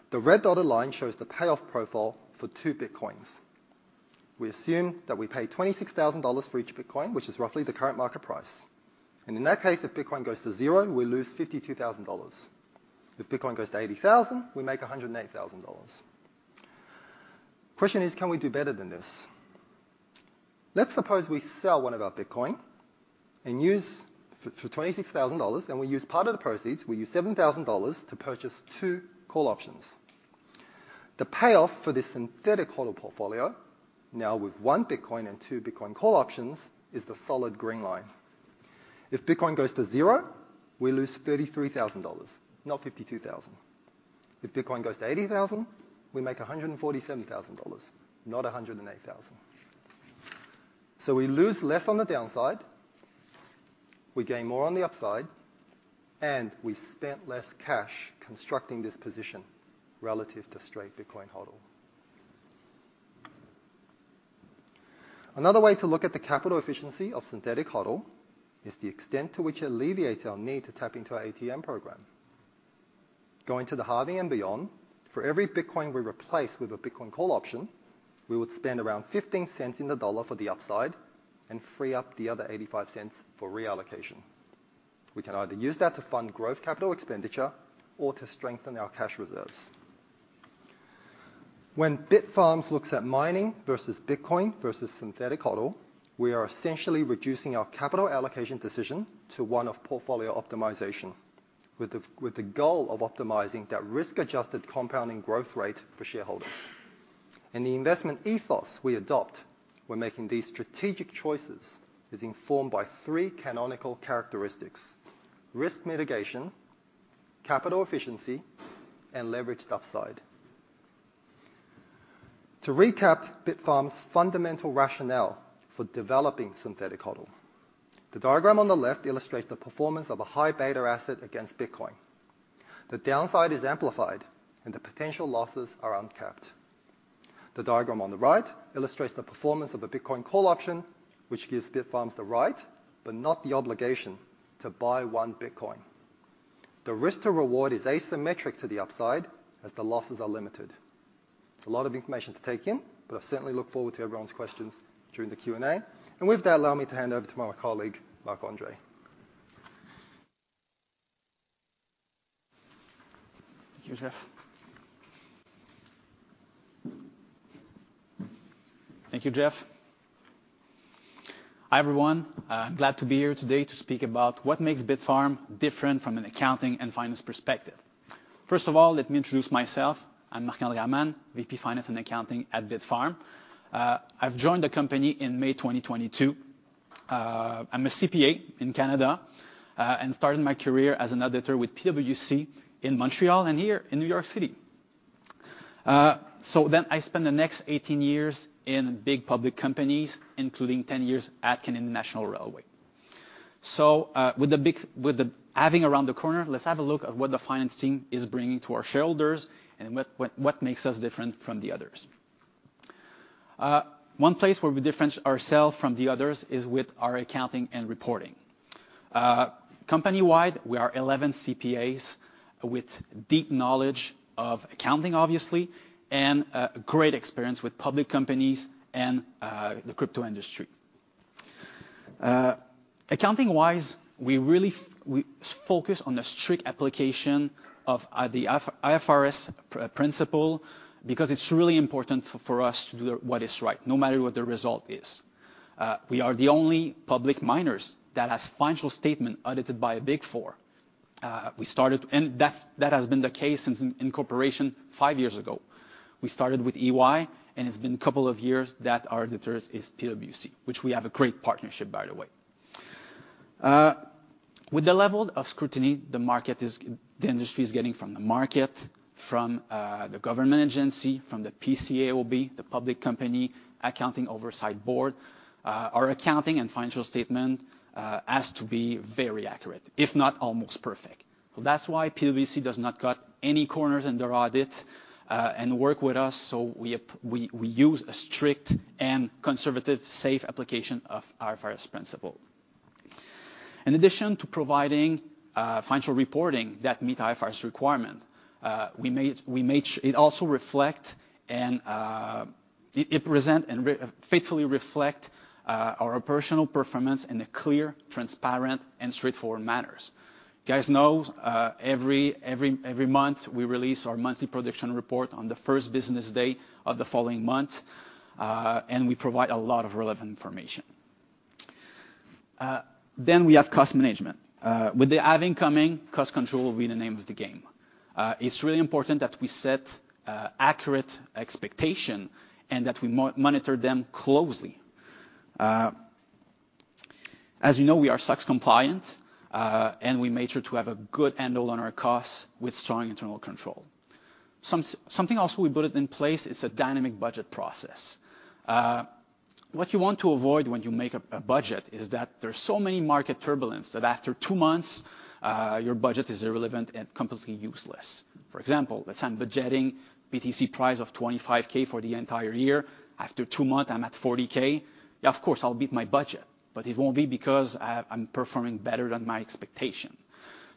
The red dotted line shows the payoff profile for two Bitcoins. We assume that we pay $26,000 for each Bitcoin, which is roughly the current market price. In that case, if Bitcoin goes to zero, we lose $52,000. If Bitcoin goes to $80,000, we make $108,000. Question is: Can we do better than this? Let's suppose we sell one of our Bitcoin for $26,000, and we use part of the proceeds, we use $7,000 to purchase two call options. The payoff for this synthetic HODL portfolio, now with one Bitcoin and two Bitcoin call options, is the solid green line. If Bitcoin goes to zero, we lose $33,000, not $52,000. If Bitcoin goes to $80,000, we make $147,000, not $108,000. So we lose less on the downside, we gain more on the upside, and we spent less cash constructing this position relative to straight Bitcoin HODL. Another way to look at the capital efficiency of synthetic HODL is the extent to which it alleviates our need to tap into our ATM program. Going to the halving and beyond, for every Bitcoin we replace with a Bitcoin call option, we would spend around $0.15 in the dollar for the upside and free up the other $0.85 for reallocation. We can either use that to fund growth capital expenditure or to strengthen our cash reserves. When Bitfarms looks at mining versus Bitcoin versus synthetic HODL, we are essentially reducing our capital allocation decision to one of portfolio optimization, with the goal of optimizing that risk-adjusted compounding growth rate for shareholders. The investment ethos we adopt when making these strategic choices is informed by three canonical characteristics: risk mitigation, capital efficiency, and leveraged upside. To recap Bitfarms' fundamental rationale for developing Synthetic HODL. The diagram on the left illustrates the performance of a high beta asset against Bitcoin. The downside is amplified, and the potential losses are uncapped. The diagram on the right illustrates the performance of a Bitcoin call option, which gives Bitfarms the right, but not the obligation, to buy one Bitcoin. The risk to reward is asymmetric to the upside, as the losses are limited. It's a lot of information to take in, but I certainly look forward to everyone's questions during the Q&A. With that, allow me to hand over to my colleague, Marc-André. Thank you, Jeff. Thank you, Jeff. Hi, everyone. Glad to be here today to speak about what makes Bitfarms different from an accounting and finance perspective. First of all, let me introduce myself. I'm Marc-André Ammann, VP Finance and Accounting at Bitfarms. I've joined the company in May 2022. I'm a CPA in Canada, and started my career as an auditor with PwC in Montreal and here in New York City. So then I spent the next 18 years in big public companies, including 10 years at Canadian National Railway. So, with the halving around the corner, let's have a look at what the finance team is bringing to our shareholders and what, what, what makes us different from the others. One place where we difference ourselves from the others is with our accounting and reporting. Company-wide, we are eleven CPAs with deep knowledge of accounting, obviously, and great experience with public companies and the crypto industry. Accounting-wise, we really focus on the strict application of the IFRS principle, because it's really important for us to do what is right, no matter what the result is. We are the only public miners that has financial statement audited by a Big Four. And that's, that has been the case since incorporation five years ago. We started with EY, and it's been a couple of years that our auditors is PwC, which we have a great partnership, by the way. With the level of scrutiny the industry is getting from the market, from the government agency, from the PCAOB, the Public Company Accounting Oversight Board, our accounting and financial statement has to be very accurate, if not almost perfect. So that's why PwC does not cut any corners in their audits and work with us, so we use a strict and conservative, safe application of IFRS principle. In addition to providing financial reporting that meet IFRS requirement, we make sure it also reflect and it present and faithfully reflect our operational performance in a clear, transparent, and straightforward manners. You guys know, every month, we release our monthly prediction report on the first business day of the following month, and we provide a lot of relevant information. Then we have cost management. With the halving coming, cost control will be the name of the game. It's really important that we set accurate expectation and that we monitor them closely. As you know, we are SOX compliant, and we make sure to have a good handle on our costs with strong internal control. Something else we put in place is a dynamic budget process. What you want to avoid when you make a budget is that there's so many market turbulence that after two months, your budget is irrelevant and completely useless. For example, let's say I'm budgeting BTC price of $25,000 for the entire year. After two months, I'm at $40,000. Yeah, of course, I'll beat my budget, but it won't be because I, I'm performing better than my expectation.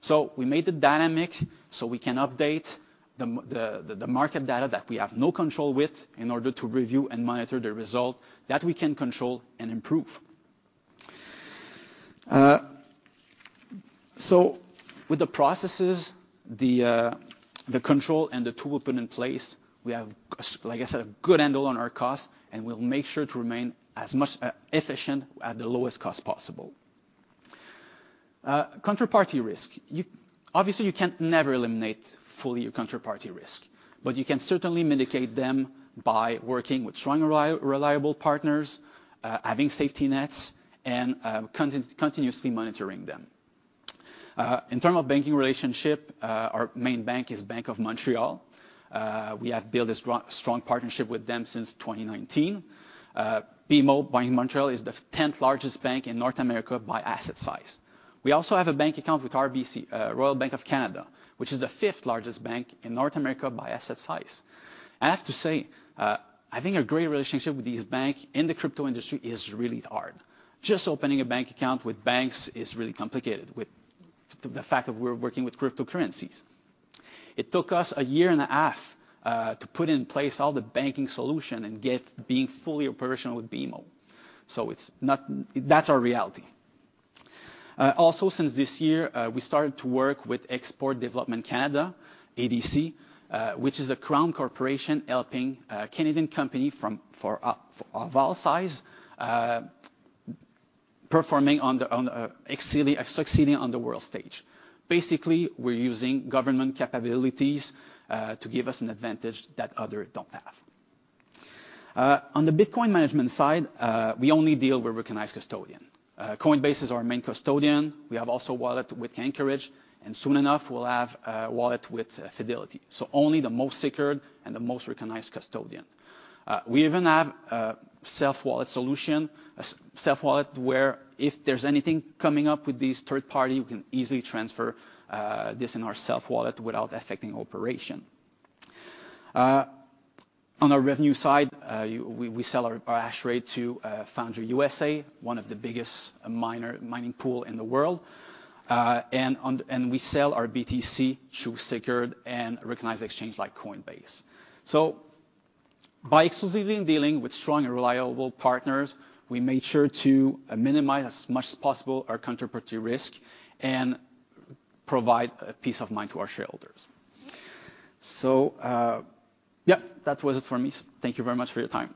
So we made it dynamic so we can update the the market data that we have no control with, in order to review and monitor the result that we can control and improve. So with the processes, the the control and the tool put in place, we have, like I said, a good handle on our costs, and we'll make sure to remain as much efficient at the lowest cost possible. Counterparty risk. You obviously you can never eliminate fully your counterparty risk, but you can certainly mitigate them by working with strong, reliable partners, having safety nets, and continuously monitoring them. In terms of banking relationship, our main bank is Bank of Montreal. We have built a strong, strong partnership with them since 2019. BMO, Bank of Montreal, is the tenth largest bank in North America by asset size. We also have a bank account with RBC, Royal Bank of Canada, which is the fifth largest bank in North America by asset size. I have to say, I think a great relationship with these banks in the crypto industry is really hard. Just opening a bank account with banks is really complicated with the, the fact that we're working with cryptocurrencies. It took us a year and a half, to put in place all the banking solutions and get being fully operational with BMO. So it's not. That's our reality. Also, since this year, we started to work with Export Development Canada, EDC, which is a crown corporation helping Canadian companies of our size succeed on the world stage. Basically, we're using government capabilities to give us an advantage that others don't have. On the Bitcoin management side, we only deal with recognized custodian. Coinbase is our main custodian. We have also a wallet with Anchorage, and soon enough, we'll have a wallet with Fidelity. So only the most secured and the most recognized custodian. We even have a self-wallet solution, a self-wallet, where if there's anything coming up with these third party, we can easily transfer this in our self-wallet without affecting operation. On our revenue side, we sell our hash rate to Foundry USA, one of the biggest mining pool in the world. And we sell our BTC to secured and recognized exchange like Coinbase. So by exclusively dealing with strong and reliable partners, we made sure to minimize as much as possible our counterparty risk and provide peace of mind to our shareholders. So, yeah, that was it for me. Thank you very much for your time.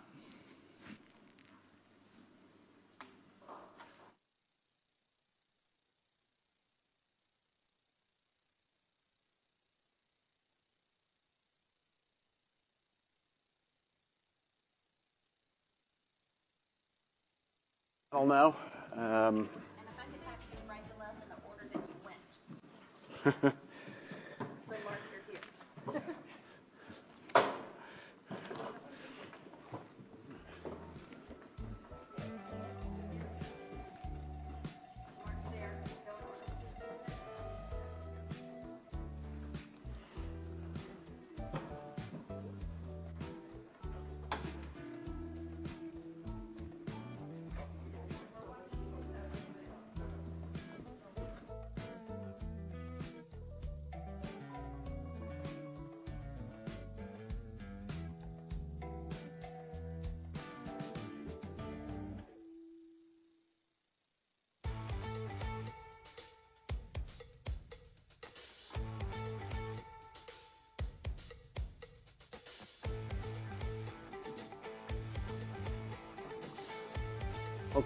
Well now, If I could ask you to rank them up in the order that you went. Mark, you're here. Mark, there. Okay,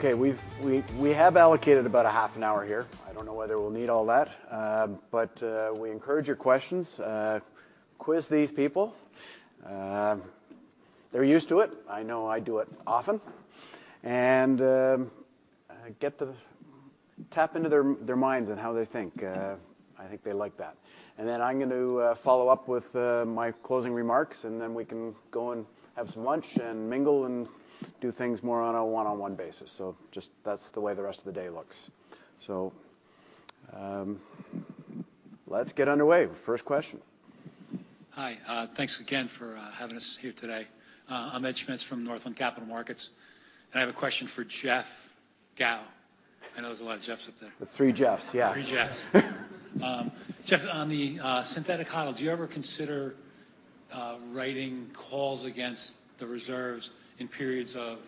we've allocated about a half an hour here. I don't know whether we'll need all that, but we encourage your questions. Quiz these people. They're used to it. I know I do it often. Tap into their minds and how they think. I think they like that. And then I'm going to follow up with my closing remarks, and then we can go and have some lunch and mingle and do things more on a one-on-one basis. So just that's the way the rest of the day looks. So, let's get underway. First question. Hi, thanks again for having us here today. I'm Ed Schmitz from Northland Capital Markets, and I have a question for Jeff Gao. I know there's a lot of Jeffs up there. The three Jeffs, yeah. Three Jeffs. Jeff, on the synthetic model, do you ever consider writing calls against the reserves in periods of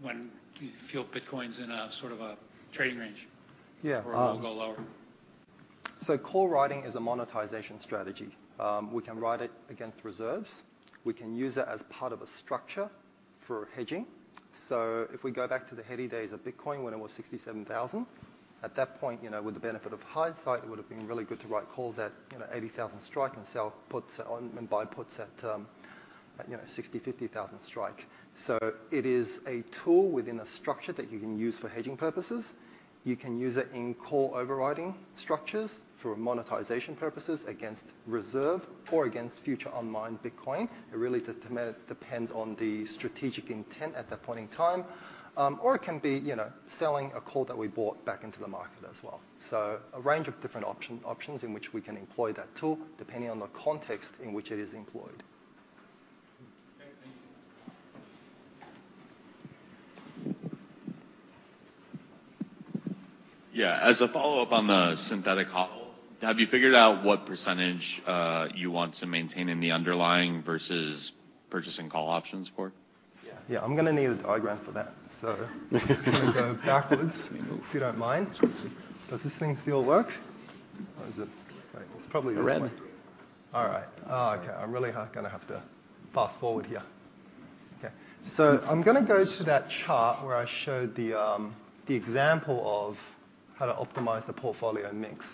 when you feel Bitcoin's in a sort of a trading range- Yeah, um- Or it will go lower? So call writing is a monetization strategy. We can write it against reserves. We can use it as part of a structure for hedging. So if we go back to the heady days of Bitcoin, when it was $67,000, at that point, you know, with the benefit of hindsight, it would have been really good to write calls at, you know, $80,000 strike and sell puts on, and buy puts at, at, you know, $60,000, $50,000 strike. So it is a tool within a structure that you can use for hedging purposes. You can use it in call overriding structures for monetization purposes against reserve or against future unmined Bitcoin. It really depends on the strategic intent at that point in time. Or it can be, you know, selling a call that we bought back into the market as well. A range of different options in which we can employ that tool, depending on the context in which it is employed. Okay, thank you. Yeah. As a follow-up on the synthetic model, have you figured out what percentage you want to maintain in the underlying versus purchasing call options for it? Yeah, yeah. I'm gonna need a diagram for that. So, I'm just gonna go backwards, if you don't mind. Does this thing still work, or is it... It's probably this one. The red. All right. Okay. I'm really gonna have to fast-forward here. Okay. I'm gonna go to that chart where I showed the example of how to optimize the portfolio mix.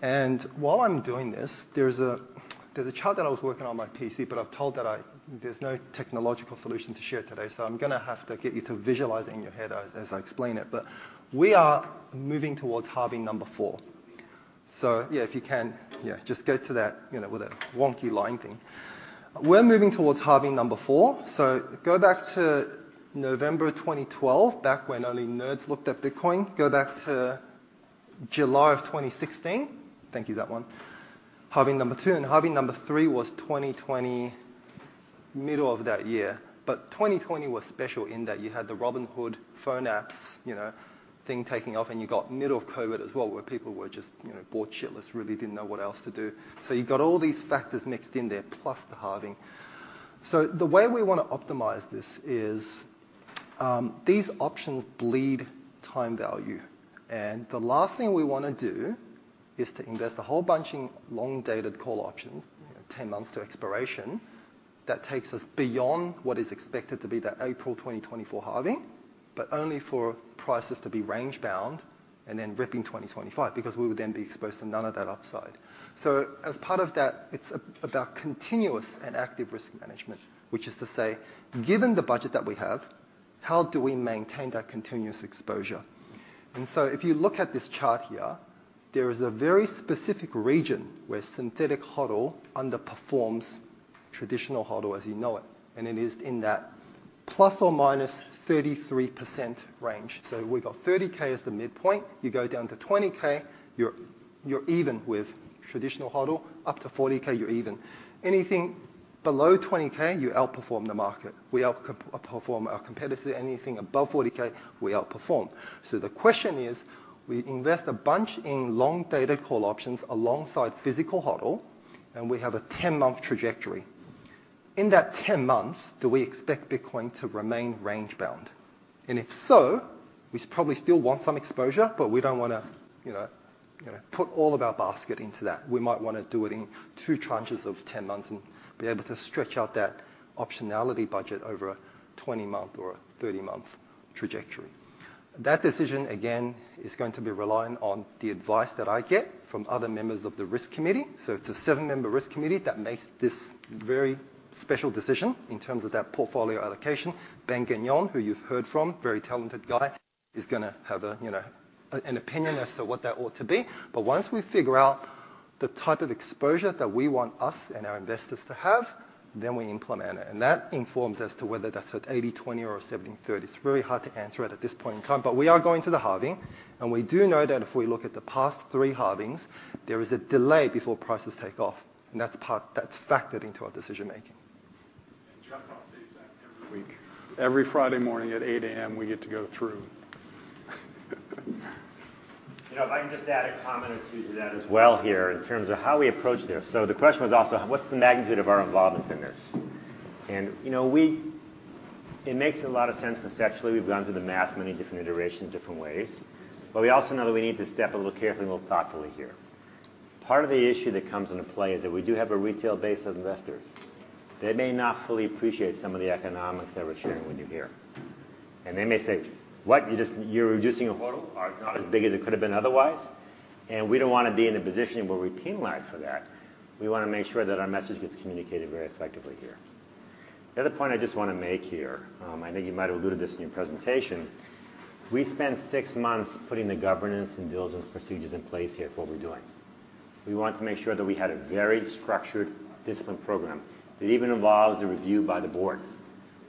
And while I'm doing this, there's a chart that I was working on my PC, but I've been told that there's no technological solution to share today, so I'm gonna have to get you to visualize it in your head as I explain it. But we are moving towards Halving number four. So yeah, if you can, just go to that, you know, with a wonky line thing. We're moving towards Halving number four. So go back to November 2012, back when only nerds looked at Bitcoin. Go back to July 2016. Thank you, that one. Halving number 2, and halving number 3 was 2020, middle of that year. But 2020 was special in that you had the Robinhood phone apps, you know, thing taking off, and you got middle of COVID as well, where people were just, you know, bored shitless, really didn't know what else to do. So you got all these factors mixed in there, plus the halving. So the way we wanna optimize this is, these options bleed time value, and the last thing we wanna do is to invest a whole bunch in long-dated call options, 10 months to expiration. That takes us beyond what is expected to be the April 2024 halving.... but only for prices to be range-bound and then rip in 2025, because we would then be exposed to none of that upside. As part of that, it's about continuous and active risk management, which is to say: given the budget that we have, how do we maintain that continuous exposure? And so if you look at this chart here, there is a very specific region where synthetic HODL underperforms traditional HODL as you know it, and it is in that ±33% range. So we've got 30K as the midpoint. You go down to 20K, you're even with traditional HODL. Up to 40K, you're even. Anything below 20K, you outperform the market. We outperform our competitor. Anything above 40K, we outperform. So the question is, we invest a bunch in long-dated call options alongside physical HODL, and we have a 10-month trajectory. In that 10 months, do we expect Bitcoin to remain range-bound? If so, we probably still want some exposure, but we don't wanna, you know, you know, put all of our basket into that. We might wanna do it in two tranches of 10 months and be able to stretch out that optionality budget over a 20-month or a 30-month trajectory. That decision, again, is going to be reliant on the advice that I get from other members of the risk committee. So it's a 7-member risk committee that makes this very special decision in terms of that portfolio allocation. Ben Gagnon, who you've heard from, very talented guy, is gonna have a, you know, an opinion as to what that ought to be. But once we figure out the type of exposure that we want us and our investors to have, then we implement it, and that informs as to whether that's at 80/20 or 70/30. It's very hard to answer it at this point in time, but we are going to the halving, and we do know that if we look at the past three halvings, there is a delay before prices take off, and that's part... that's factored into our decision making. Jeff updates that every week. Every Friday morning at 8:00 A.M., we get to go through. You know, if I can just add a comment or two to that as well here, in terms of how we approach this. So the question was also: what's the magnitude of our involvement in this? And, you know, we, it makes a lot of sense conceptually. We've run through the math many different iterations, different ways, but we also know that we need to step a little carefully and look thoughtfully here. Part of the issue that comes into play is that we do have a retail base of investors. They may not fully appreciate some of the economics that we're sharing with you here. And they may say, "What? You're just, you're reducing our HODL, or it's not as big as it could have been otherwise?" And we don't wanna be in a position where we're penalized for that. We wanna make sure that our message gets communicated very effectively here. The other point I just wanna make here, I know you might have alluded to this in your presentation, we spent six months putting the governance and diligence procedures in place here for what we're doing. We wanted to make sure that we had a very structured, disciplined program that even involves a review by the board.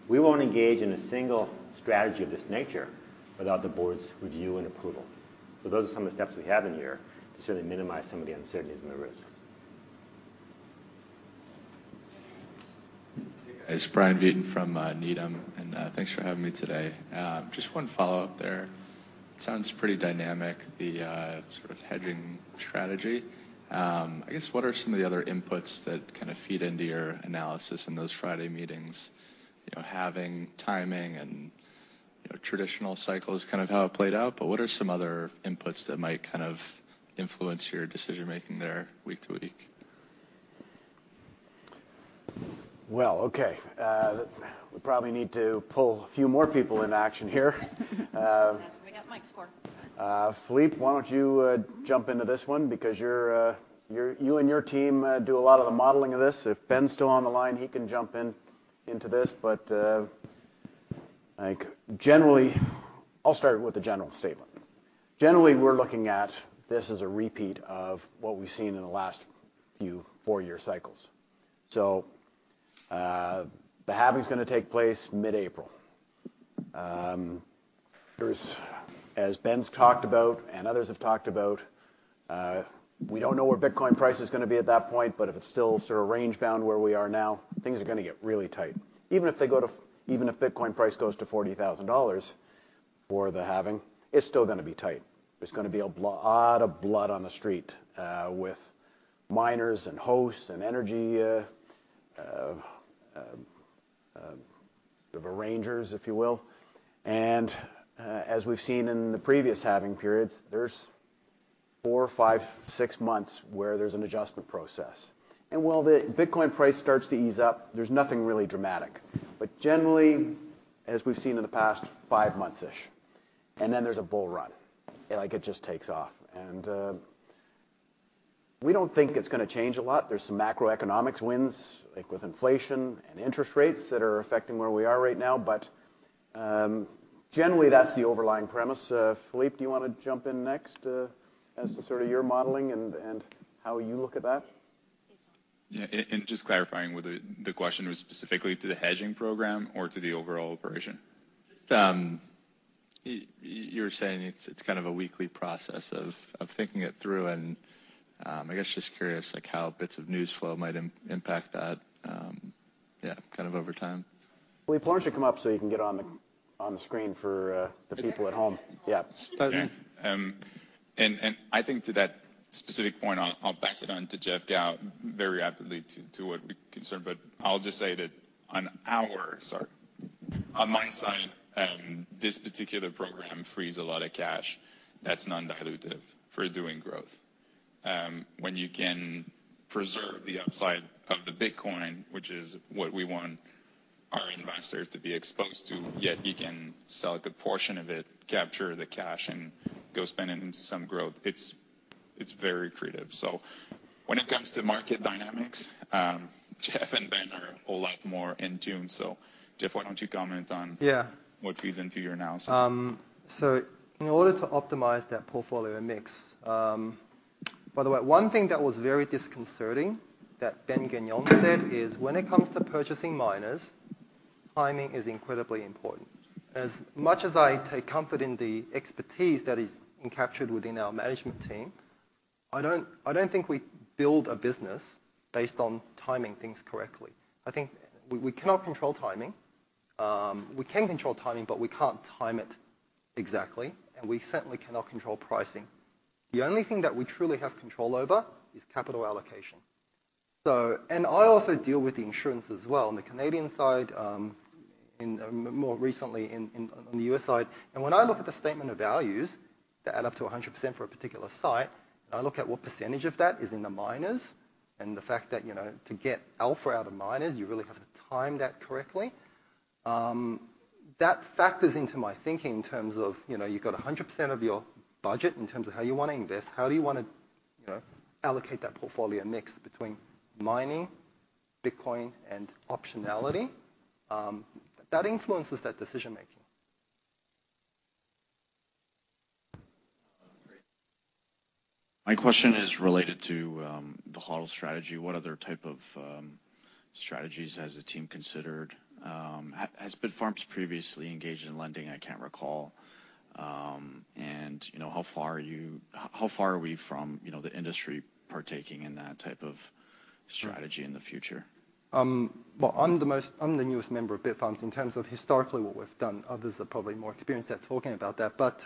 We won't engage in a single strategy of this nature without the board's review and approval. Those are some of the steps we have in here to sort of minimize some of the uncertainties and the risks. Hey, guys. Brian Perrault from Needham, and thanks for having me today. Just one follow-up there. It sounds pretty dynamic, the sort of hedging strategy. I guess, what are some of the other inputs that kind of feed into your analysis in those Friday meetings? You know, halving, timing, and, you know, traditional cycles, kind of how it played out, but what are some of the other inputs that might kind of influence your decision making there week to week? Well, okay. We probably need to pull a few more people into action here. That's what we got mics for. Philippe, why don't you jump into this one? Because you and your team do a lot of the modeling of this. If Ben's still on the line, he can jump into this, but like, generally... I'll start with a general statement. Generally, we're looking at this as a repeat of what we've seen in the last few four-year cycles. So, the halving is gonna take place mid-April. As Ben's talked about and others have talked about, we don't know where Bitcoin price is gonna be at that point, but if it's still sort of range-bound where we are now, things are gonna get really tight. Even if Bitcoin price goes to $40,000 for the halving, it's still gonna be tight. There's gonna be a lot of blood on the street, with miners and hosts and energy, the arrangers, if you will. And, as we've seen in the previous halving periods, there's four, five, six months where there's an adjustment process. And while the Bitcoin price starts to ease up, there's nothing really dramatic. But generally, as we've seen in the past, five months-ish, and then there's a bull run, and, like, it just takes off. And, we don't think it's gonna change a lot. There's some macroeconomics winds, like with inflation and interest rates, that are affecting where we are right now, but, generally, that's the overlying premise. Philippe, do you wanna jump in next, as to sort of your modeling and, and how you look at that? Yeah, and just clarifying, whether the question was specifically to the hedging program or to the overall operation? You're saying it's kind of a weekly process of thinking it through, and I guess just curious, like, how bits of news flow might impact that... yeah, kind of over time. Philippe, why don't you come up so you can get on the screen for the people at home? Yeah. Okay. And I think to that specific point, I'll pass it on to Jeff Gao very rapidly to what we're concerned, but I'll just say that on my side, this particular program frees a lot of cash that's non-dilutive for doing growth.... when you can preserve the upside of the Bitcoin, which is what we want our investors to be exposed to, yet you can sell a good portion of it, capture the cash, and go spend it into some growth. It's, it's very creative. So when it comes to market dynamics, Jeff and Ben are a whole lot more in tune. So Jeff, why don't you comment on- Yeah. What feeds into your analysis? So in order to optimize that portfolio mix. By the way, one thing that was very disconcerting that Ben Gagnon said is: when it comes to purchasing miners, timing is incredibly important. As much as I take comfort in the expertise that is encapsulated within our management team, I don't think we build a business based on timing things correctly. I think we cannot control timing. We can control timing, but we can't time it exactly, and we certainly cannot control pricing. The only thing that we truly have control over is capital allocation. So, and I also deal with the insurance as well, on the Canadian side, and more recently in on the U.S. side. When I look at the statement of values, they add up to 100% for a particular site, and I look at what percentage of that is in the miners, and the fact that, you know, to get alpha out of miners, you really have to time that correctly. That factors into my thinking in terms of, you know, you've got 100% of your budget in terms of how you want to invest, how do you wanna, you know, allocate that portfolio mix between mining, Bitcoin, and optionality? That influences that decision-making. Great. My question is related to the HODL strategy. What other type of strategies has the team considered? Has Bitfarms previously engaged in lending? I can't recall. And you know, how far are we from, you know, the industry partaking in that type of strategy in the future? Well, I'm the newest member of Bitfarms. In terms of historically what we've done, others are probably more experienced at talking about that. But,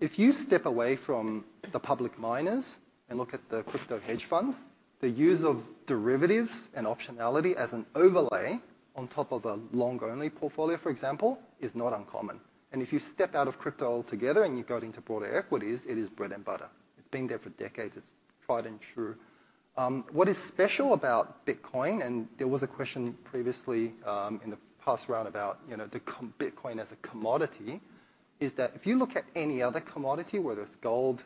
if you step away from the public miners and look at the crypto hedge funds, the use of derivatives and optionality as an overlay on top of a long-only portfolio, for example, is not uncommon. And if you step out of crypto altogether, and you go into broader equities, it is bread and butter. It's been there for decades. It's tried and true. What is special about Bitcoin, and there was a question previously, in the past round about, you know, the Bitcoin as a commodity, is that if you look at any other commodity, whether it's gold,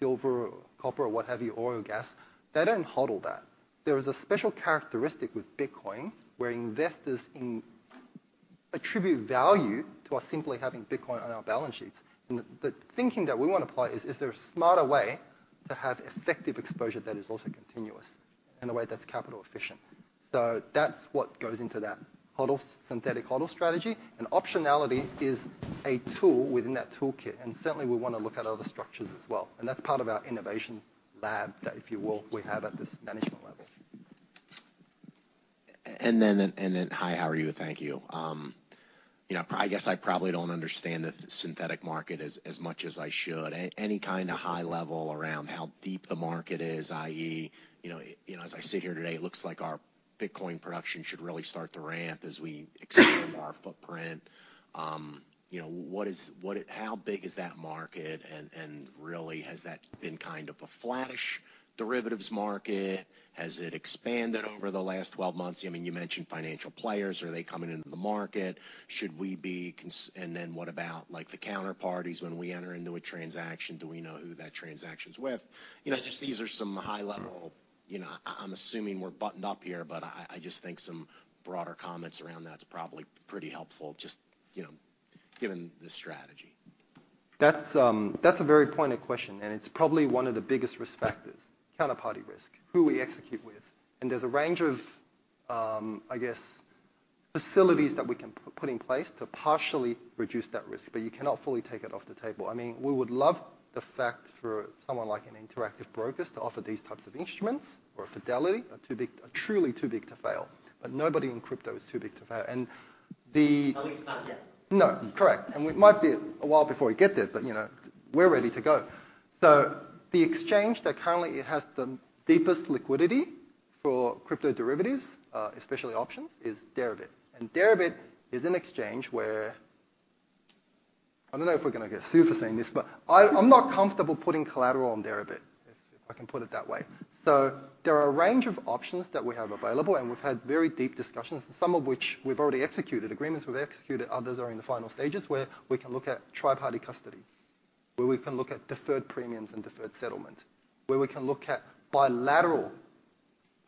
silver, copper, or what have you, oil, gas, they don't HODL that. There is a special characteristic with Bitcoin, where investors attribute value to us simply having Bitcoin on our balance sheets. The thinking that we want to apply is: Is there a smarter way to have effective exposure that is also continuous in a way that's capital efficient? So that's what goes into that HODL, synthetic HODL strategy. And optionality is a tool within that toolkit, and certainly, we want to look at other structures as well. And that's part of our innovation lab that, if you will, we have at this management level. Hi, how are you? Thank you. You know, I guess I probably don't understand the synthetic market as much as I should. Any kind of high level around how deep the market is, i.e., you know, as I sit here today, it looks like our Bitcoin production should really start to ramp as we expand our footprint. You know, what is how big is that market? And really, has that been kind of a flattish derivatives market? Has it expanded over the last 12 months? I mean, you mentioned financial players. Are they coming into the market? Should we be and then what about, like, the counterparties when we enter into a transaction? Do we know who that transaction's with? You know, just these are some high-level, you know. I'm assuming we're buttoned up here, but I just think some broader comments around that is probably pretty helpful, just, you know, given the strategy. That's a very pointed question, and it's probably one of the biggest risk factors, counterparty risk. Who we execute with? And there's a range of, I guess, facilities that we can put in place to partially reduce that risk, but you cannot fully take it off the table. I mean, we would love the fact for someone like an Interactive Brokers to offer these types of instruments, or a Fidelity, are too big—truly too big to fail, but nobody in crypto is too big to fail. And the- At least not yet. No, correct. And it might be a while before we get there, but, you know, we're ready to go. So the exchange that currently has the deepest liquidity for crypto derivatives, especially options, is Deribit. And Deribit is an exchange where... I don't know if we're gonna get sued for saying this, but I, I'm not comfortable putting collateral on Deribit, if I can put it that way. So there are a range of options that we have available, and we've had very deep discussions, some of which we've already executed, agreements we've executed, others are in the final stages, where we can look at triparty custody, where we can look at deferred premiums and deferred settlement, where we can look at bilateral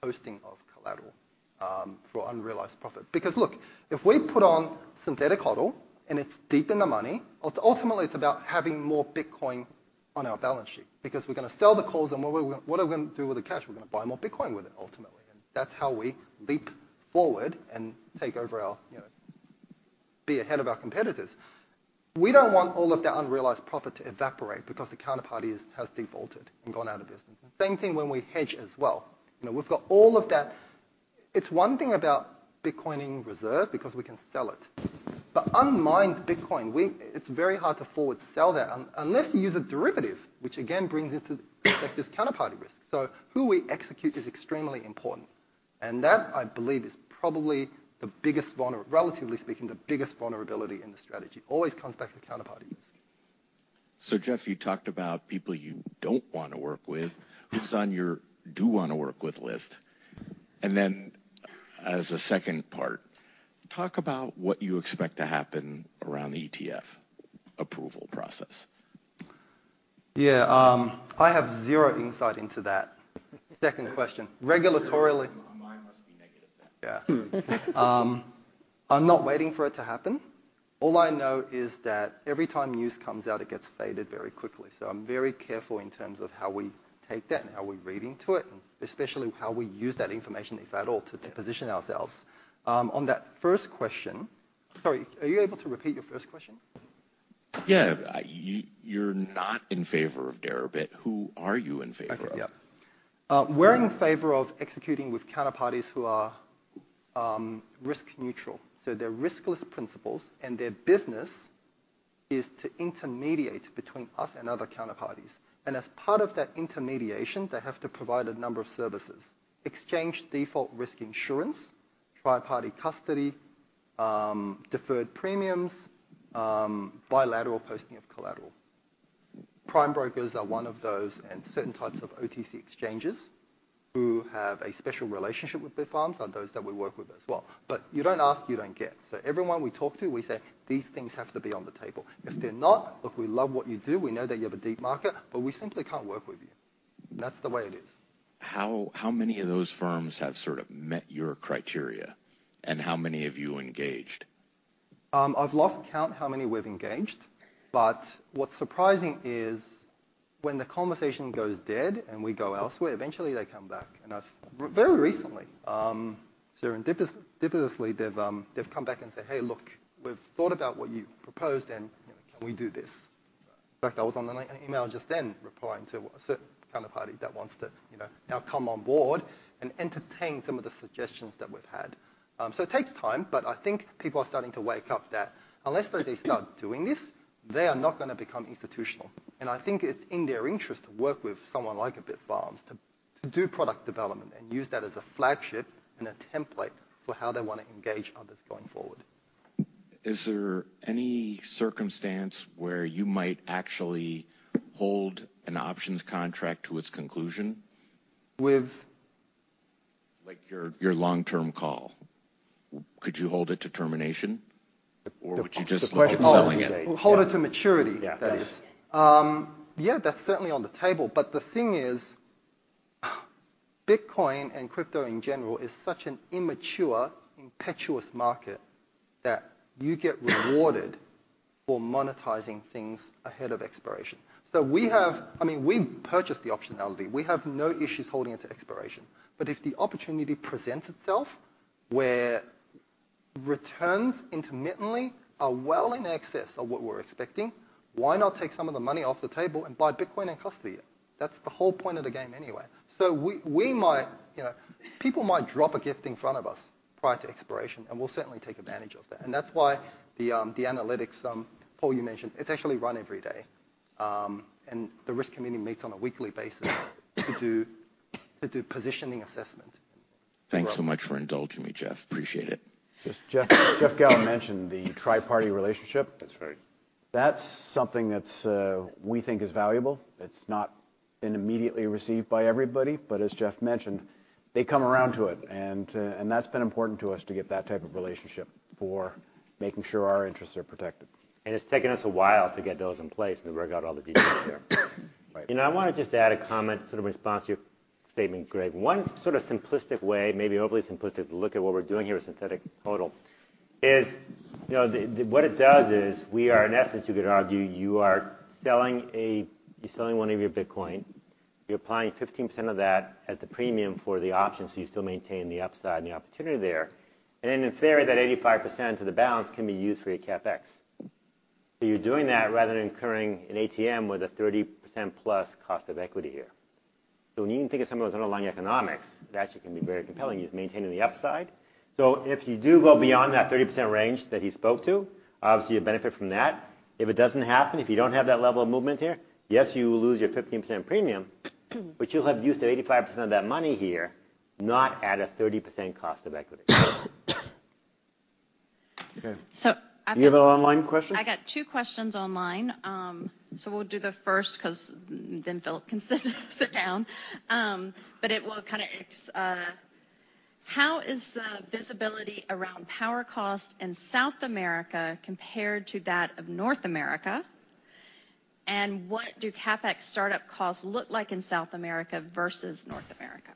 hosting of collateral, for unrealized profit. Because, look, if we put on Synthetic HODL, and it's deep in the money, ultimately, it's about having more Bitcoin on our balance sheet, because we're gonna sell the calls, and what we, what are we gonna do with the cash? We're gonna buy more Bitcoin with it, ultimately. And that's how we leap forward and take over our, you know, be ahead of our competitors. We don't want all of that unrealized profit to evaporate because the counterparty has defaulted and gone out of business. The same thing when we hedge as well. You know, we've got all of that. It's one thing about Bitcoin in reserve because we can sell it, but unmined Bitcoin, it's very hard to forward sell that unless you use a derivative, which again, brings into effect this counterparty risk. So who we execute is extremely important. That, I believe, is probably the biggest, relatively speaking, the biggest vulnerability in the strategy. Always comes back to the counterparties. So Jeff, you talked about people you don't wanna work with. Who's on your do wanna work with list? And then as a second part, talk about what you expect to happen around the ETF approval process. Yeah, I have zero insight into that second question. Regulatorily- Mine must be negative, then. Yeah. I'm not waiting for it to happen. All I know is that every time news comes out, it gets faded very quickly. So I'm very careful in terms of how we take that and how we read into it, and especially how we use that information, if at all, to position ourselves. On that first question... Sorry, are you able to repeat your first question? Yeah. You, you're not in favor of Deribit. Who are you in favor of? Okay, yeah. We're in favor of executing with counterparties who are risk neutral. So they're riskless principles, and their business is to intermediate between us and other counterparties. And as part of that intermediation, they have to provide a number of services: exchange default risk insurance, tri-party custody, deferred premiums, bilateral posting of collateral. Prime brokers are one of those, and certain types of OTC exchanges who have a special relationship with Bitfarms are those that we work with as well. But you don't ask, you don't get. So everyone we talk to, we say, "These things have to be on the table. If they're not, look, we love what you do, we know that you have a deep market, but we simply can't work with you." And that's the way it is. How many of those firms have sort of met your criteria? And how many have you engaged? I've lost count how many we've engaged, but what's surprising is, when the conversation goes dead, and we go elsewhere, eventually they come back. Very recently, serendipitously, they've come back and said: "Hey, look, we've thought about what you proposed, and, you know, can we do this?" In fact, I was on an email just then, replying to a certain counterparty that wants to, you know, now come on board and entertain some of the suggestions that we've had. So it takes time, but I think people are starting to wake up, that unless that they start doing this, they are not gonna become institutional. I think it's in their interest to work with someone like a Bitfarms to do product development and use that as a flagship and a template for how they wanna engage others going forward. Is there any circumstance where you might actually hold an options contract to its conclusion with, like, your, your long-term call? Could you hold it to termination, or would you just look at selling it? Hold it to maturity? Yeah, that is. Yeah, that's certainly on the table. But the thing is, Bitcoin and crypto in general is such an immature, impetuous market that you get rewarded for monetizing things ahead of expiration. So we have... I mean, we purchased the optionality. We have no issues holding it to expiration. But if the opportunity presents itself, where returns intermittently are well in excess of what we're expecting, why not take some of the money off the table and buy Bitcoin and custody it? That's the whole point of the game anyway. So we might, you know, people might drop a gift in front of us prior to expiration, and we'll certainly take advantage of that. And that's why the analytics, Paul, you mentioned, it's actually run every day. And the risk committee meets on a weekly basis to do positioning assessment. Thanks so much for indulging me, Jeff. Appreciate it. Just Jeff, Jeff Gao mentioned the tri-party relationship. That's right. That's something that's, we think is valuable. It's not been immediately received by everybody, but as Jeff mentioned, they come around to it. And, and that's been important to us to get that type of relationship for making sure our interests are protected. It's taken us a while to get those in place and work out all the details there. Right. I wanna just add a comment, sort of response to your statement, Greg. One sort of simplistic way, maybe overly simplistic, to look at what we're doing here with Synthetic HODL is, you know, what it does is, we are in essence, you could argue, you're selling one of your Bitcoin. You're applying 15% of that as the premium for the option, so you still maintain the upside and the opportunity there. And then in theory, that 85% of the balance can be used for your CapEx. So you're doing that rather than incurring an ATM with a 30%+ cost of equity here. So when you think of some of those underlying economics, it actually can be very compelling. You're maintaining the upside. So if you do go beyond that 30% range that he spoke to, obviously, you benefit from that. If it doesn't happen, if you don't have that level of movement here, yes, you will lose your 15% premium, but you'll have used the 85% of that money here, not at a 30% cost of equity. Okay. So- You have an online question? I got two questions online. So we'll do the first 'cause then Philippe can sit down. How is the visibility around power cost in South America compared to that of North America? And what do CapEx startup costs look like in South America versus North America?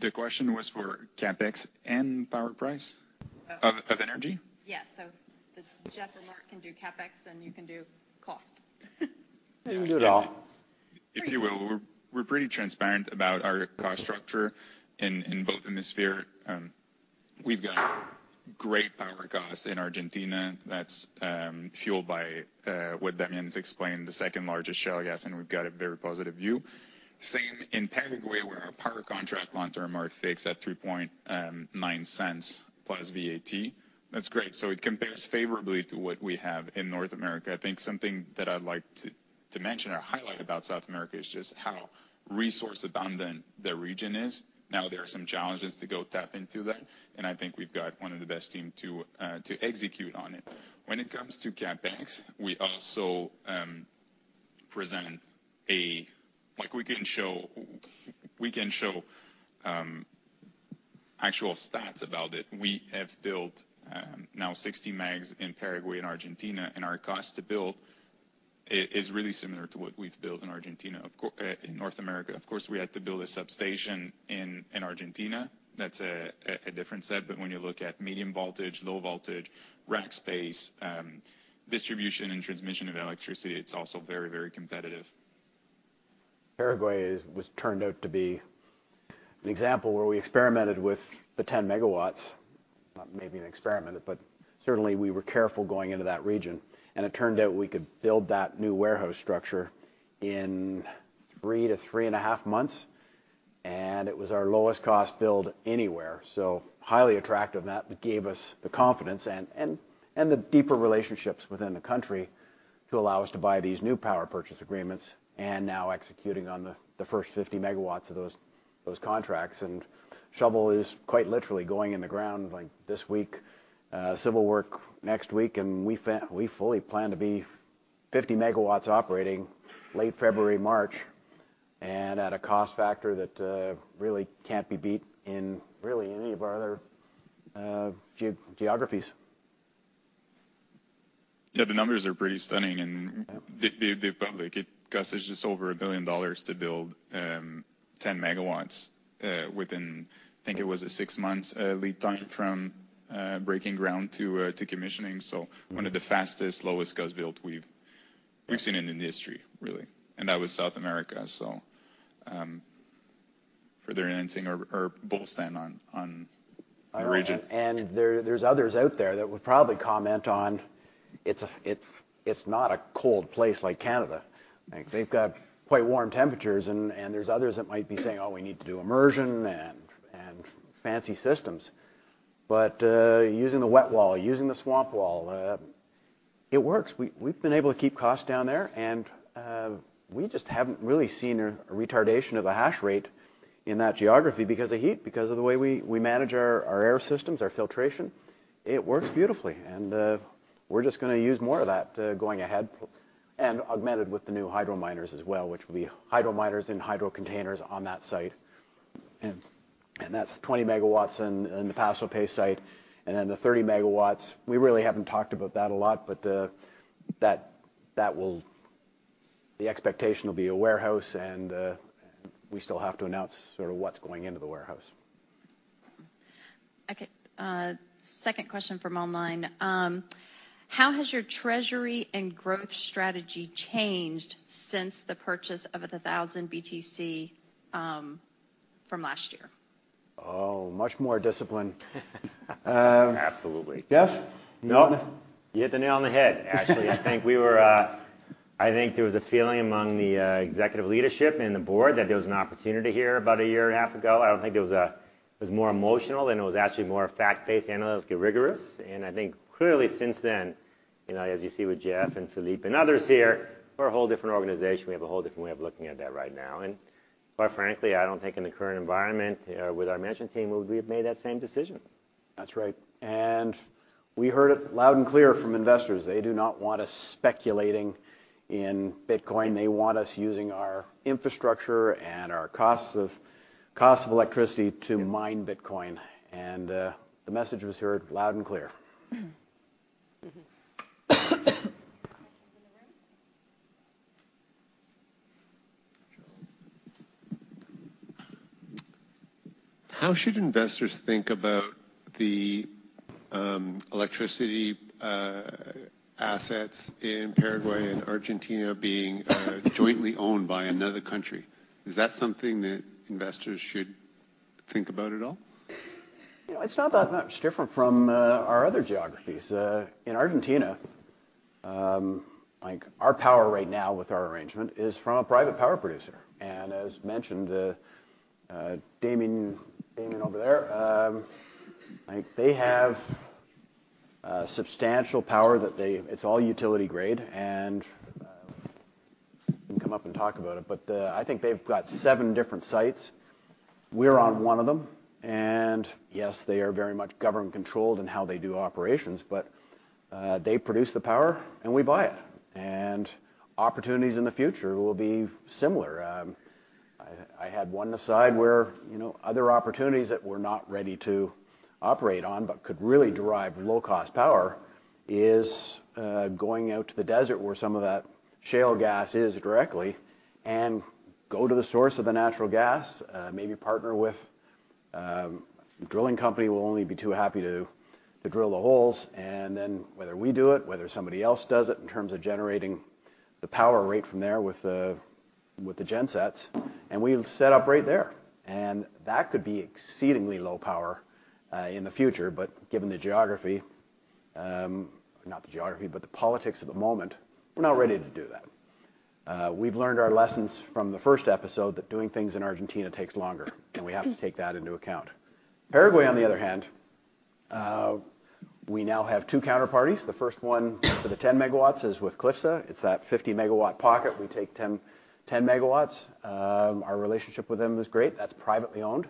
The question was for CapEx and power price of energy? Yeah. So Jeff and Mark can do CapEx, and you can do cost. We can do it all. If you will, we're pretty transparent about our cost structure in both hemispheres. We've got great power costs in Argentina that's fueled by what Damian's explained, the second largest shale gas, and we've got a very positive view. Same in Paraguay. Long-term are fixed at $0.039 plus VAT. That's great. So it compares favorably to what we have in North America. I think something that I'd like to mention or highlight about South America is just how resource-abundant the region is. Now, there are some challenges to go tap into that, and I think we've got one of the best team to execute on it. When it comes to CapEx, we also present a—like, we can show actual stats about it. We have built now 60 MW in Paraguay and Argentina, and our cost to build is really similar to what we've built in Argentina of course in North America. Of course, we had to build a substation in Argentina. That's a different set. But when you look at medium voltage, low voltage, rack space, distribution and transmission of electricity, it's also very, very competitive. Paraguay was turned out to be an example where we experimented with the 10 MWs. Not maybe an experiment, but certainly we were careful going into that region, and it turned out we could build that new warehouse structure in 3-3.5 months, and it was our lowest cost build anywhere. So highly attractive, and that gave us the confidence and the deeper relationships within the country to allow us to buy these new power purchase agreements, and now executing on the first 50MW of those contracts. And shovel is quite literally going in the ground, like, this week. Civil work next week, and we fully plan to be 50 MWs operating late February, March, and at a cost factor that really can't be beat in really any of our other geographies. Yeah, the numbers are pretty stunning, and- Mm-hmm... the public, it costs us just over $1 billion to build 10 MW within, I think it was a 6-month lead time from breaking ground to commissioning. Mm-hmm. One of the fastest, lowest-cost build we've- Yes... we've seen in the industry, really. And that was South America, so, further enhancing our bull stand on the region. I know, and there, there's others out there that would probably comment on it's not a cold place like Canada. Like, they've got quite warm temperatures, and there's others that might be saying, "Oh, we need to do immersion and fancy systems." But using the wet wall, using the swamp wall, it works. We've been able to keep costs down there, and we just haven't really seen a retardation of the hash rate in that geography because of heat, because of the way we manage our air systems, our filtration. It works beautifully, and we're just gonna use more of that going ahead, and augmented with the new hydro miners as well, which will be hydro miners and hydro containers on that site. And that's 20 MW in the Paso Pe site, and then the 30 MW, we really haven't talked about that a lot, but that will... The expectation will be a warehouse, and we still have to announce sort of what's going into the warehouse. Okay, second question from online. How has your treasury and growth strategy changed since the purchase of the 1,000 BTC from last year? Oh, much more discipline. Absolutely. Jeff, you want- Nope, you hit the nail on the head. Actually, I think we were. I think there was a feeling among the executive leadership and the board that there was an opportunity here about a year and a half ago. I don't think it was, it was more emotional than it was actually more fact-based, analytically rigorous. I think clearly since then, you know, as you see with Jeff and Philippe and others here, we're a whole different organization. We have a whole different way of looking at that right now, and quite frankly, I don't think in the current environment, with our management team, would we have made that same decision. That's right, and we heard it loud and clear from investors. They do not want us speculating in Bitcoin. They want us using our infrastructure and our costs of electricity- Yep... to mine Bitcoin, and the message was heard loud and clear. Mm-hmm. Questions in the room? How should investors think about the electricity assets in Paraguay and Argentina being jointly owned by another country? Is that something that investors should think about at all? You know, it's not that much different from our other geographies. In Argentina, like, our power right now with our arrangement is from a private power producer. And as mentioned, Damian, Damian over there, like, they have substantial power that they... It's all utility-grade, and he can come up and talk about it. But I think they've got seven different sites. We're on one of them, and yes, they are very much government-controlled in how they do operations, but they produce the power, and we buy it. And opportunities in the future will be similar. I had one aside where, you know, other opportunities that we're not ready to operate on, but could really derive low-cost power, is going out to the desert where some of that shale gas is directly, and go to the source of the natural gas, maybe partner with drilling company will only be too happy to drill the holes. And then whether we do it, whether somebody else does it, in terms of generating the power right from there with the gensets, and we'll set up right there. And that could be exceedingly low power in the future, but given the geography, not the geography, but the politics of the moment, we're not ready to do that. We've learned our lessons from the first episode, that doing things in Argentina takes longer, and we have to take that into account. Paraguay, on the other hand, we now have two counterparties. The first one for the 10 MW is with CLYFSA. It's that 50-megawatt pocket, we take 10, 10 MW. Our relationship with them is great. That's privately owned,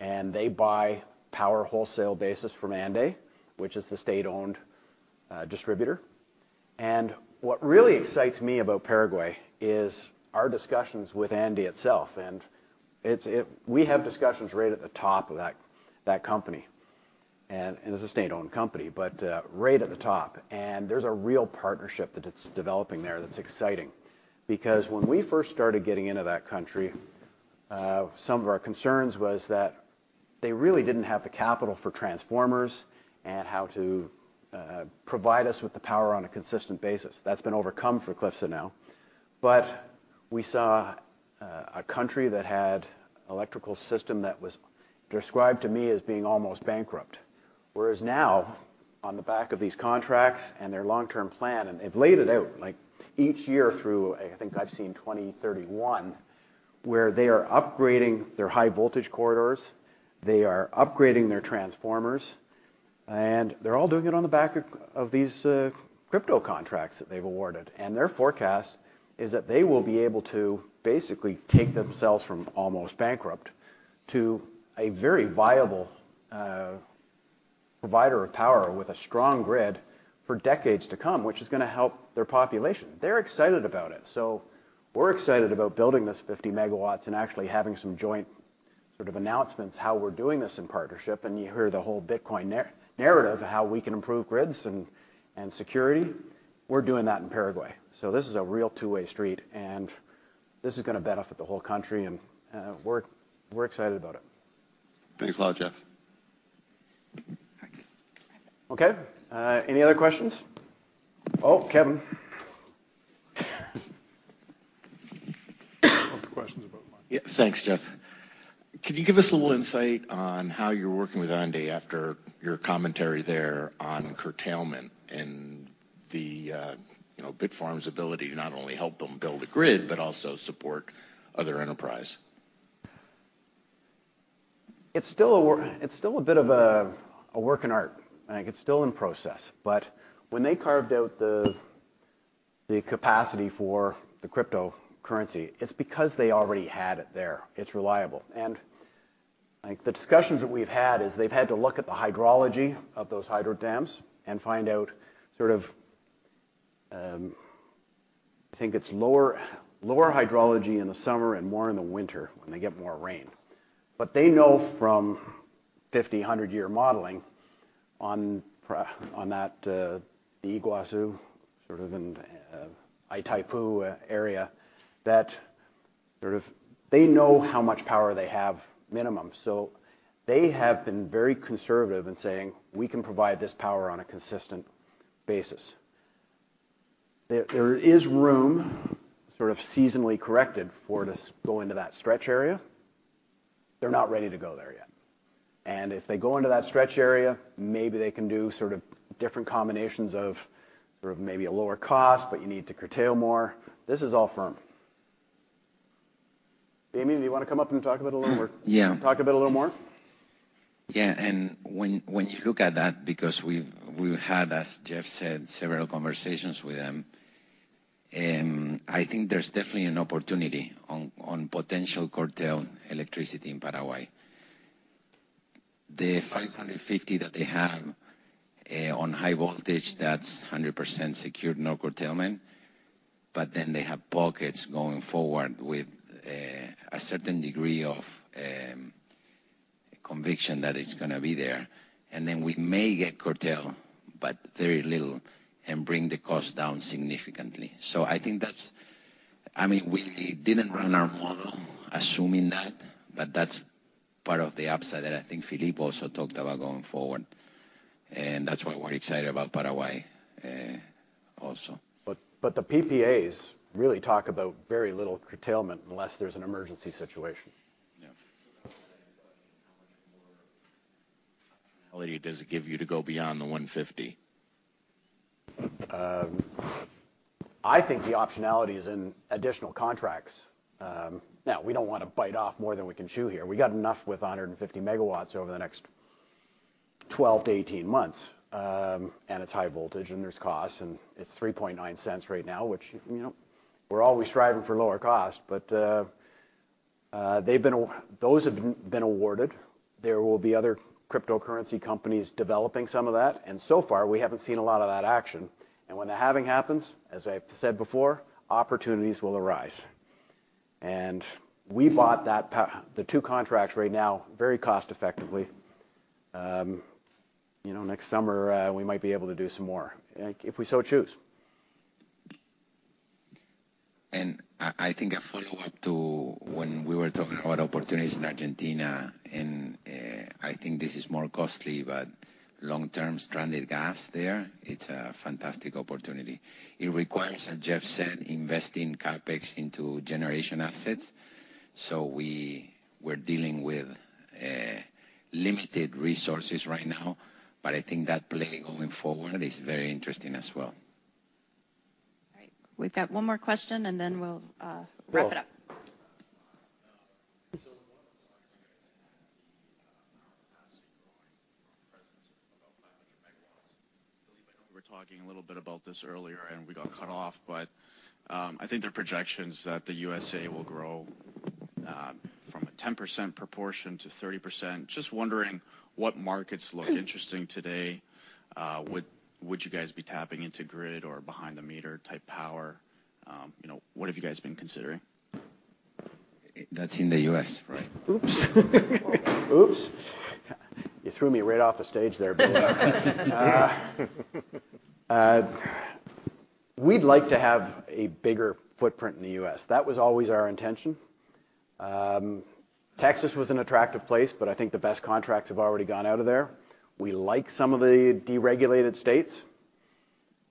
and they buy power wholesale basis from ANDE, which is the state-owned distributor. And what really excites me about Paraguay is our discussions with ANDE itself, and it's, it. We have discussions right at the top of that, that company, and, and it's a state-owned company, but, right at the top. And there's a real partnership that it's developing there that's exciting. Because when we first started getting into that country, some of our concerns was that they really didn't have the capital for transformers and how to, provide us with the power on a consistent basis. That's been overcome for CLYFSA now. But we saw, a country that had electrical system that was described to me as being almost bankrupt, whereas now, on the back of these contracts and their long-term plan, and they've laid it out, like, each year through, I think I've seen 2031, where they are upgrading their high-voltage corridors, they are upgrading their transformers, and they're all doing it on the back of, of these, crypto contracts that they've awarded. And their forecast is that they will be able to basically take themselves from almost bankrupt to a very viable provider of power with a strong grid for decades to come, which is gonna help their population. They're excited about it, so we're excited about building this 50 MW and actually having some joint sort of announcements, how we're doing this in partnership. And you heard the whole Bitcoin narrative of how we can improve grids and security. We're doing that in Paraguay. So this is a real two-way street, and this is gonna benefit the whole country, and we're excited about it. Thanks a lot, Jeff. Okay, any other questions? Oh, Kevin. Hope the question's about mine. Yeah. Thanks, Jeff. Could you give us a little insight on how you're working with ANDE after your commentary there on curtailment and the, you know, Bitfarms' ability to not only help them build a grid, but also support other enterprise? It's still a work... It's still a bit of a, a work of art, and it's still in process. But when they carved out the capacity for the cryptocurrency, it's because they already had it there. It's reliable. And, like, the discussions that we've had is they've had to look at the hydrology of those hydro dams and find out sort of, I think it's lower hydrology in the summer and more in the winter, when they get more rain. But they know from 50-, 100-year modeling on that, the Iguazú, sort of, and Itaipu area, that sort of they know how much power they have minimum. So they have been very conservative in saying, "We can provide this power on a consistent basis." There is room, sort of seasonally corrected, for it to go into that stretch area. They're not ready to go there yet. And if they go into that stretch area, maybe they can do sort of different combinations of maybe a lower cost, but you need to curtail more. This is all firm. Damian, do you want to come up and talk about it a little more? Yeah. Talk about it a little more? Yeah, and when you look at that, because we've had, as Jeff said, several conversations with them, I think there's definitely an opportunity on potential curtail electricity in Paraguay. The 550 that they have on high voltage, that's 100% secured, no curtailment, but then they have pockets going forward with a certain degree of conviction that it's gonna be there. And then we may get curtail, but very little, and bring the cost down significantly. So I think that's... I mean, we didn't run our model assuming that, but that's part of the upside, and I think Philippe also talked about going forward, and that's why we're excited about Paraguay, also. But the PPAs really talk about very little curtailment, unless there's an emergency situation. Yeah. How much more optionality does it give you to go beyond the 150? I think the optionality is in additional contracts. Now, we don't want to bite off more than we can chew here. We got enough with 150 MW over the next 12-18 months. And it's high voltage, and there's costs, and it's $0.039 right now, which, you know, we're always striving for lower cost, but, those have been awarded. There will be other cryptocurrency companies developing some of that, and so far we haven't seen a lot of that action. And when the halving happens, as I've said before, opportunities will arise. And we bought the two contracts right now, very cost effectively. You know, next summer, we might be able to do some more, if we so choose. I think a follow-up to when we were talking about opportunities in Argentina, and I think this is more costly, but long-term stranded gas there, it's a fantastic opportunity. It requires, as Jeff said, investing CapEx into generation assets. So we're dealing with limited resources right now, but I think that play going forward is very interesting as well. All right, we've got one more question, and then we'll wrap it up. So one of the slides you guys had, the power capacity growing from present about 500 MW. Philippe, I know we were talking a little bit about this earlier, and we got cut off, but I think the projections that the USA will grow from a 10% proportion to 30%. Just wondering what markets look interesting today? Would you guys be tapping into grid or behind-the-meter-type power? You know, what have you guys been considering? That's in the US, right? Oops. Oops! You threw me right off the stage there, Philippe. We'd like to have a bigger footprint in the U.S. That was always our intention. Texas was an attractive place, but I think the best contracts have already gone out of there. We like some of the deregulated states,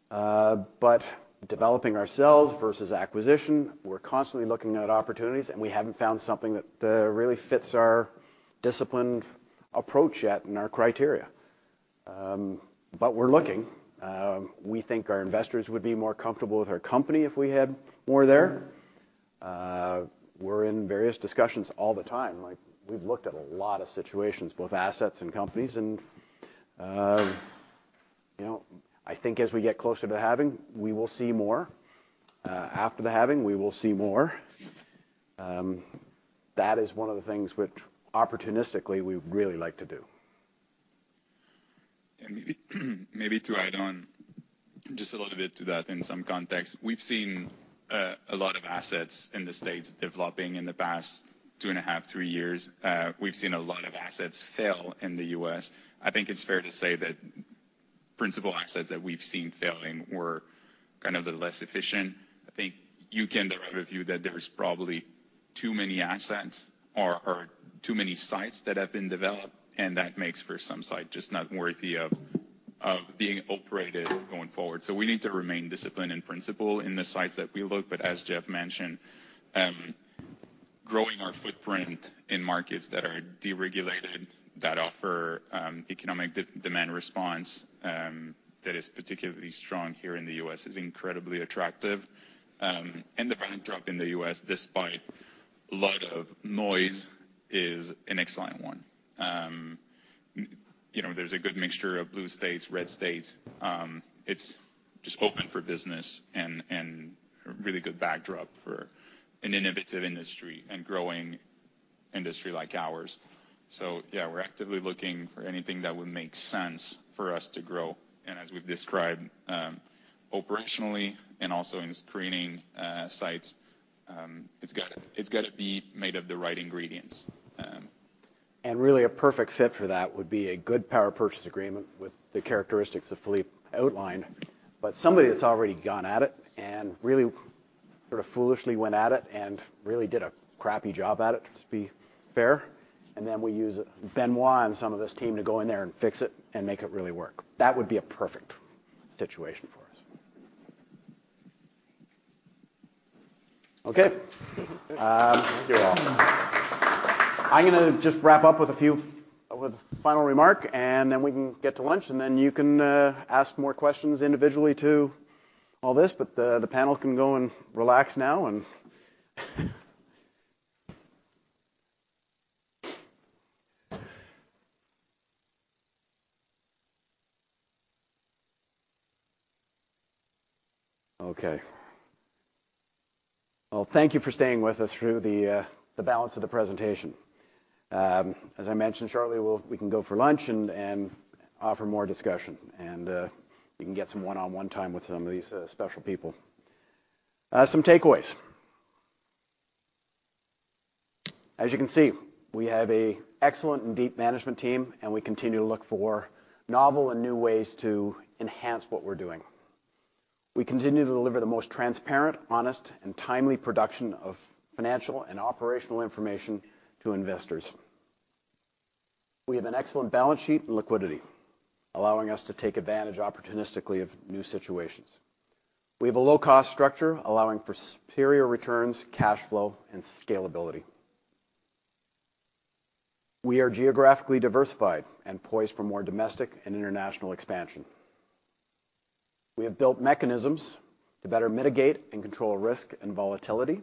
but developing ourselves versus acquisition, we're constantly looking at opportunities, and we haven't found something that, really fits our disciplined approach yet and our criteria. But we're looking. We think our investors would be more comfortable with our company if we had more there. We're in various discussions all the time. Like, we've looked at a lot of situations, both assets and companies, and, you know, I think as we get closer to halving, we will see more. After the halving, we will see more. That is one of the things which opportunistically we'd really like to do. And maybe, maybe to add on just a little bit to that in some context. We've seen a lot of assets in the States developing in the past 2.5-3 years. We've seen a lot of assets fail in the US. I think it's fair to say that principal assets that we've seen failing were kind of the less efficient. I think you can derive a view that there's probably too many assets or, or too many sites that have been developed, and that makes for some site just not worthy of, of being operated going forward. So we need to remain disciplined in principle in the sites that we look. But as Jeff mentioned, growing our footprint in markets that are deregulated, that offer economic demand response, that is particularly strong here in the US, is incredibly attractive. And the backdrop in the U.S., despite a lot of noise, is an excellent one. You know, there's a good mixture of blue states, red states. It's just open for business and a really good backdrop for an innovative industry and growing industry like ours. So yeah, we're actively looking for anything that would make sense for us to grow, and as we've described, operationally and also in screening sites, it's gotta be made of the right ingredients, And really a perfect fit for that would be a good power purchase agreement with the characteristics that Philippe outlined. But somebody that's already gone at it and really sort of foolishly went at it and really did a crappy job at it, to be fair, and then we use Benoit and some of this team to go in there and fix it and make it really work. That would be a perfect situation for us. Okay, thank you all. I'm gonna just wrap up with a final remark, and then we can get to lunch, and then you can ask more questions individually to all this, but the panel can go and relax now and okay. Well, thank you for staying with us through the balance of the presentation. As I mentioned, shortly, we'll go for lunch and offer more discussion, and you can get some one-on-one time with some of these special people. Some takeaways. As you can see, we have an excellent and deep management team, and we continue to look for novel and new ways to enhance what we're doing. We continue to deliver the most transparent, honest, and timely production of financial and operational information to investors. We have an excellent balance sheet and liquidity, allowing us to take advantage opportunistically of new situations. We have a low-cost structure, allowing for superior returns, cash flow, and scalability. We are geographically diversified and poised for more domestic and international expansion. We have built mechanisms to better mitigate and control risk and volatility.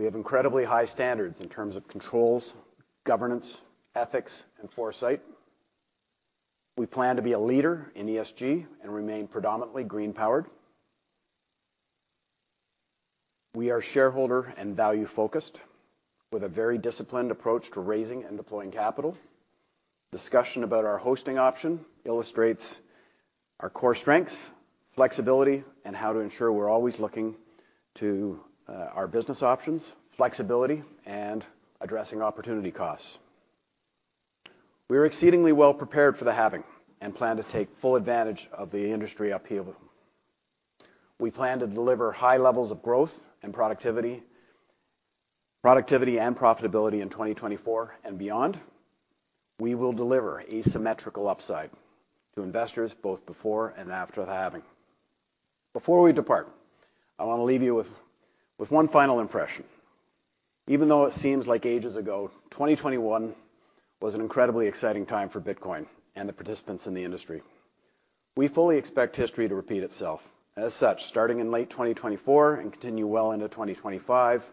We have incredibly high standards in terms of controls, governance, ethics, and foresight. We plan to be a leader in ESG and remain predominantly green-powered. We are shareholder and value-focused, with a very disciplined approach to raising and deploying capital. Discussion about our hosting option illustrates our core strengths, flexibility, and how to ensure we're always looking to our business options, flexibility, and addressing opportunity costs. We are exceedingly well prepared for the halving and plan to take full advantage of the industry upheaval. We plan to deliver high levels of growth and productivity, productivity and profitability in 2024 and beyond. We will deliver asymmetrical upside to investors both before and after the halving. Before we depart, I want to leave you with, with one final impression. Even though it seems like ages ago, 2021 was an incredibly exciting time for Bitcoin and the participants in the industry. We fully expect history to repeat itself. As such, starting in late 2024 and continue well into 2025,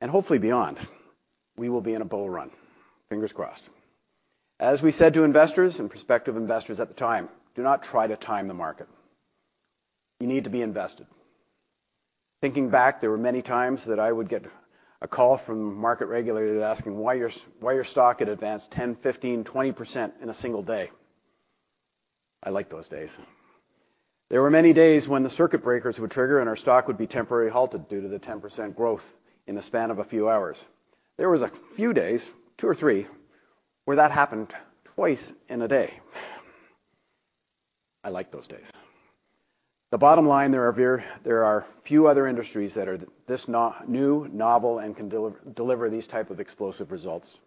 and hopefully beyond, we will be in a bull run. Fingers crossed. As we said to investors and prospective investors at the time: Do not try to time the market. You need to be invested. Thinking back, there were many times that I would get a call from market regulators asking why your stock had advanced 10%, 15%, 20% in a single day. I like those days. There were many days when the circuit breakers would trigger, and our stock would be temporarily halted due to the 10% growth in the span of a few hours. There was a few days, 2 or 3, where that happened twice in a day. I like those days. The bottom line, there are few other industries that are this new, novel, and can deliver these type of explosive results.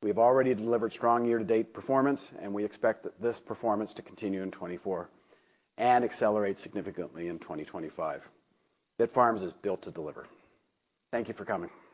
We've already delivered strong year-to-date performance, and we expect this performance to continue in 2024 and accelerate significantly in 2025. Bitfarms is built to deliver. Thank you for coming.